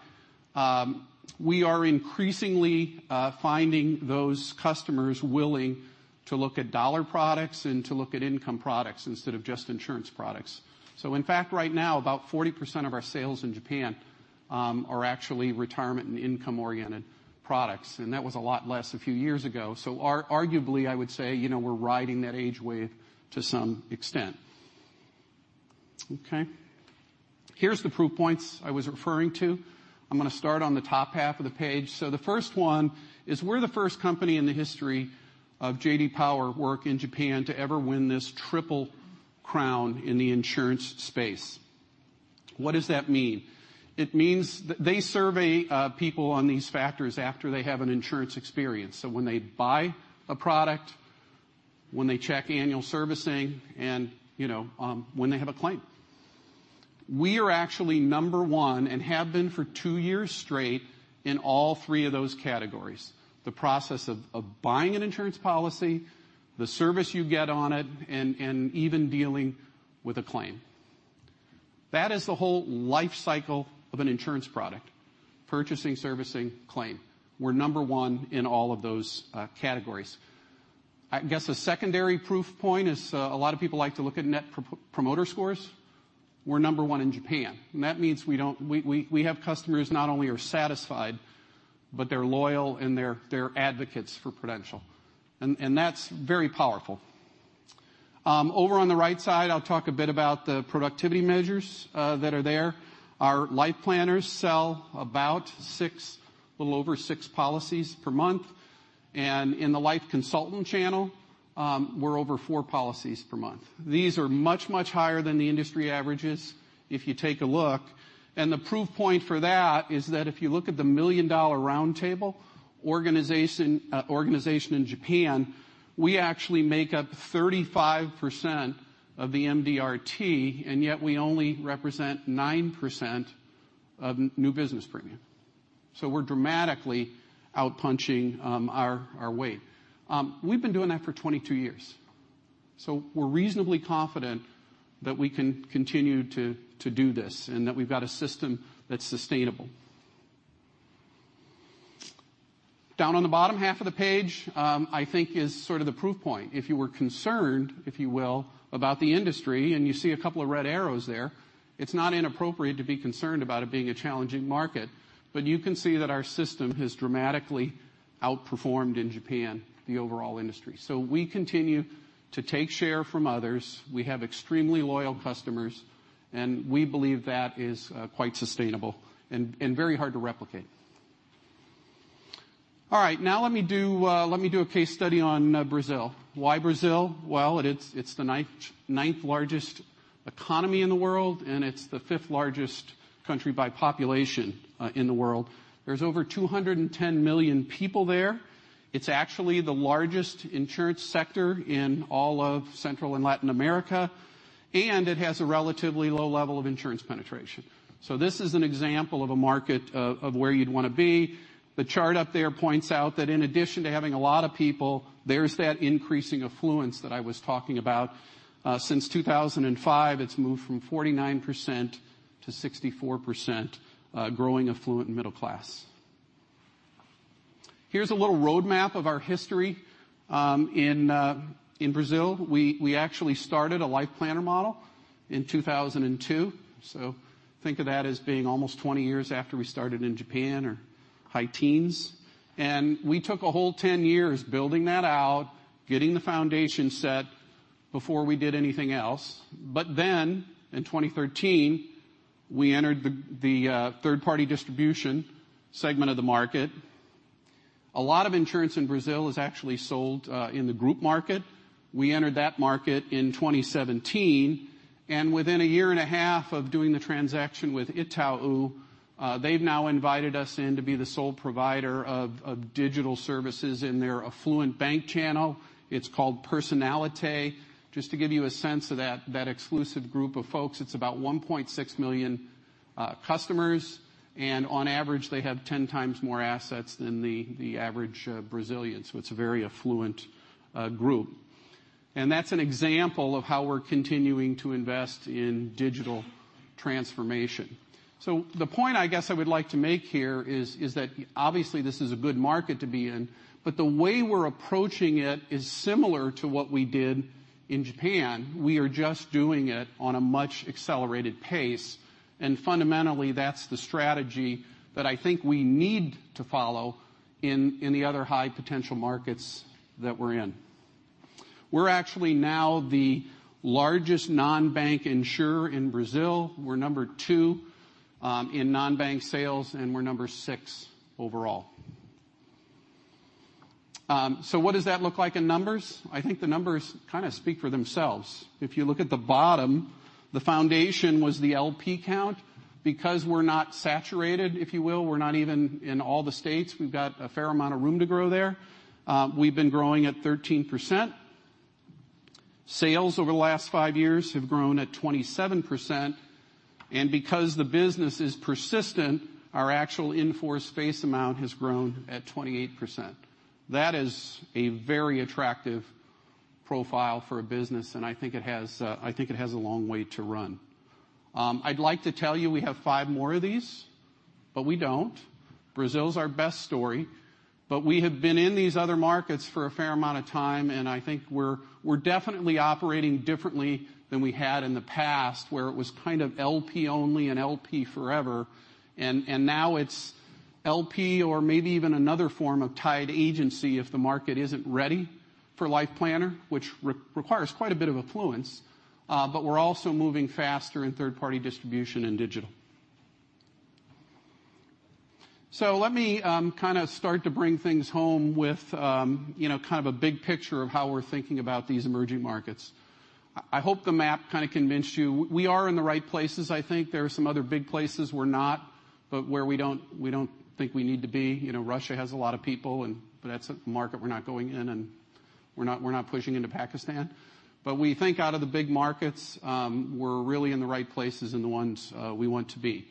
We are increasingly finding those customers willing to look at dollar products and to look at income products instead of just insurance products. In fact, right now, about 40% of our sales in Japan are actually retirement and income oriented products, and that was a lot less a few years ago. Arguably, I would say we're riding that age wave to some extent. Okay. Here's the proof points I was referring to. I'm going to start on the top half of the page. The first one is we're the first company in the history of J.D. Power work in Japan to ever win this triple crown in the insurance space. What does that mean? It means they survey people on these factors after they have an insurance experience. When they buy a product, when they check annual servicing, and when they have a claim. We are actually number one and have been for two years straight in all three of those categories. The process of buying an insurance policy, the service you get on it, and even dealing with a claim. That is the whole life cycle of an insurance product, purchasing, servicing, claim. We're number one in all of those categories. I guess a secondary proof point is a lot of people like to look at net promoter scores. We're number one in Japan, and that means we have customers not only are satisfied, but they're loyal and they're advocates for Prudential. That's very powerful. Over on the right side, I'll talk a bit about the productivity measures that are there. Our life planners sell about a little over six policies per month. In the life consultant channel We're over four policies per month. These are much, much higher than the industry averages, if you take a look. The proof point for that is that if you look at the Million Dollar Round Table organization in Japan, we actually make up 35% of the MDRT, and yet we only represent 9% of new business premium. We're dramatically out-punching our weight. We've been doing that for 22 years. We're reasonably confident that we can continue to do this, and that we've got a system that's sustainable. Down on the bottom half of the page, I think is sort of the proof point. If you were concerned, if you will, about the industry and you see a couple of red arrows there, it's not inappropriate to be concerned about it being a challenging market. You can see that our system has dramatically outperformed in Japan, the overall industry. We continue to take share from others. We have extremely loyal customers, and we believe that is quite sustainable and very hard to replicate. All right. Let me do a case study on Brazil. Why Brazil? It's the 9th-largest economy in the world, and it's the 5th-largest country by population in the world. There's over 210 million people there. It's actually the largest insurance sector in all of Central and Latin America, and it has a relatively low level of insurance penetration. This is an example of a market of where you'd want to be. The chart up there points out that in addition to having a lot of people, there's that increasing affluence that I was talking about. Since 2005, it's moved from 49% to 64%, a growing affluent middle class. Here's a little roadmap of our history. In Brazil, we actually started a Life Planner model in 2002. Think of that as being almost 20 years after we started in Japan, or high teens. We took a whole 10 years building that out, getting the foundation set before we did anything else. In 2013, we entered the third-party distribution segment of the market. A lot of insurance in Brazil is actually sold in the group market. We entered that market in 2017, and within a year and a half of doing the transaction with Itaú, they've now invited us in to be the sole provider of digital services in their affluent bank channel. It's called Personnalité. Just to give you a sense of that exclusive group of folks, it's about 1.6 million customers. On average, they have 10 times more assets than the average Brazilian. It's a very affluent group. That's an example of how we're continuing to invest in digital transformation. The point I guess I would like to make here is that obviously this is a good market to be in, but the way we're approaching it is similar to what we did in Japan. We are just doing it on a much accelerated pace. Fundamentally, that's the strategy that I think we need to follow in the other high potential markets that we're in. We're actually now the largest non-bank insurer in Brazil. We're number 2 in non-bank sales, and we're number 6 overall. What does that look like in numbers? I think the numbers kind of speak for themselves. If you look at the bottom, the foundation was the LP count because we're not saturated, if you will. We're not even in all the states. We've got a fair amount of room to grow there. We've been growing at 13%. Sales over the last five years have grown at 27%. Because the business is persistent, our actual in-force face amount has grown at 28%. That is a very attractive profile for a business, I think it has a long way to run. I'd like to tell you we have five more of these, but we don't. Brazil is our best story. We have been in these other markets for a fair amount of time, I think we're definitely operating differently than we had in the past, where it was kind of LP only and LP forever. Now it's LP or maybe even another form of tied agency if the market isn't ready for Life Planner, which requires quite a bit of affluence. We're also moving faster in third-party distribution and digital. Let me kind of start to bring things home with kind of a big picture of how we're thinking about these emerging markets. I hope the map kind of convinced you we are in the right places, I think. There are some other big places we're not, but where we don't think we need to be. Russia has a lot of people, but that's a market we're not going in, and we're not pushing into Pakistan. We think out of the big markets, we're really in the right places and the ones we want to be.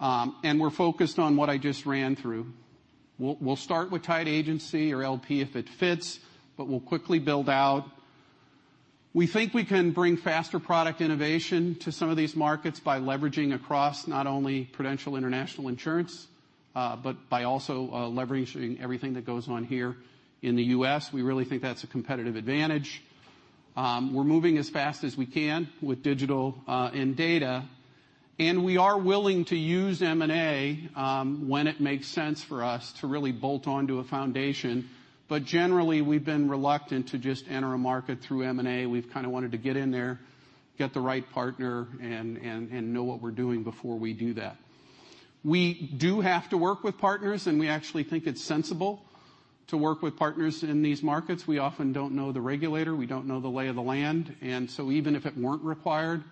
We're focused on what I just ran through. We'll start with tied agency or LP if it fits, but we'll quickly build out. We think we can bring faster product innovation to some of these markets by leveraging across not only Prudential international insurance, but by also leveraging everything that goes on here in the U.S. We really think that's a competitive advantage. We're moving as fast as we can with digital and data, and we are willing to use M&A when it makes sense for us to really bolt onto a foundation. Generally, we've been reluctant to just enter a market through M&A. We've kind of wanted to get in there, get the right partner, and know what we're doing before we do that. We do have to work with partners, and we actually think it's sensible to work with partners in these markets. We often don't know the regulator. We don't know the lay of the land. Even if it weren't required,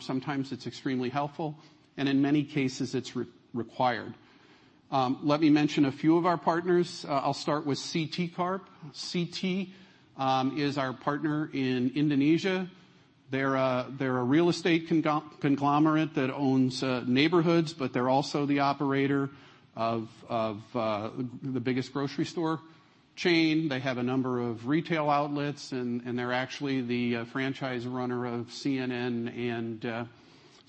sometimes it's extremely helpful, and in many cases it's required. Let me mention a few of our partners. I'll start with CT Corp. CT is our partner in Indonesia. They're a real estate conglomerate that owns neighborhoods, but they're also the operator of the biggest grocery store chain. They have a number of retail outlets, and they're actually the franchise runner of CNN and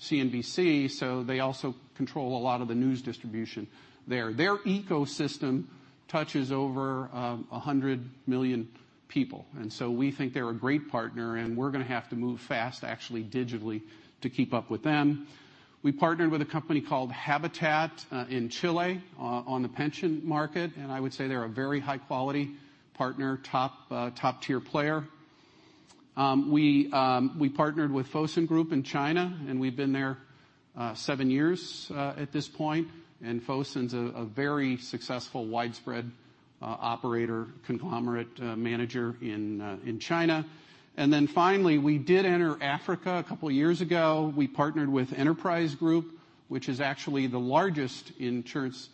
CNBC. They also control a lot of the news distribution there. Their ecosystem touches over 100 million people, and we think they're a great partner, and we're going to have to move fast, actually digitally, to keep up with them. We partnered with a company called Habitat in Chile on the pension market, and I would say they're a very high-quality partner, top tier player. We partnered with Fosun Group in China, and we've been there seven years at this point. Fosun's a very successful, widespread operator conglomerate manager in China. Finally, we did enter Africa a couple of years ago. We partnered with Enterprise Group, which is actually the largest insurance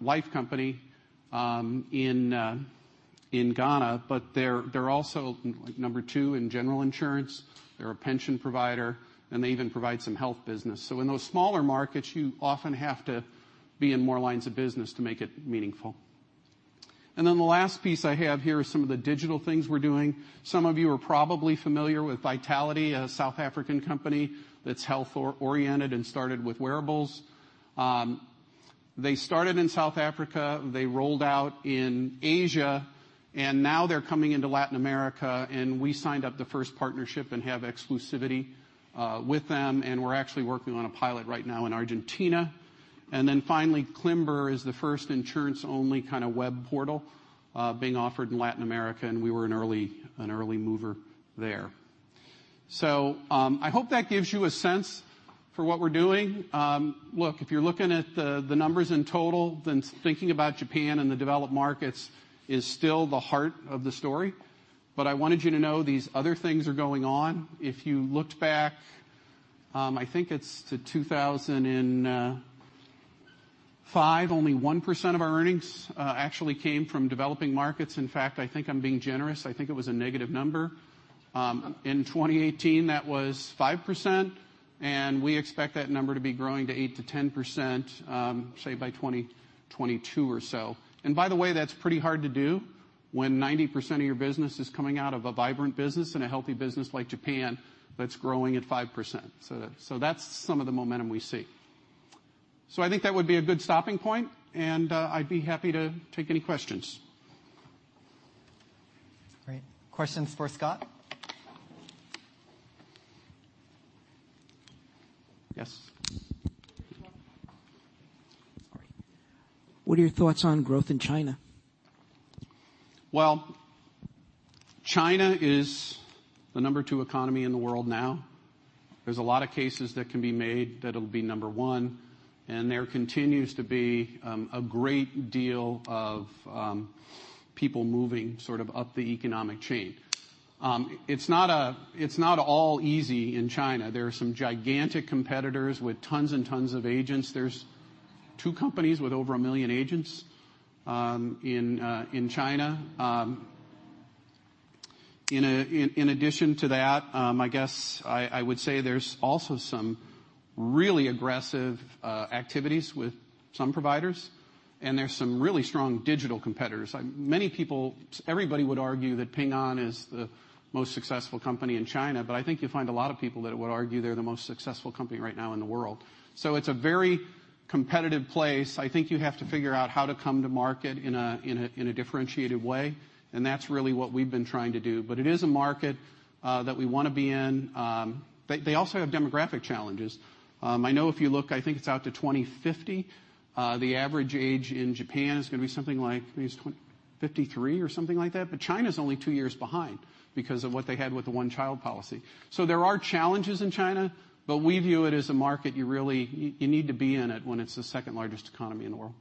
life company in Ghana, but they're also number 2 in general insurance. They're a pension provider, and they even provide some health business. In those smaller markets, you often have to be in more lines of business to make it meaningful. The last piece I have here is some of the digital things we're doing. Some of you are probably familiar with Vitality, a South African company that's health-oriented and started with wearables. They started in South Africa, they rolled out in Asia. Now they're coming into Latin America. We signed up the first partnership and have exclusivity with them. We're actually working on a pilot right now in Argentina. Finally, Climber is the first insurance-only kind of web portal being offered in Latin America. We were an early mover there. I hope that gives you a sense for what we're doing. Look, if you're looking at the numbers in total, thinking about Japan and the developed markets is still the heart of the story. I wanted you to know these other things are going on. If you looked back, I think it's to 2005, only 1% of our earnings actually came from developing markets. In fact, I think I'm being generous. I think it was a negative number. In 2018, that was 5%. We expect that number to be growing to 8%-10%, say by 2022 or so. By the way, that's pretty hard to do when 90% of your business is coming out of a vibrant business and a healthy business like Japan that's growing at 5%. That's some of the momentum we see. I think that would be a good stopping point. I'd be happy to take any questions. Great. Questions for Scott? Yes. What are your thoughts on growth in China? China is the number two economy in the world now. There's a lot of cases that can be made that it'll be number one, and there continues to be a great deal of people moving sort of up the economic chain. It's not all easy in China. There are some gigantic competitors with tons and tons of agents. There's two companies with over 1 million agents in China. In addition to that, I guess I would say there's also some really aggressive activities with some providers, and there's some really strong digital competitors. Everybody would argue that Ping An is the most successful company in China. I think you find a lot of people that would argue they're the most successful company right now in the world. It's a very competitive place. I think you have to figure out how to come to market in a differentiated way, and that's really what we've been trying to do. It is a market that we want to be in. They also have demographic challenges. I know if you look, I think it's out to 2050, the average age in Japan is going to be something like 53 or something like that. China's only two years behind because of what they had with the one-child policy. There are challenges in China, but we view it as a market you really need to be in it when it's the second largest economy in the world.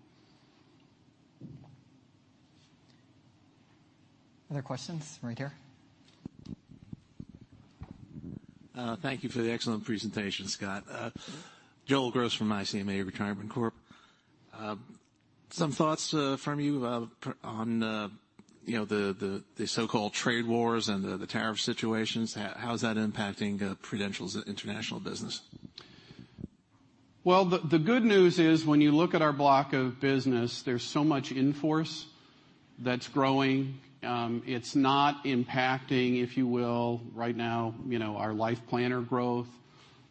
Other questions? Right here. Thank you for the excellent presentation, Scott. Joel Gross from ICMA Retirement Corp. Some thoughts from you on the so-called trade wars and the tariff situations. How is that impacting Prudential's international business? The good news is, when you look at our block of business, there's so much in force that's growing. It's not impacting, if you will, right now, our life planner growth.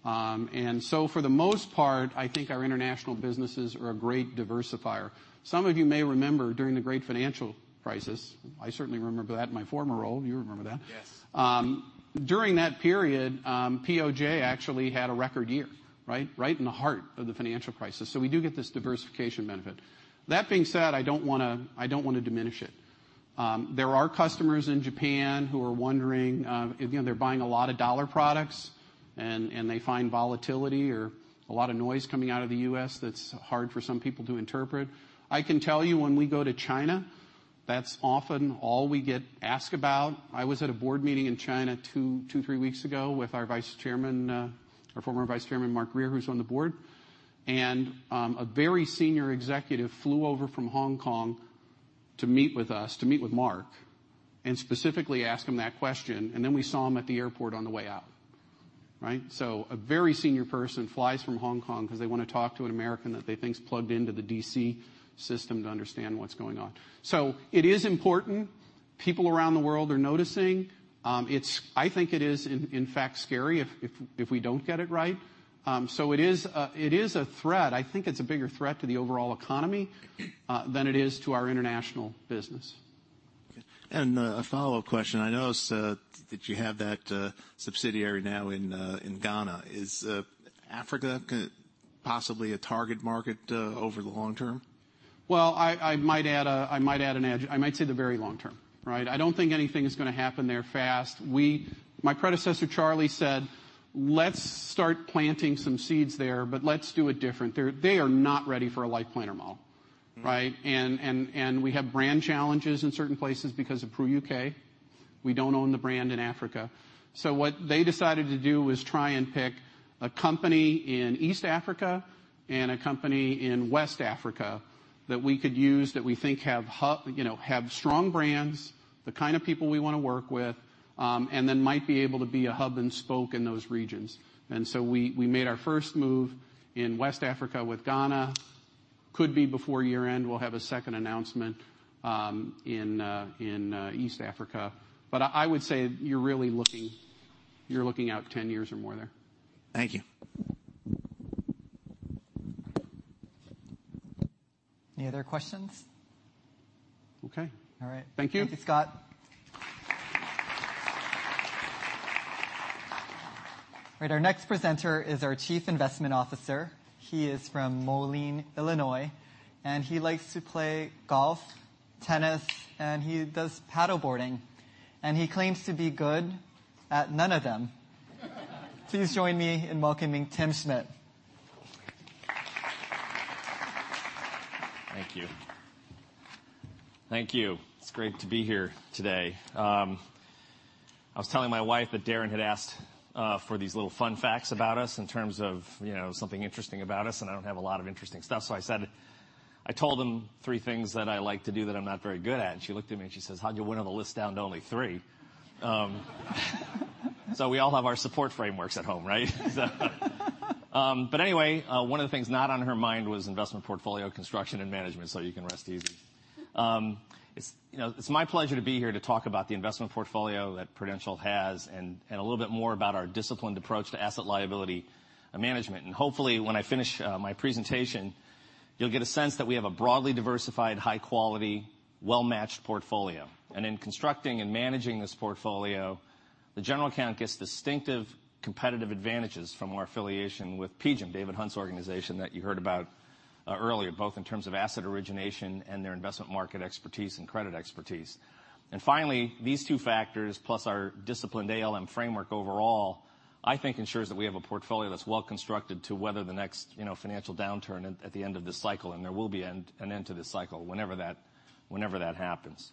For the most part, I think our international businesses are a great diversifier. Some of you may remember during the great financial crisis, I certainly remember that in my former role. You remember that? Yes. During that period, POJ actually had a record year, right in the heart of the financial crisis. We do get this diversification benefit. That being said, I don't want to diminish it. There are customers in Japan who are wondering, they're buying a lot of dollar products and they find volatility or a lot of noise coming out of the U.S. that's hard for some people to interpret. I can tell you when we go to China, that's often all we get asked about. I was at a board meeting in China two, three weeks ago with our former Vice Chairman, Mark Grier, who's on the board. A very senior executive flew over from Hong Kong to meet with us, to meet with Mark, and specifically ask him that question. We saw him at the airport on the way out. A very senior person flies from Hong Kong because they want to talk to an American that they think is plugged into the D.C. system to understand what's going on. It is important. People around the world are noticing. I think it is, in fact, scary if we don't get it right. It is a threat. I think it's a bigger threat to the overall economy than it is to our international business. A follow-up question. I noticed that you have that subsidiary now in Ghana. Is Africa possibly a target market over the long term? I might add an edge. I might say the very long term. I don't think anything is going to happen there fast. My predecessor, Charlie, said, "Let's start planting some seeds there, but let's do it different." They are not ready for a life planner model. We have brand challenges in certain places because of Pru UK. We don't own the brand in Africa. What they decided to do was try and pick a company in East Africa and a company in West Africa that we could use that we think have strong brands, the kind of people we want to work with, and then might be able to be a hub and spoke in those regions. We made our first move in West Africa with Ghana. Could be before year-end, we'll have a second announcement in East Africa. I would say you're really looking out 10 years or more there. Thank you. Any other questions? Okay. All right. Thank you. Thank you, Scott. All right. Our next presenter is our Chief Investment Officer. He is from Moline, Illinois, and he likes to play golf, tennis, and he does paddleboarding, and he claims to be good at none of them. Please join me in welcoming Timothy Schmidt. Thank you. Thank you. It's great to be here today. I was telling my wife that Darin had asked for these little fun facts about us in terms of something interesting about us. I don't have a lot of interesting stuff. I said, I told them three things that I like to do that I'm not very good at. She looked at me and she says, "How'd you winnow the list down to only three?" We all have our support frameworks at home, right? Anyway, one of the things not on her mind was investment portfolio construction and management, so you can rest easy. It's my pleasure to be here to talk about the investment portfolio that Prudential has and a little bit more about our disciplined approach to asset liability management. Hopefully, when I finish my presentation, you'll get a sense that we have a broadly diversified, high quality, well-matched portfolio. In constructing and managing this portfolio, the general account gets distinctive competitive advantages from our affiliation with PGIM, David Hunt's organization that you heard about earlier, both in terms of asset origination and their investment market expertise and credit expertise. Finally, these two factors, plus our disciplined ALM framework overall, I think ensures that we have a portfolio that's well-constructed to weather the next financial downturn at the end of this cycle, and there will be an end to this cycle whenever that happens.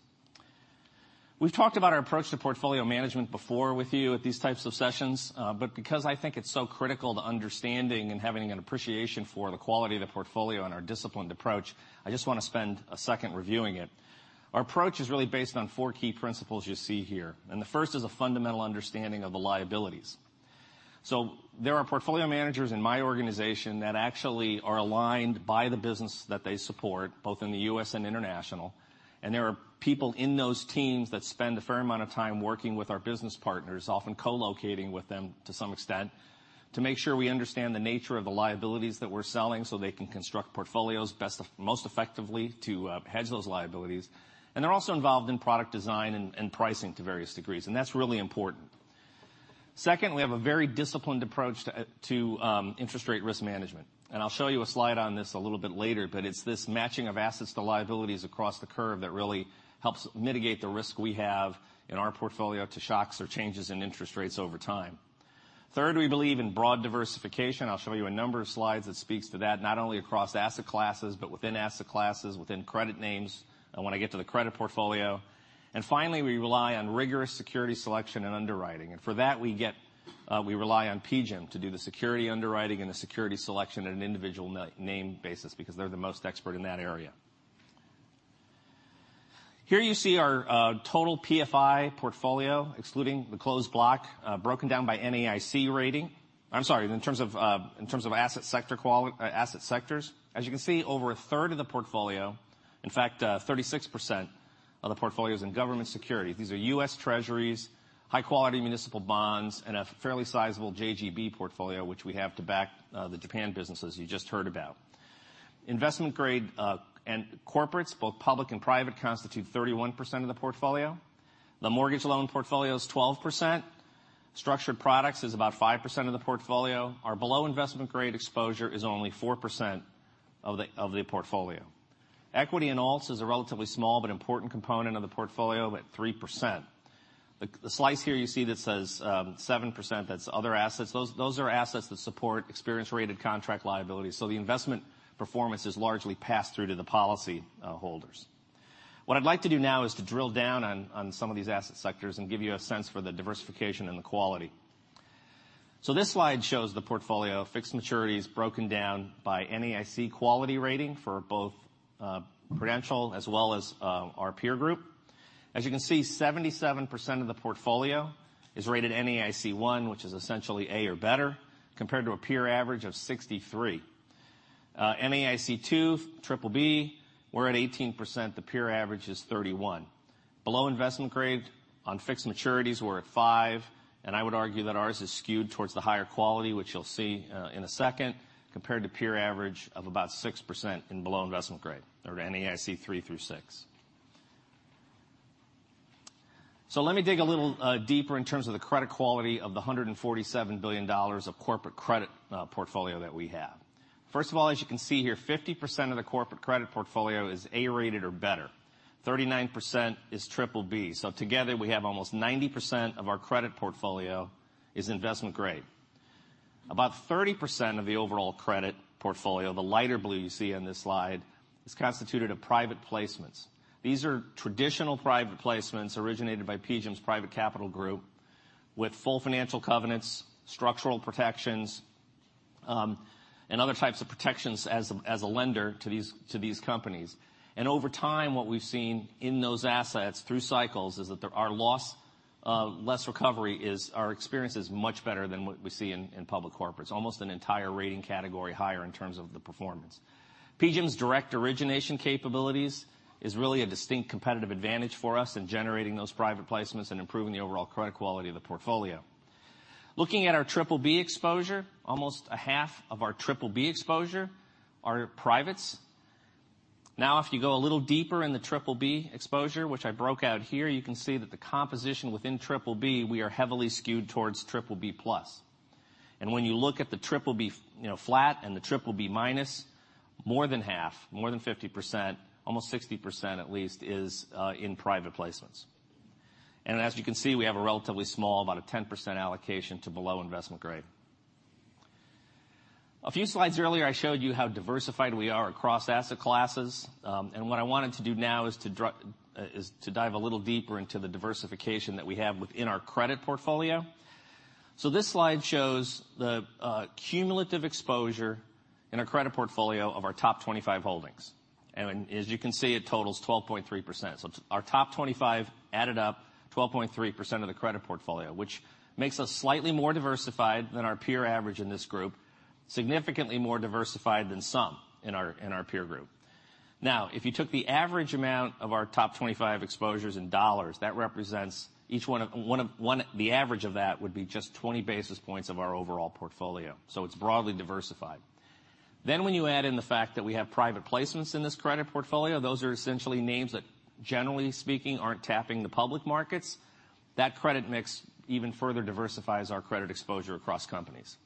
We've talked about our approach to portfolio management before with you at these types of sessions. Because I think it's so critical to understanding and having an appreciation for the quality of the portfolio and our disciplined approach, I just want to spend a second reviewing it. Our approach is really based on four key principles you see here, the first is a fundamental understanding of the liabilities. There are portfolio managers in my organization that actually are aligned by the business that they support, both in the U.S. and international. There are people in those teams that spend a fair amount of time working with our business partners, often co-locating with them to some extent, to make sure we understand the nature of the liabilities that we're selling so they can construct portfolios most effectively to hedge those liabilities. They're also involved in product design and pricing to various degrees, and that's really important. Second, we have a very disciplined approach to interest rate risk management. I'll show you a slide on this a little bit later, but it's this matching of assets to liabilities across the curve that really helps mitigate the risk we have in our portfolio to shocks or changes in interest rates over time. Third, we believe in broad diversification. I'll show you a number of slides that speaks to that, not only across asset classes but within asset classes, within credit names, and when I get to the credit portfolio. Finally, we rely on rigorous security selection and underwriting. For that, we rely on PGIM to do the security underwriting and the security selection at an individual name basis because they're the most expert in that area. Here you see our total PFI portfolio, excluding the closed block, broken down by NAIC rating. I'm sorry, in terms of asset sectors. As you can see, over a third of the portfolio, in fact, 36% of the portfolio is in government security. These are U.S. Treasuries, high-quality municipal bonds, and a fairly sizable JGB portfolio, which we have to back the Japan businesses you just heard about. Investment grade and corporates, both public and private, constitute 31% of the portfolio. The mortgage loan portfolio is 12%. Structured products is about 5% of the portfolio. Our below investment grade exposure is only 4% of the portfolio. Equity and alts is a relatively small but important component of the portfolio at 3%. The slice here you see that says 7%, that's other assets. Those are assets that support experience-rated contract liabilities. The investment performance is largely passed through to the policy holders. What I'd like to do now is to drill down on some of these asset sectors and give you a sense for the diversification and the quality. This slide shows the portfolio of fixed maturities broken down by NAIC quality rating for both Prudential as well as our peer group. As you can see, 77% of the portfolio is rated NAIC I, which is essentially A or better, compared to a peer average of 63%. NAIC II, BBB, we're at 18%. The peer average is 31%. Below investment grade on fixed maturities, we're at 5%, and I would argue that ours is skewed towards the higher quality, which you'll see in a second, compared to peer average of about 6% in below investment grade or NAIC 3 through 6. Let me dig a little deeper in terms of the credit quality of the $147 billion of corporate credit portfolio that we have. First of all, as you can see here, 50% of the corporate credit portfolio is A-rated or better. 39% is BBB. Together we have almost 90% of our credit portfolio is investment grade. About 30% of the overall credit portfolio, the lighter blue you see on this slide, is constituted of private placements. These are traditional private placements originated by PGIM's private capital group with full financial covenants, structural protections, and other types of protections as a lender to these companies. Over time, what we've seen in those assets through cycles is that our loss, less recovery, our experience is much better than what we see in public corporates. Almost an entire rating category higher in terms of the performance. PGIM's direct origination capabilities is really a distinct competitive advantage for us in generating those private placements and improving the overall credit quality of the portfolio. Looking at our BBB exposure, almost a half of our BBB exposure are privates. If you go a little deeper in the BBB exposure, which I broke out here, you can see that the composition within BBB, we are heavily skewed towards BBB+. When you look at the BBB flat and the BBB minus, more than half, more than 50%, almost 60% at least, is in private placements. As you can see, we have a relatively small, about a 10% allocation to below investment grade. A few slides earlier, I showed you how diversified we are across asset classes. What I wanted to do now is to dive a little deeper into the diversification that we have within our credit portfolio. This slide shows the cumulative exposure in our credit portfolio of our top 25 holdings. As you can see, it totals 12.3%. Our top 25 added up 12.3% of the credit portfolio, which makes us slightly more diversified than our peer average in this group, significantly more diversified than some in our peer group. If you took the average amount of our top 25 exposures in dollars, the average of that would be just 20 basis points of our overall portfolio. It's broadly diversified. When you add in the fact that we have private placements in this credit portfolio, those are essentially names that generally speaking aren't tapping the public markets. That credit mix even further diversifies our credit exposure across companies.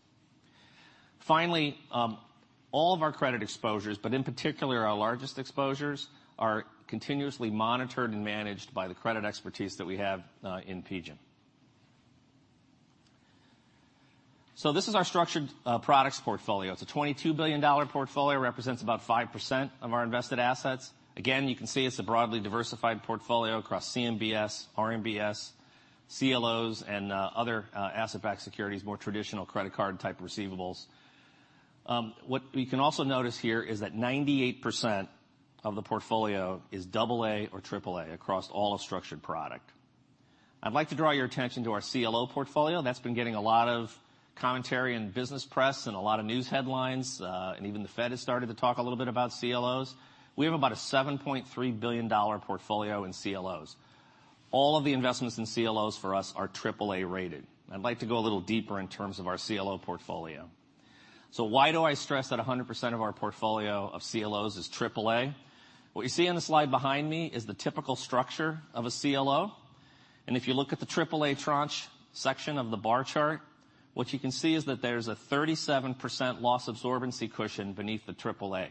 Finally, all of our credit exposures, but in particular our largest exposures, are continuously monitored and managed by the credit expertise that we have in PGIM. This is our structured products portfolio. It's a $22 billion portfolio, represents about 5% of our invested assets. Again, you can see it's a broadly diversified portfolio across CMBS, RMBS, CLOs, and other asset-backed securities, more traditional credit card type receivables. What we can also notice here is that 98% of the portfolio is AA or AAA across all of structured product. I'd like to draw your attention to our CLO portfolio. That's been getting a lot of commentary in business press and a lot of news headlines. Even the Fed has started to talk a little bit about CLOs. We have about a $7.3 billion portfolio in CLOs. All of the investments in CLOs for us are AAA rated. I'd like to go a little deeper in terms of our CLO portfolio. Why do I stress that 100% of our portfolio of CLOs is AAA? What you see on the slide behind me is the typical structure of a CLO. If you look at the AAA tranche section of the bar chart, what you can see is that there's a 37% loss absorbency cushion beneath the AAA.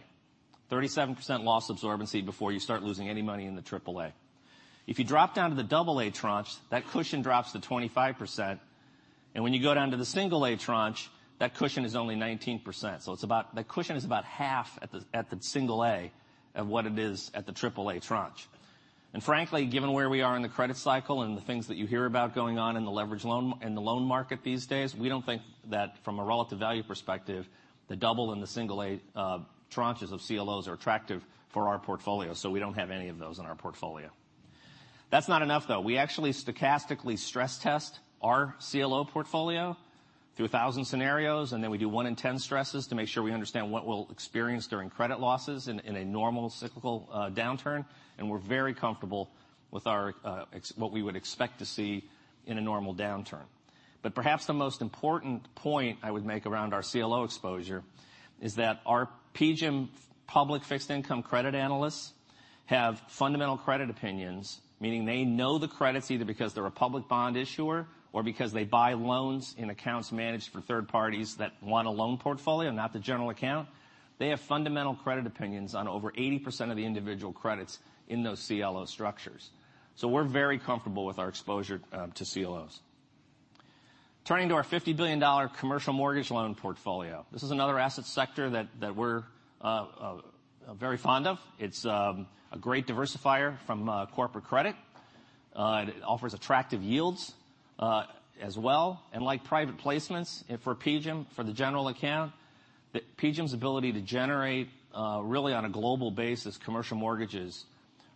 37% loss absorbency before you start losing any money in the AAA. If you drop down to the AA tranche, that cushion drops to 25%. When you go down to the A tranche, that cushion is only 19%. That cushion is about half at the A of what it is at the AAA tranche. Frankly, given where we are in the credit cycle and the things that you hear about going on in the loan market these days, we don't think that from a relative value perspective, the double and the single A tranches of CLOs are attractive for our portfolio. We don't have any of those in our portfolio. That's not enough, though. We actually stochastically stress test our CLO portfolio through 1,000 scenarios. Then we do 1 in 10 stresses to make sure we understand what we'll experience during credit losses in a normal cyclical downturn, and we're very comfortable with what we would expect to see in a normal downturn. Perhaps the most important point I would make around our CLO exposure is that our PGIM public fixed income credit analysts have fundamental credit opinions, meaning they know the credits either because they're a public bond issuer or because they buy loans in accounts managed for third parties that want a loan portfolio, not the general account. They have fundamental credit opinions on over 80% of the individual credits in those CLO structures. We're very comfortable with our exposure to CLOs. Turning to our $50 billion commercial mortgage loan portfolio. This is another asset sector that we're very fond of. It's a great diversifier from corporate credit. It offers attractive yields as well. Like private placements for PGIM for the general account, PGIM's ability to generate, really on a global basis, commercial mortgages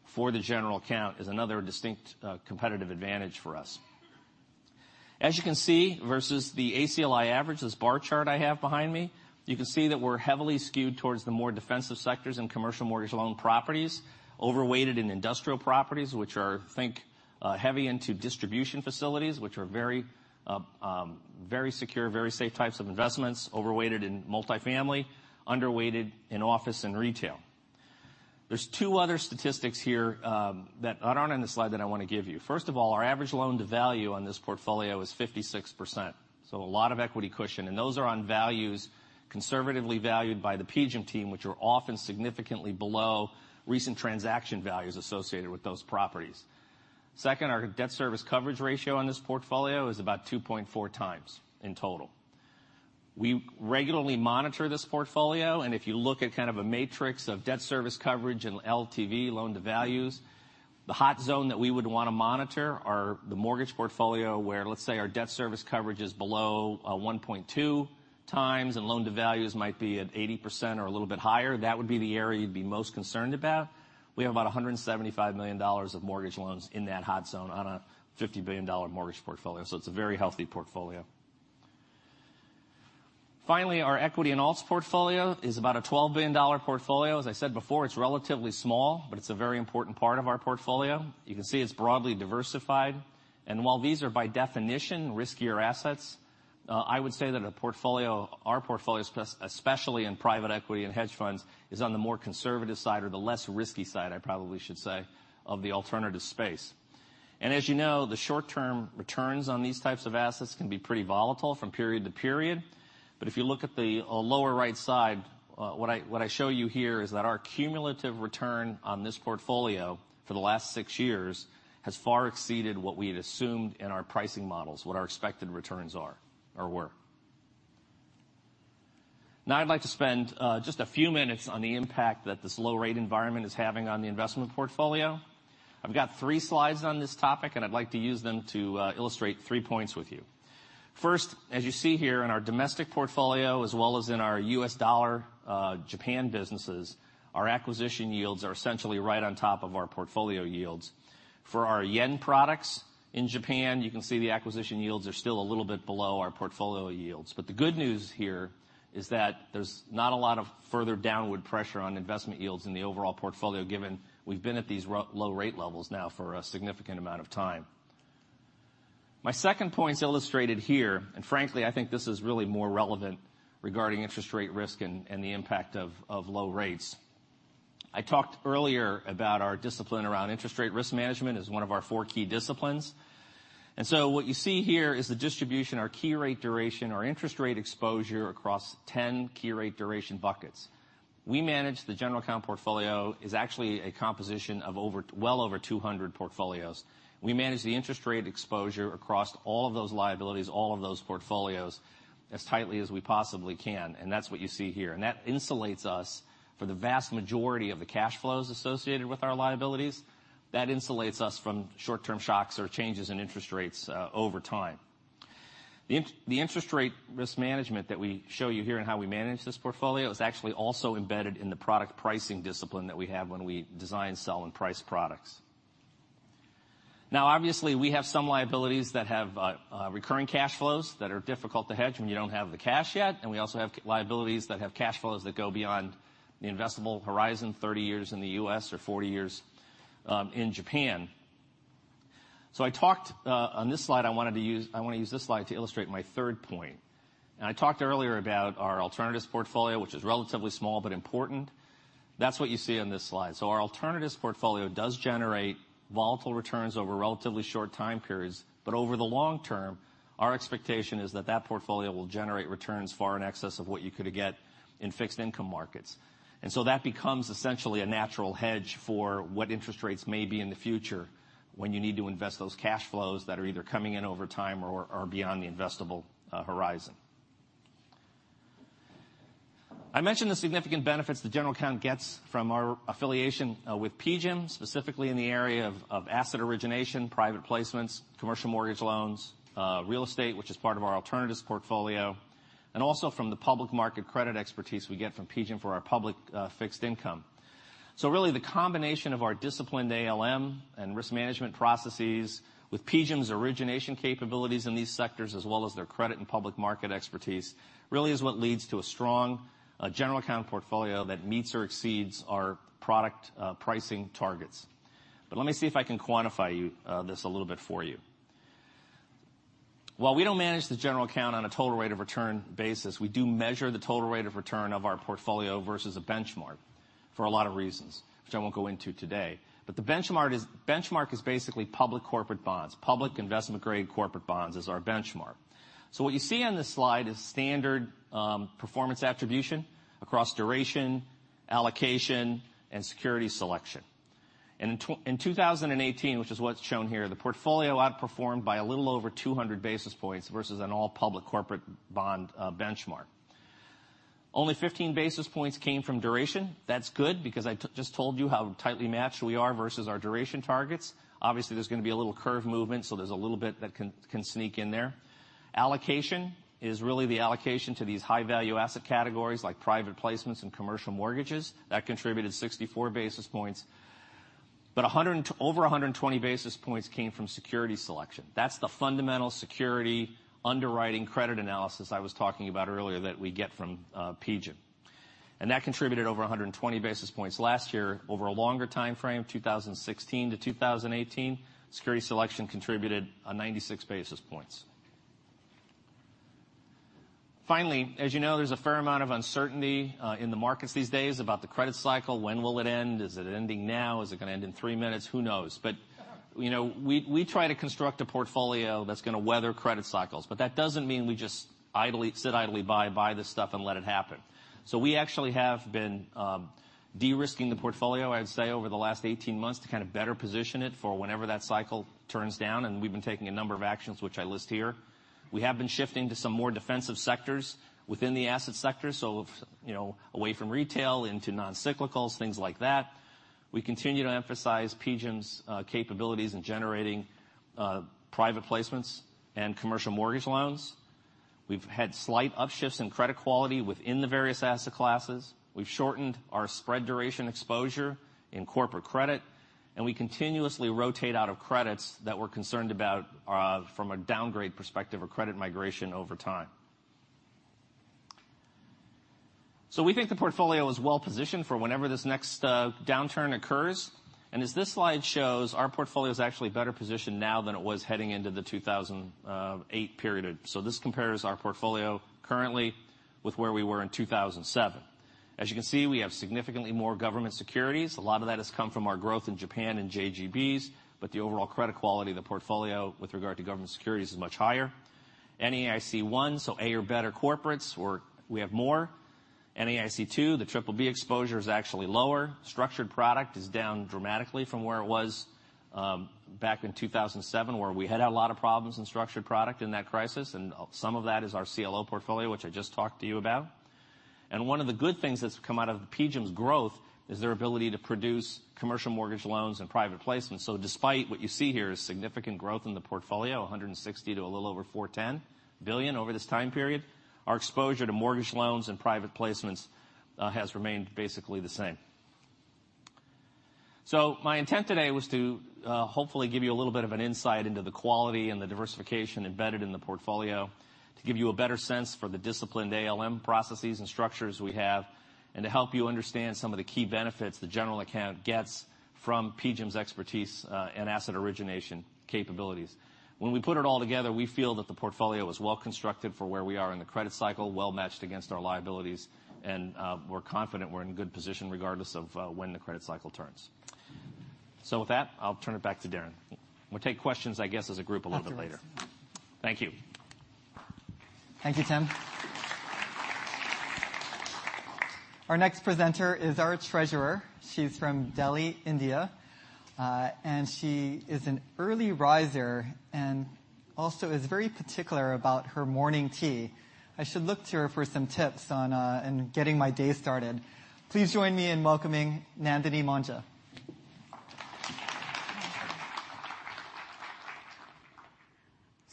for the general account is another distinct competitive advantage for us. As you can see versus the ACLI average, this bar chart I have behind me, you can see that we are heavily skewed towards the more defensive sectors in commercial mortgage loan properties, overweighted in industrial properties, which are, think, heavy into distribution facilities, which are very secure, very safe types of investments, overweighted in multifamily, underweighted in office and retail. There's two other statistics here that are not on the slide that I want to give you. First of all, our average loan-to-value on this portfolio is 56%. So a lot of equity cushion, and those are on values conservatively valued by the PGIM team, which are often significantly below recent transaction values associated with those properties. Second, our debt service coverage ratio on this portfolio is about 2.4 times in total. We regularly monitor this portfolio, if you look at kind of a matrix of debt service coverage and LTV, loan-to-values, the hot zone that we would want to monitor are the mortgage portfolio, where let's say our debt service coverage is below 1.2 times and loan-to-values might be at 80% or a little bit higher. That would be the area you'd be most concerned about. We have about $175 million of mortgage loans in that hot zone on a $50 billion mortgage portfolio. It's a very healthy portfolio. Finally, our equity and alts portfolio is about a $12 billion portfolio. As I said before, it's relatively small, but it's a very important part of our portfolio. You can see it's broadly diversified. While these are by definition riskier assets, I would say that our portfolio, especially in private equity and hedge funds, is on the more conservative side or the less risky side, I probably should say, of the alternative space. As you know, the short-term returns on these types of assets can be pretty volatile from period to period. If you look at the lower right side, what I show you here is that our cumulative return on this portfolio for the last six years has far exceeded what we had assumed in our pricing models, what our expected returns are or were. Now I'd like to spend just a few minutes on the impact that this low rate environment is having on the investment portfolio. I've got three slides on this topic, and I'd like to use them to illustrate three points with you. First, as you see here in our domestic portfolio as well as in our U.S. dollar Japan businesses, our acquisition yields are essentially right on top of our portfolio yields. For our yen products in Japan, you can see the acquisition yields are still a little bit below our portfolio yields. The good news here is that there's not a lot of further downward pressure on investment yields in the overall portfolio, given we've been at these low rate levels now for a significant amount of time. My second point is illustrated here, frankly, I think this is really more relevant regarding interest rate risk and the impact of low rates. I talked earlier about our discipline around interest rate risk management as one of our four key disciplines. What you see here is the distribution, our key rate duration, our interest rate exposure across 10 key rate duration buckets. We manage the general account portfolio is actually a composition of well over 200 portfolios. We manage the interest rate exposure across all of those liabilities, all of those portfolios, as tightly as we possibly can. That's what you see here. That insulates us for the vast majority of the cash flows associated with our liabilities. That insulates us from short-term shocks or changes in interest rates over time. The interest rate risk management that we show you here and how we manage this portfolio is actually also embedded in the product pricing discipline that we have when we design, sell, and price products. Obviously we have some liabilities that have recurring cash flows that are difficult to hedge when you don't have the cash yet. We also have liabilities that have cash flows that go beyond the investable horizon, 30 years in the U.S. or 40 years in Japan. I want to use this slide to illustrate my third point. I talked earlier about our alternatives portfolio, which is relatively small but important. That's what you see on this slide. Our alternatives portfolio does generate volatile returns over relatively short time periods, but over the long term, our expectation is that that portfolio will generate returns far in excess of what you could get in fixed income markets. That becomes essentially a natural hedge for what interest rates may be in the future when you need to invest those cash flows that are either coming in over time or are beyond the investable horizon. I mentioned the significant benefits the general account gets from our affiliation with PGIM, specifically in the area of asset origination, private placements, commercial mortgage loans, real estate, which is part of our alternatives portfolio, and also from the public market credit expertise we get from PGIM for our public fixed income. Really the combination of our disciplined ALM and risk management processes with PGIM's origination capabilities in these sectors as well as their credit and public market expertise really is what leads to a strong general account portfolio that meets or exceeds our product pricing targets. Let me see if I can quantify this a little bit for you. While we don't manage the general account on a total rate of return basis, we do measure the total rate of return of our portfolio versus a benchmark for a lot of reasons, which I won't go into today. The benchmark is basically public corporate bonds. Public investment-grade corporate bonds is our benchmark. What you see on this slide is standard performance attribution across duration, allocation, and security selection. In 2018, which is what's shown here, the portfolio outperformed by a little over 200 basis points versus an all-public corporate bond benchmark. Only 15 basis points came from duration. That's good because I just told you how tightly matched we are versus our duration targets. Obviously, there's going to be a little curve movement, so there's a little bit that can sneak in there. Allocation is really the allocation to these high-value asset categories like private placements and commercial mortgages. That contributed 64 basis points. Over 120 basis points came from security selection. That's the fundamental security underwriting credit analysis I was talking about earlier that we get from PGIM. That contributed over 120 basis points last year. Over a longer timeframe, 2016 to 2018, security selection contributed 96 basis points. Finally, as you know, there's a fair amount of uncertainty in the markets these days about the credit cycle. When will it end? Is it ending now? Is it going to end in three minutes? Who knows? We try to construct a portfolio that's going to weather credit cycles. That doesn't mean we just sit idly by, buy this stuff, and let it happen. We actually have been de-risking the portfolio, I'd say, over the last 18 months to kind of better position it for whenever that cycle turns down, and we've been taking a number of actions, which I list here. We have been shifting to some more defensive sectors within the asset sector, so away from retail into non-cyclicals, things like that. We continue to emphasize PGIM's capabilities in generating private placements and commercial mortgage loans. We've had slight upshifts in credit quality within the various asset classes. We've shortened our spread duration exposure in corporate credit, and we continuously rotate out of credits that we're concerned about from a downgrade perspective or credit migration over time. We think the portfolio is well-positioned for whenever this next downturn occurs, and as this slide shows, our portfolio is actually better positioned now than it was heading into the 2008 period. This compares our portfolio currently with where we were in 2007. As you can see, we have significantly more government securities. A lot of that has come from our growth in Japan and JGBs, but the overall credit quality of the portfolio with regard to government securities is much higher. NAIC-1, so A or better corporates, we have more. NAIC-2, the triple B exposure is actually lower. Structured product is down dramatically from where it was back in 2007, where we had had a lot of problems in structured product in that crisis, and some of that is our CLO portfolio, which I just talked to you about. One of the good things that's come out of PGIM's growth is their ability to produce commercial mortgage loans and private placements. Despite what you see here is significant growth in the portfolio, $160 billion to a little over $410 billion over this time period, our exposure to mortgage loans and private placements has remained basically the same. My intent today was to hopefully give you a little bit of an insight into the quality and the diversification embedded in the portfolio, to give you a better sense for the disciplined ALM processes and structures we have, and to help you understand some of the key benefits the general account gets from PGIM's expertise and asset origination capabilities. When we put it all together, we feel that the portfolio is well-constructed for where we are in the credit cycle, well-matched against our liabilities, and we're confident we're in a good position regardless of when the credit cycle turns. With that, I'll turn it back to Darin. We'll take questions, I guess, as a group a little bit later. Thank you. Thank you, Tim. Our next presenter is our treasurer. She's from Delhi, India. She is an early riser and also is very particular about her morning tea. I should look to her for some tips in getting my day started. Please join me in welcoming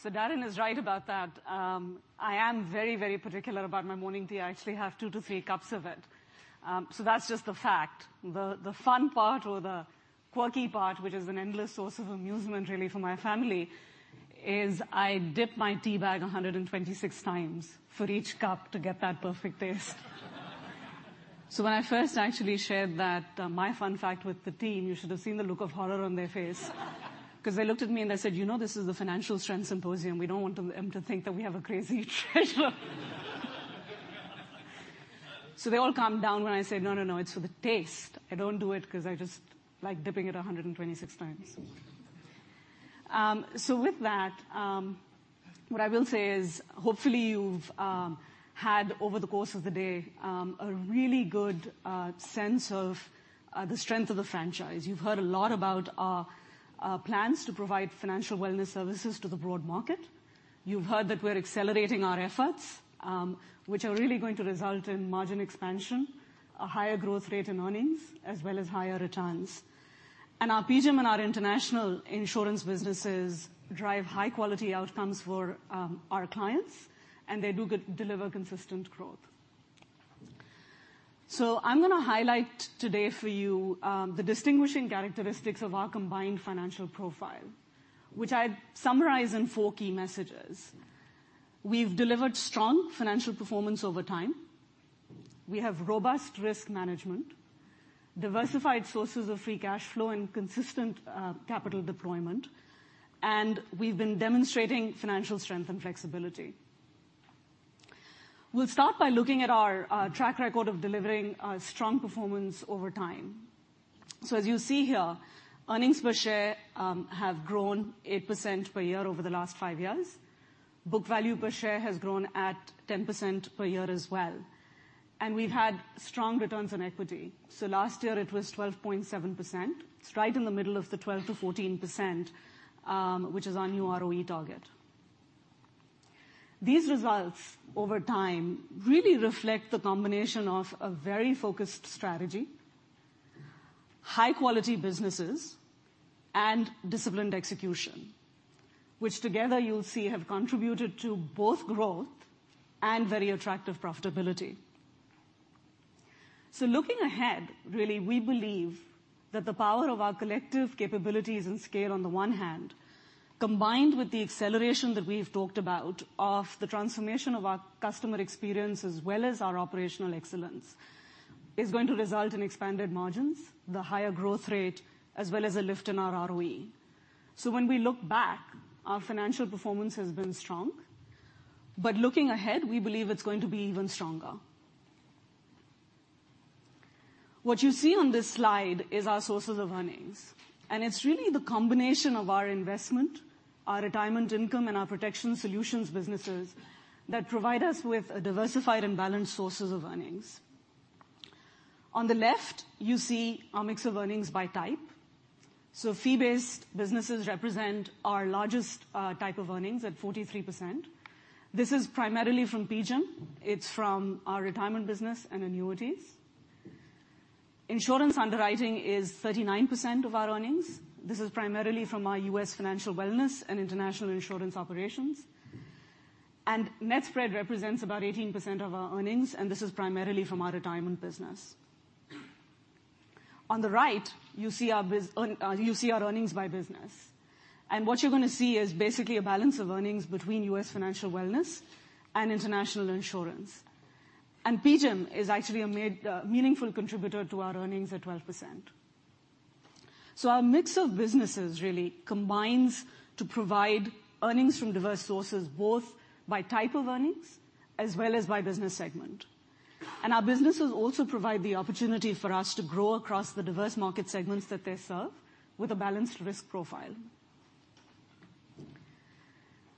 Yanela Frias. Darin is right about that. I am very particular about my morning tea. I actually have two to three cups of it. That's just the fact. The fun part or the quirky part, which is an endless source of amusement, really, for my family, is I dip my teabag 126 times for each cup to get that perfect taste. When I first actually shared that, my fun fact, with the team, you should have seen the look of horror on their face. They looked at me and they said, "You know this is the Financial Strength Symposium. We don't want them to think that we have a crazy treasurer." They all calmed down when I said, "No, it's for the taste. I don't do it because I just like dipping it 126 times." With that, what I will say is hopefully you've had, over the course of the day, a really good sense of the strength of the franchise. You've heard a lot about our plans to provide financial wellness services to the broad market. You've heard that we're accelerating our efforts, which are really going to result in margin expansion, a higher growth rate in earnings, as well as higher returns. Our PGIM and our international insurance businesses drive high-quality outcomes for our clients, and they do deliver consistent growth. I'm going to highlight today for you the distinguishing characteristics of our combined financial profile, which I summarize in four key messages. We've delivered strong financial performance over time. We have robust risk management, diversified sources of free cash flow, and consistent capital deployment. We've been demonstrating financial strength and flexibility. We'll start by looking at our track record of delivering strong performance over time. As you see here, earnings per share have grown 8% per year over the last five years. Book value per share has grown at 10% per year as well. We've had strong returns on equity. Last year it was 12.7%. It's right in the middle of the 12%-14%, which is our new ROE target. These results over time really reflect the combination of a very focused strategy, high-quality businesses, and disciplined execution, which together you'll see have contributed to both growth and very attractive profitability. Looking ahead, really, we believe that the power of our collective capabilities and scale on the one hand, combined with the acceleration that we've talked about of the transformation of our customer experience as well as our operational excellence, is going to result in expanded margins, the higher growth rate, as well as a lift in our ROE. When we look back, our financial performance has been strong. Looking ahead, we believe it's going to be even stronger. What you see on this slide is our sources of earnings, it's really the combination of our investment, our retirement income, and our protection solutions businesses that provide us with a diversified and balanced sources of earnings. On the left, you see our mix of earnings by type. Fee-based businesses represent our largest type of earnings at 43%. This is primarily from PGIM. It's from our retirement business and annuities. Insurance underwriting is 39% of our earnings. This is primarily from our U.S. financial wellness and international insurance operations. Net spread represents about 18% of our earnings, this is primarily from our retirement business. On the right, you see our earnings by business. What you're going to see is basically a balance of earnings between U.S. financial wellness and international insurance. PGIM is actually a meaningful contributor to our earnings at 12%. Our mix of businesses really combines to provide earnings from diverse sources, both by type of earnings as well as by business segment. Our businesses also provide the opportunity for us to grow across the diverse market segments that they serve with a balanced risk profile.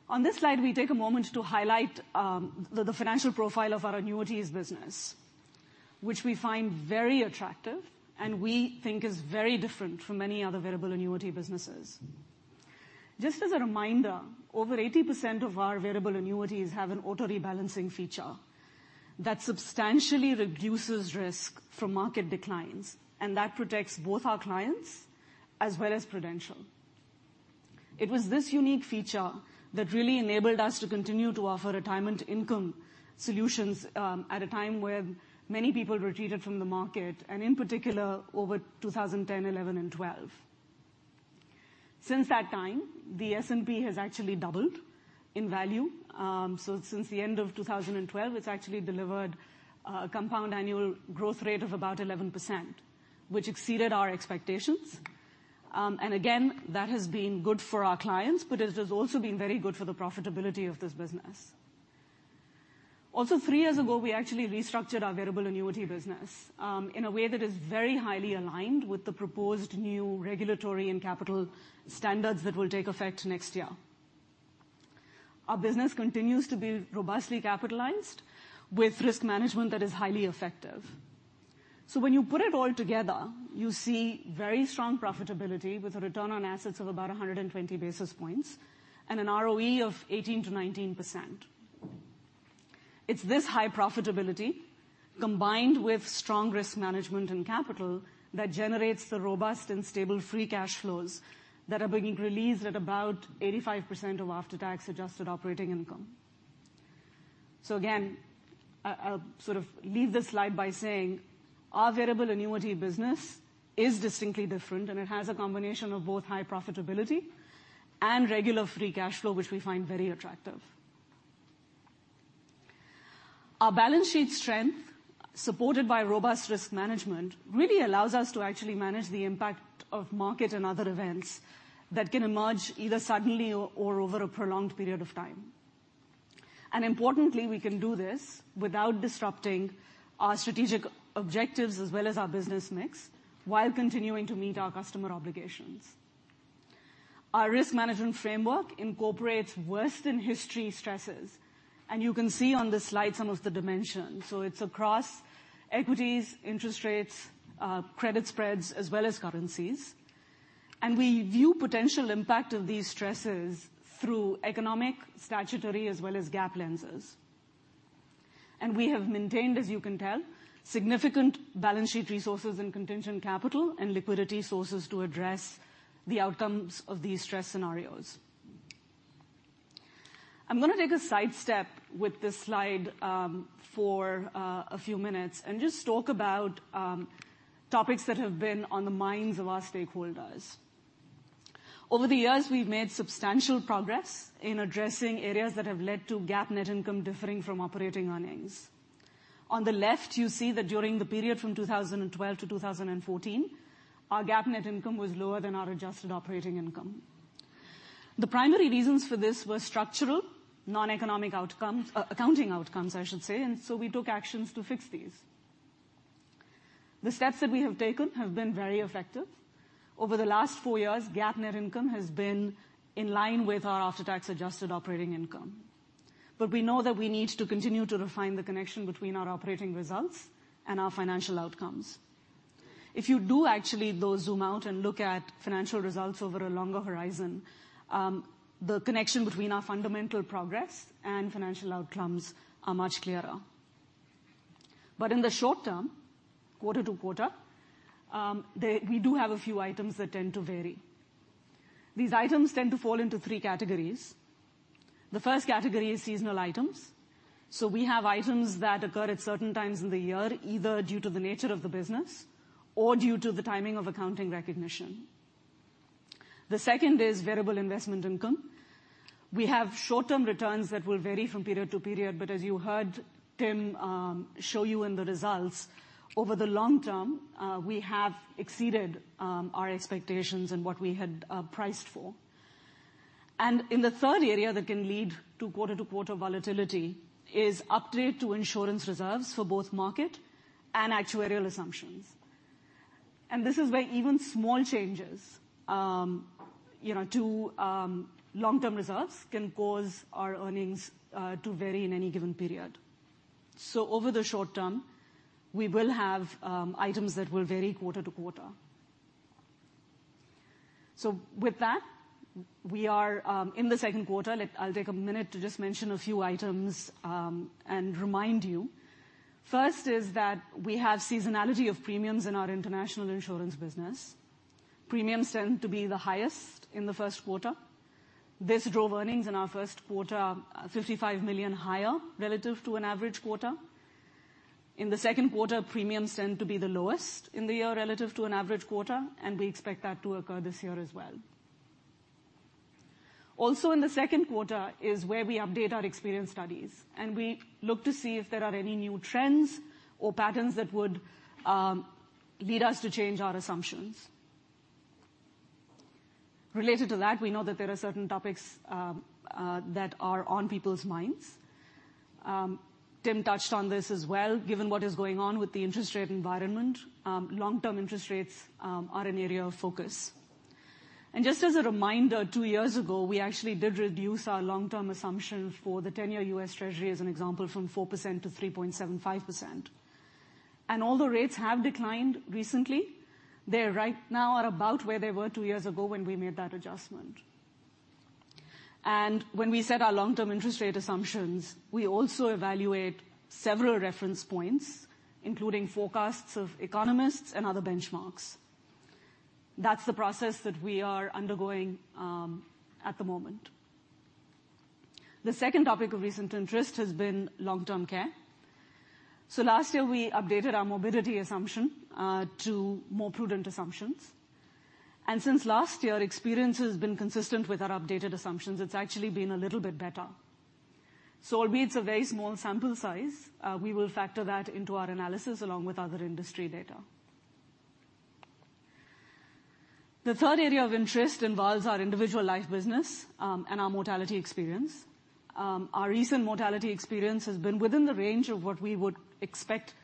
On this slide, we take a moment to highlight the financial profile of our annuities business, which we find very attractive and we think is very different from any other variable annuity businesses. Just as a reminder, over 80% of our variable annuities have an auto-rebalancing feature that substantially reduces risk from market declines, and that protects both our clients as well as Prudential. It was this unique feature that really enabled us to continue to offer retirement income solutions at a time where many people retreated from the market, and in particular over 2010, 2011, and 2012. Since that time, the S&P has actually doubled in value. Since the end of 2012, it's actually delivered a compound annual growth rate of about 11%, which exceeded our expectations. Again, that has been good for our clients, but it has also been very good for the profitability of this business. Three years ago, we actually restructured our variable annuity business in a way that is very highly aligned with the proposed new regulatory and capital standards that will take effect next year. Our business continues to be robustly capitalized with risk management that is highly effective. When you put it all together, you see very strong profitability with a return on assets of about 120 basis points and an ROE of 18%-19%. It's this high profitability, combined with strong risk management and capital, that generates the robust and stable free cash flows that are being released at about 85% of after-tax adjusted operating income. Again, I'll sort of leave this slide by saying our variable annuity business is distinctly different, and it has a combination of both high profitability and regular free cash flow, which we find very attractive. Our balance sheet strength, supported by robust risk management, really allows us to actually manage the impact of market and other events that can emerge either suddenly or over a prolonged period of time. Importantly, we can do this without disrupting our strategic objectives as well as our business mix while continuing to meet our customer obligations. Our risk management framework incorporates worst in history stresses, and you can see on this slide some of the dimensions. It's across equities, interest rates, credit spreads, as well as currencies. We view potential impact of these stresses through economic, statutory, as well as GAAP lenses. We have maintained, as you can tell, significant balance sheet resources and contingent capital and liquidity sources to address the outcomes of these stress scenarios. I'm going to take a sidestep with this slide for a few minutes and just talk about topics that have been on the minds of our stakeholders. Over the years, we've made substantial progress in addressing areas that have led to GAAP net income differing from operating earnings. On the left, you see that during the period from 2012-2014, our GAAP net income was lower than our adjusted operating income. The primary reasons for this were structural, non-economic outcomes, accounting outcomes, I should say, we took actions to fix these. The steps that we have taken have been very effective. Over the last four years, GAAP net income has been in line with our after-tax adjusted operating income. We know that we need to continue to refine the connection between our operating results and our financial outcomes. If you do actually, though, zoom out and look at financial results over a longer horizon, the connection between our fundamental progress and financial outcomes are much clearer. In the short term, quarter to quarter, we do have a few items that tend to vary. These items tend to fall into 3 categories. The first category is seasonal items. We have items that occur at certain times in the year, either due to the nature of the business or due to the timing of accounting recognition. The second is variable investment income. We have short-term returns that will vary from period to period, but as you heard Tim show you in the results, over the long term, we have exceeded our expectations and what we had priced for. In the third area that can lead to quarter-to-quarter volatility is update to insurance reserves for both market and actuarial assumptions. This is where even small changes to long-term reserves can cause our earnings to vary in any given period. Over the short term, we will have items that will vary quarter-to-quarter. With that, we are in the second quarter. I'll take a minute to just mention a few items and remind you. First is that we have seasonality of premiums in our international insurance business. Premiums tend to be the highest in the first quarter. This drove earnings in our first quarter, $55 million higher relative to an average quarter. In the second quarter, premiums tend to be the lowest in the year relative to an average quarter. We expect that to occur this year as well. Also in the second quarter is where we update our experience studies. We look to see if there are any new trends or patterns that would lead us to change our assumptions. Related to that, we know that there are certain topics that are on people's minds. Tim touched on this as well, given what is going on with the interest rate environment. Long-term interest rates are an area of focus. Just as a reminder, two years ago, we actually did reduce our long-term assumption for the 10-year U.S. Treasury, as an example, from 4%-3.75%. Although rates have declined recently, they're right now are about where they were two years ago when we made that adjustment. When we set our long-term interest rate assumptions, we also evaluate several reference points, including forecasts of economists and other benchmarks. That's the process that we are undergoing at the moment. The second topic of recent interest has been long-term care. Last year, we updated our morbidity assumption to more prudent assumptions. Since last year, experience has been consistent with our updated assumptions. It's actually been a little bit better. Albeit it's a very small sample size, we will factor that into our analysis along with other industry data. The third area of interest involves our individual life business and our mortality experience. Our recent mortality experience has been within the range of what we would expect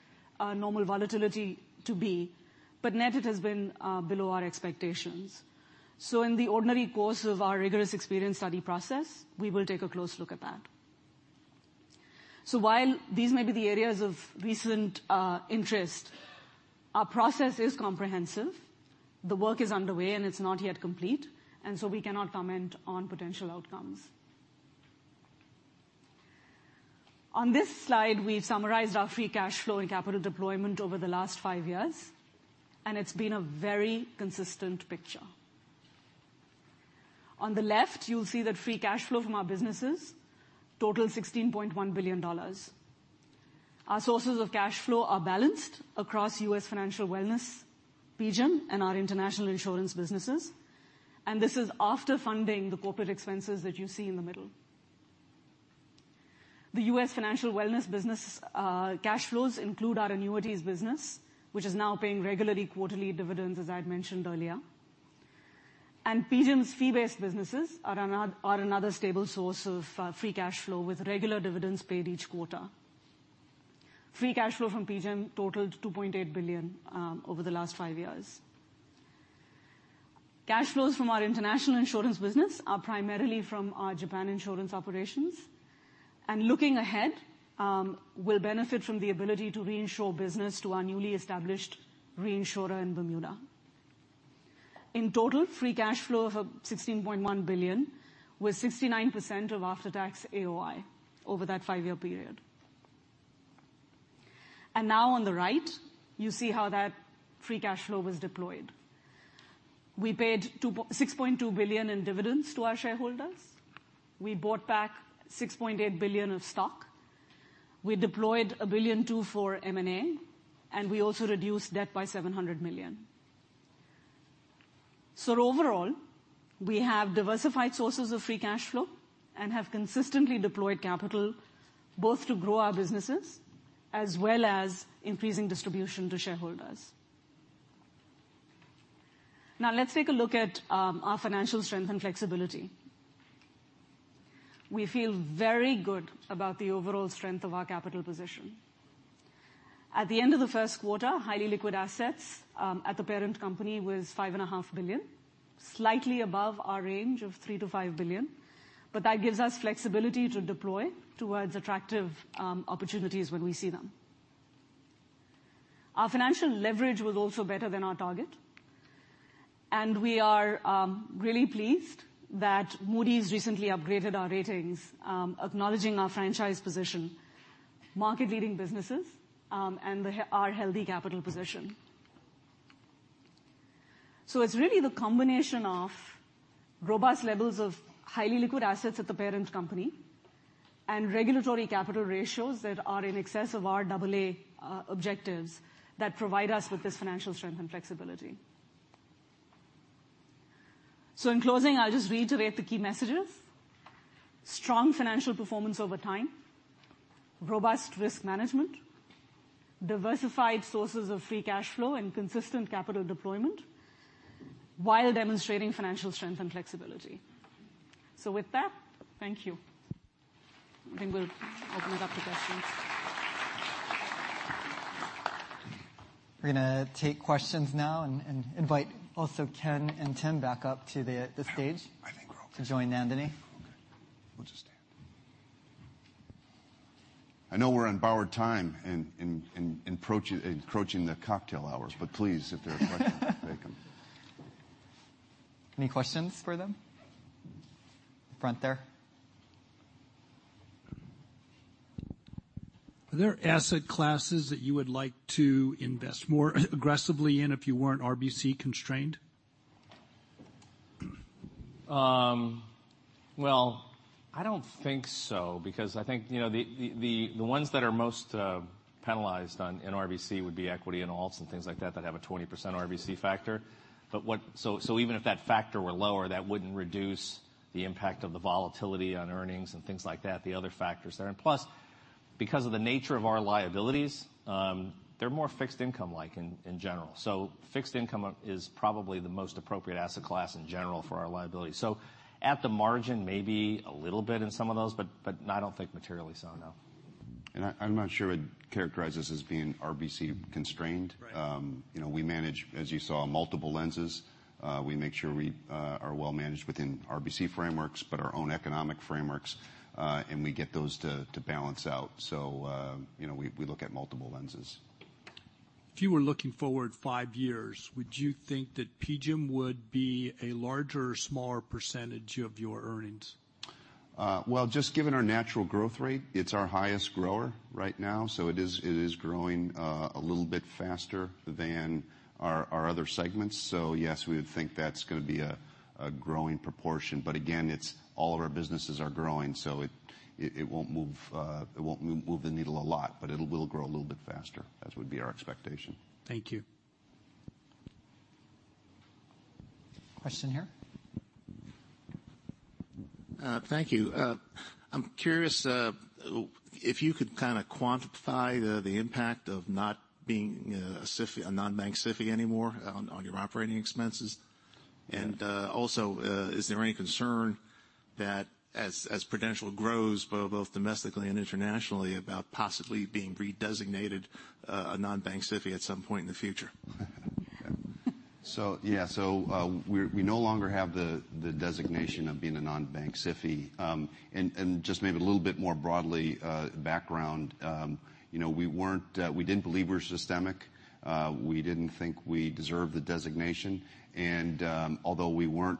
our normal volatility to be, but net, it has been below our expectations. In the ordinary course of our rigorous experience study process, we will take a close look at that. While these may be the areas of recent interest, our process is comprehensive. The work is underway. It's not yet complete. We cannot comment on potential outcomes. On this slide, we've summarized our free cash flow and capital deployment over the last five years. It's been a very consistent picture. On the left, you'll see that free cash flow from our businesses total $16.1 billion. Our sources of cash flow are balanced across U.S. Financial Wellness, PGIM, and our international insurance businesses. This is after funding the corporate expenses that you see in the middle. The U.S. Financial Wellness business cash flows include our annuities business, which is now paying regularly quarterly dividends, as I had mentioned earlier. PGIM's fee-based businesses are another stable source of free cash flow, with regular dividends paid each quarter. Free cash flow from PGIM totaled $2.8 billion over the last five years. Cash flows from our international insurance business are primarily from our Japan insurance operations. Looking ahead, will benefit from the ability to reinsure business to our newly established reinsurer in Bermuda. In total, free cash flow of $16.1 billion, with 69% of after-tax AOI over that five-year period. Now on the right, you see how that free cash flow was deployed. We paid $6.2 billion in dividends to our shareholders. We bought back $6.8 billion of stock. We deployed $1.2 billion for M&A, and we also reduced debt by $700 million. Overall, we have diversified sources of free cash flow and have consistently deployed capital both to grow our businesses as well as increasing distribution to shareholders. Let's take a look at our financial strength and flexibility. We feel very good about the overall strength of our capital position. At the end of the first quarter, highly liquid assets at the parent company was $5.5 billion, slightly above our range of $3 billion-$5 billion. That gives us flexibility to deploy towards attractive opportunities when we see them. Our financial leverage was also better than our target. We are really pleased that Moody's recently upgraded our ratings, acknowledging our franchise position, market-leading businesses, and our healthy capital position. It's really the combination of robust levels of highly liquid assets at the parent company and regulatory capital ratios that are in excess of our AA objectives that provide us with this financial strength and flexibility. In closing, I'll just reiterate the key messages. Strong financial performance over time, robust risk management, diversified sources of free cash flow, and consistent capital deployment while demonstrating financial strength and flexibility. With that, thank you. I think we'll open it up to questions. We're going to take questions now and invite also Ken and Tim back up to the stage. I think we're okay to join Yanela Frias. We're good. We'll just stand. I know we're on borrowed time and encroaching the cocktail hour, but please, if there are questions, take them. Any questions for them? Front there. Are there asset classes that you would like to invest more aggressively in if you weren't RBC constrained? Well, I don't think so because I think the ones that are most penalized on in RBC would be equity and alts and things like that that have a 20% RBC factor. Even if that factor were lower, that wouldn't reduce the impact of the volatility on earnings and things like that, the other factors there. Plus, because of the nature of our liabilities, they're more fixed income like in general. Fixed income is probably the most appropriate asset class in general for our liability. At the margin, maybe a little bit in some of those, but I don't think materially so, no. I'm not sure I'd characterize this as being RBC constrained. Right. We manage, as you saw, multiple lenses. We make sure we are well managed within RBC frameworks, but our own economic frameworks, and we get those to balance out. We look at multiple lenses. If you were looking forward five years, would you think that PGIM would be a larger or smaller percentage of your earnings? Well, just given our natural growth rate, it's our highest grower right now, it is growing a little bit faster than our other segments. Yes, we would think that's going to be a growing proportion. Again, all of our businesses are growing, it won't move the needle a lot, but it will grow a little bit faster. That would be our expectation. Thank you. Question here. Thank you. I'm curious if you could kind of quantify the impact of not being a non-bank SIFI anymore on your operating expenses. Is there any concern that as Prudential grows both domestically and internationally, about possibly being redesignated a non-bank SIFI at some point in the future? Yeah. We no longer have the designation of being a non-bank SIFI. Just maybe a little bit more broadly, background, we didn't believe we were systemic. We didn't think we deserved the designation. Although we're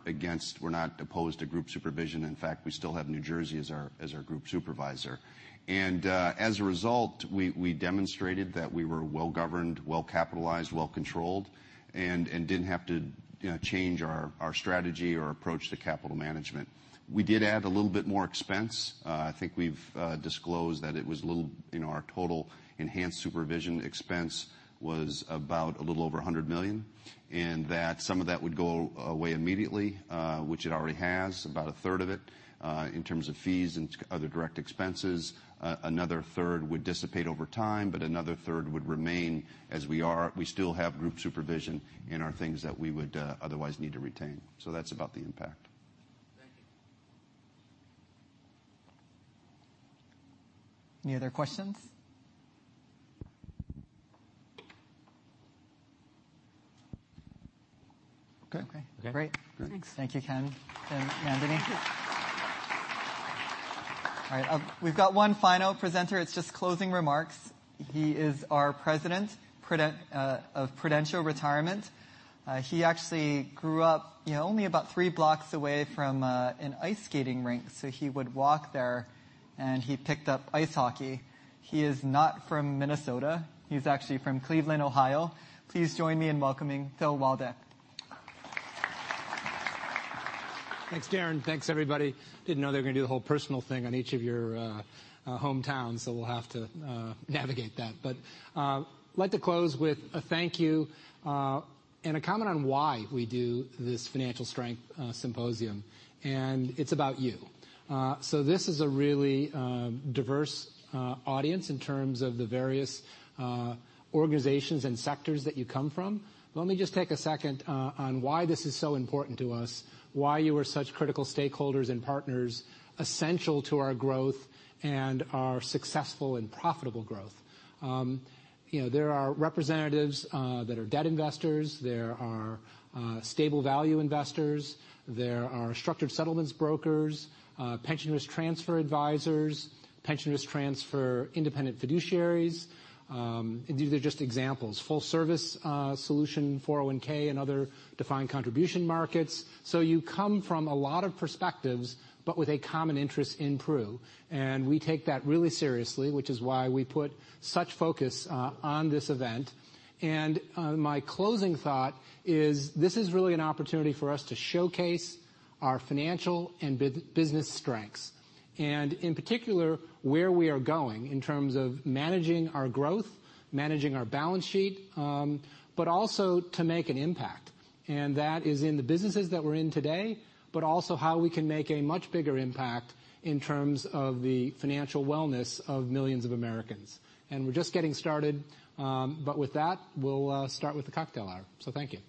not opposed to group supervision, in fact, we still have New Jersey as our group supervisor. As a result, we demonstrated that we were well-governed, well-capitalized, well-controlled, and didn't have to change our strategy or approach to capital management. We did add a little bit more expense. I think we've disclosed that our total enhanced supervision expense was about a little over $100 million, and that some of that would go away immediately, which it already has, about a third of it, in terms of fees and other direct expenses. Another third would dissipate over time, but another third would remain as we are. We still have group supervision in our things that we would otherwise need to retain. That's about the impact. Thank you. Any other questions? Okay. Okay. Okay. Great. Thanks. Thank you, Ken and Nandini. All right, we've got one final presenter. It's just closing remarks. He is our president of Prudential Retirement. He actually grew up only about three blocks away from an ice skating rink. So he would walk there, and he picked up ice hockey. He is not from Minnesota. He's actually from Cleveland, Ohio. Please join me in welcoming Phil Waldeck. Thanks, Darin. Thanks, everybody. Didn't know they were going to do the whole personal thing on each of your hometowns, so we'll have to navigate that. I'd like to close with a thank you and a comment on why we do this Financial Strength Symposium, and it's about you. This is a really diverse audience in terms of the various organizations and sectors that you come from. Let me just take a second on why this is so important to us, why you are such critical stakeholders and partners essential to our growth and our successful and profitable growth. There are representatives that are debt investors. There are stable value investors. There are structured settlements brokers, pension risk transfer advisors, pension risk transfer independent fiduciaries. These are just examples. Full service solution, 401(k), and other defined contribution markets. You come from a lot of perspectives, but with a common interest in Pru, and we take that really seriously, which is why we put such focus on this event. My closing thought is this is really an opportunity for us to showcase our financial and business strengths, and in particular, where we are going in terms of managing our growth, managing our balance sheet, but also to make an impact. That is in the businesses that we're in today, but also how we can make a much bigger impact in terms of the financial wellness of millions of Americans. We're just getting started. With that, we'll start with the cocktail hour. Thank you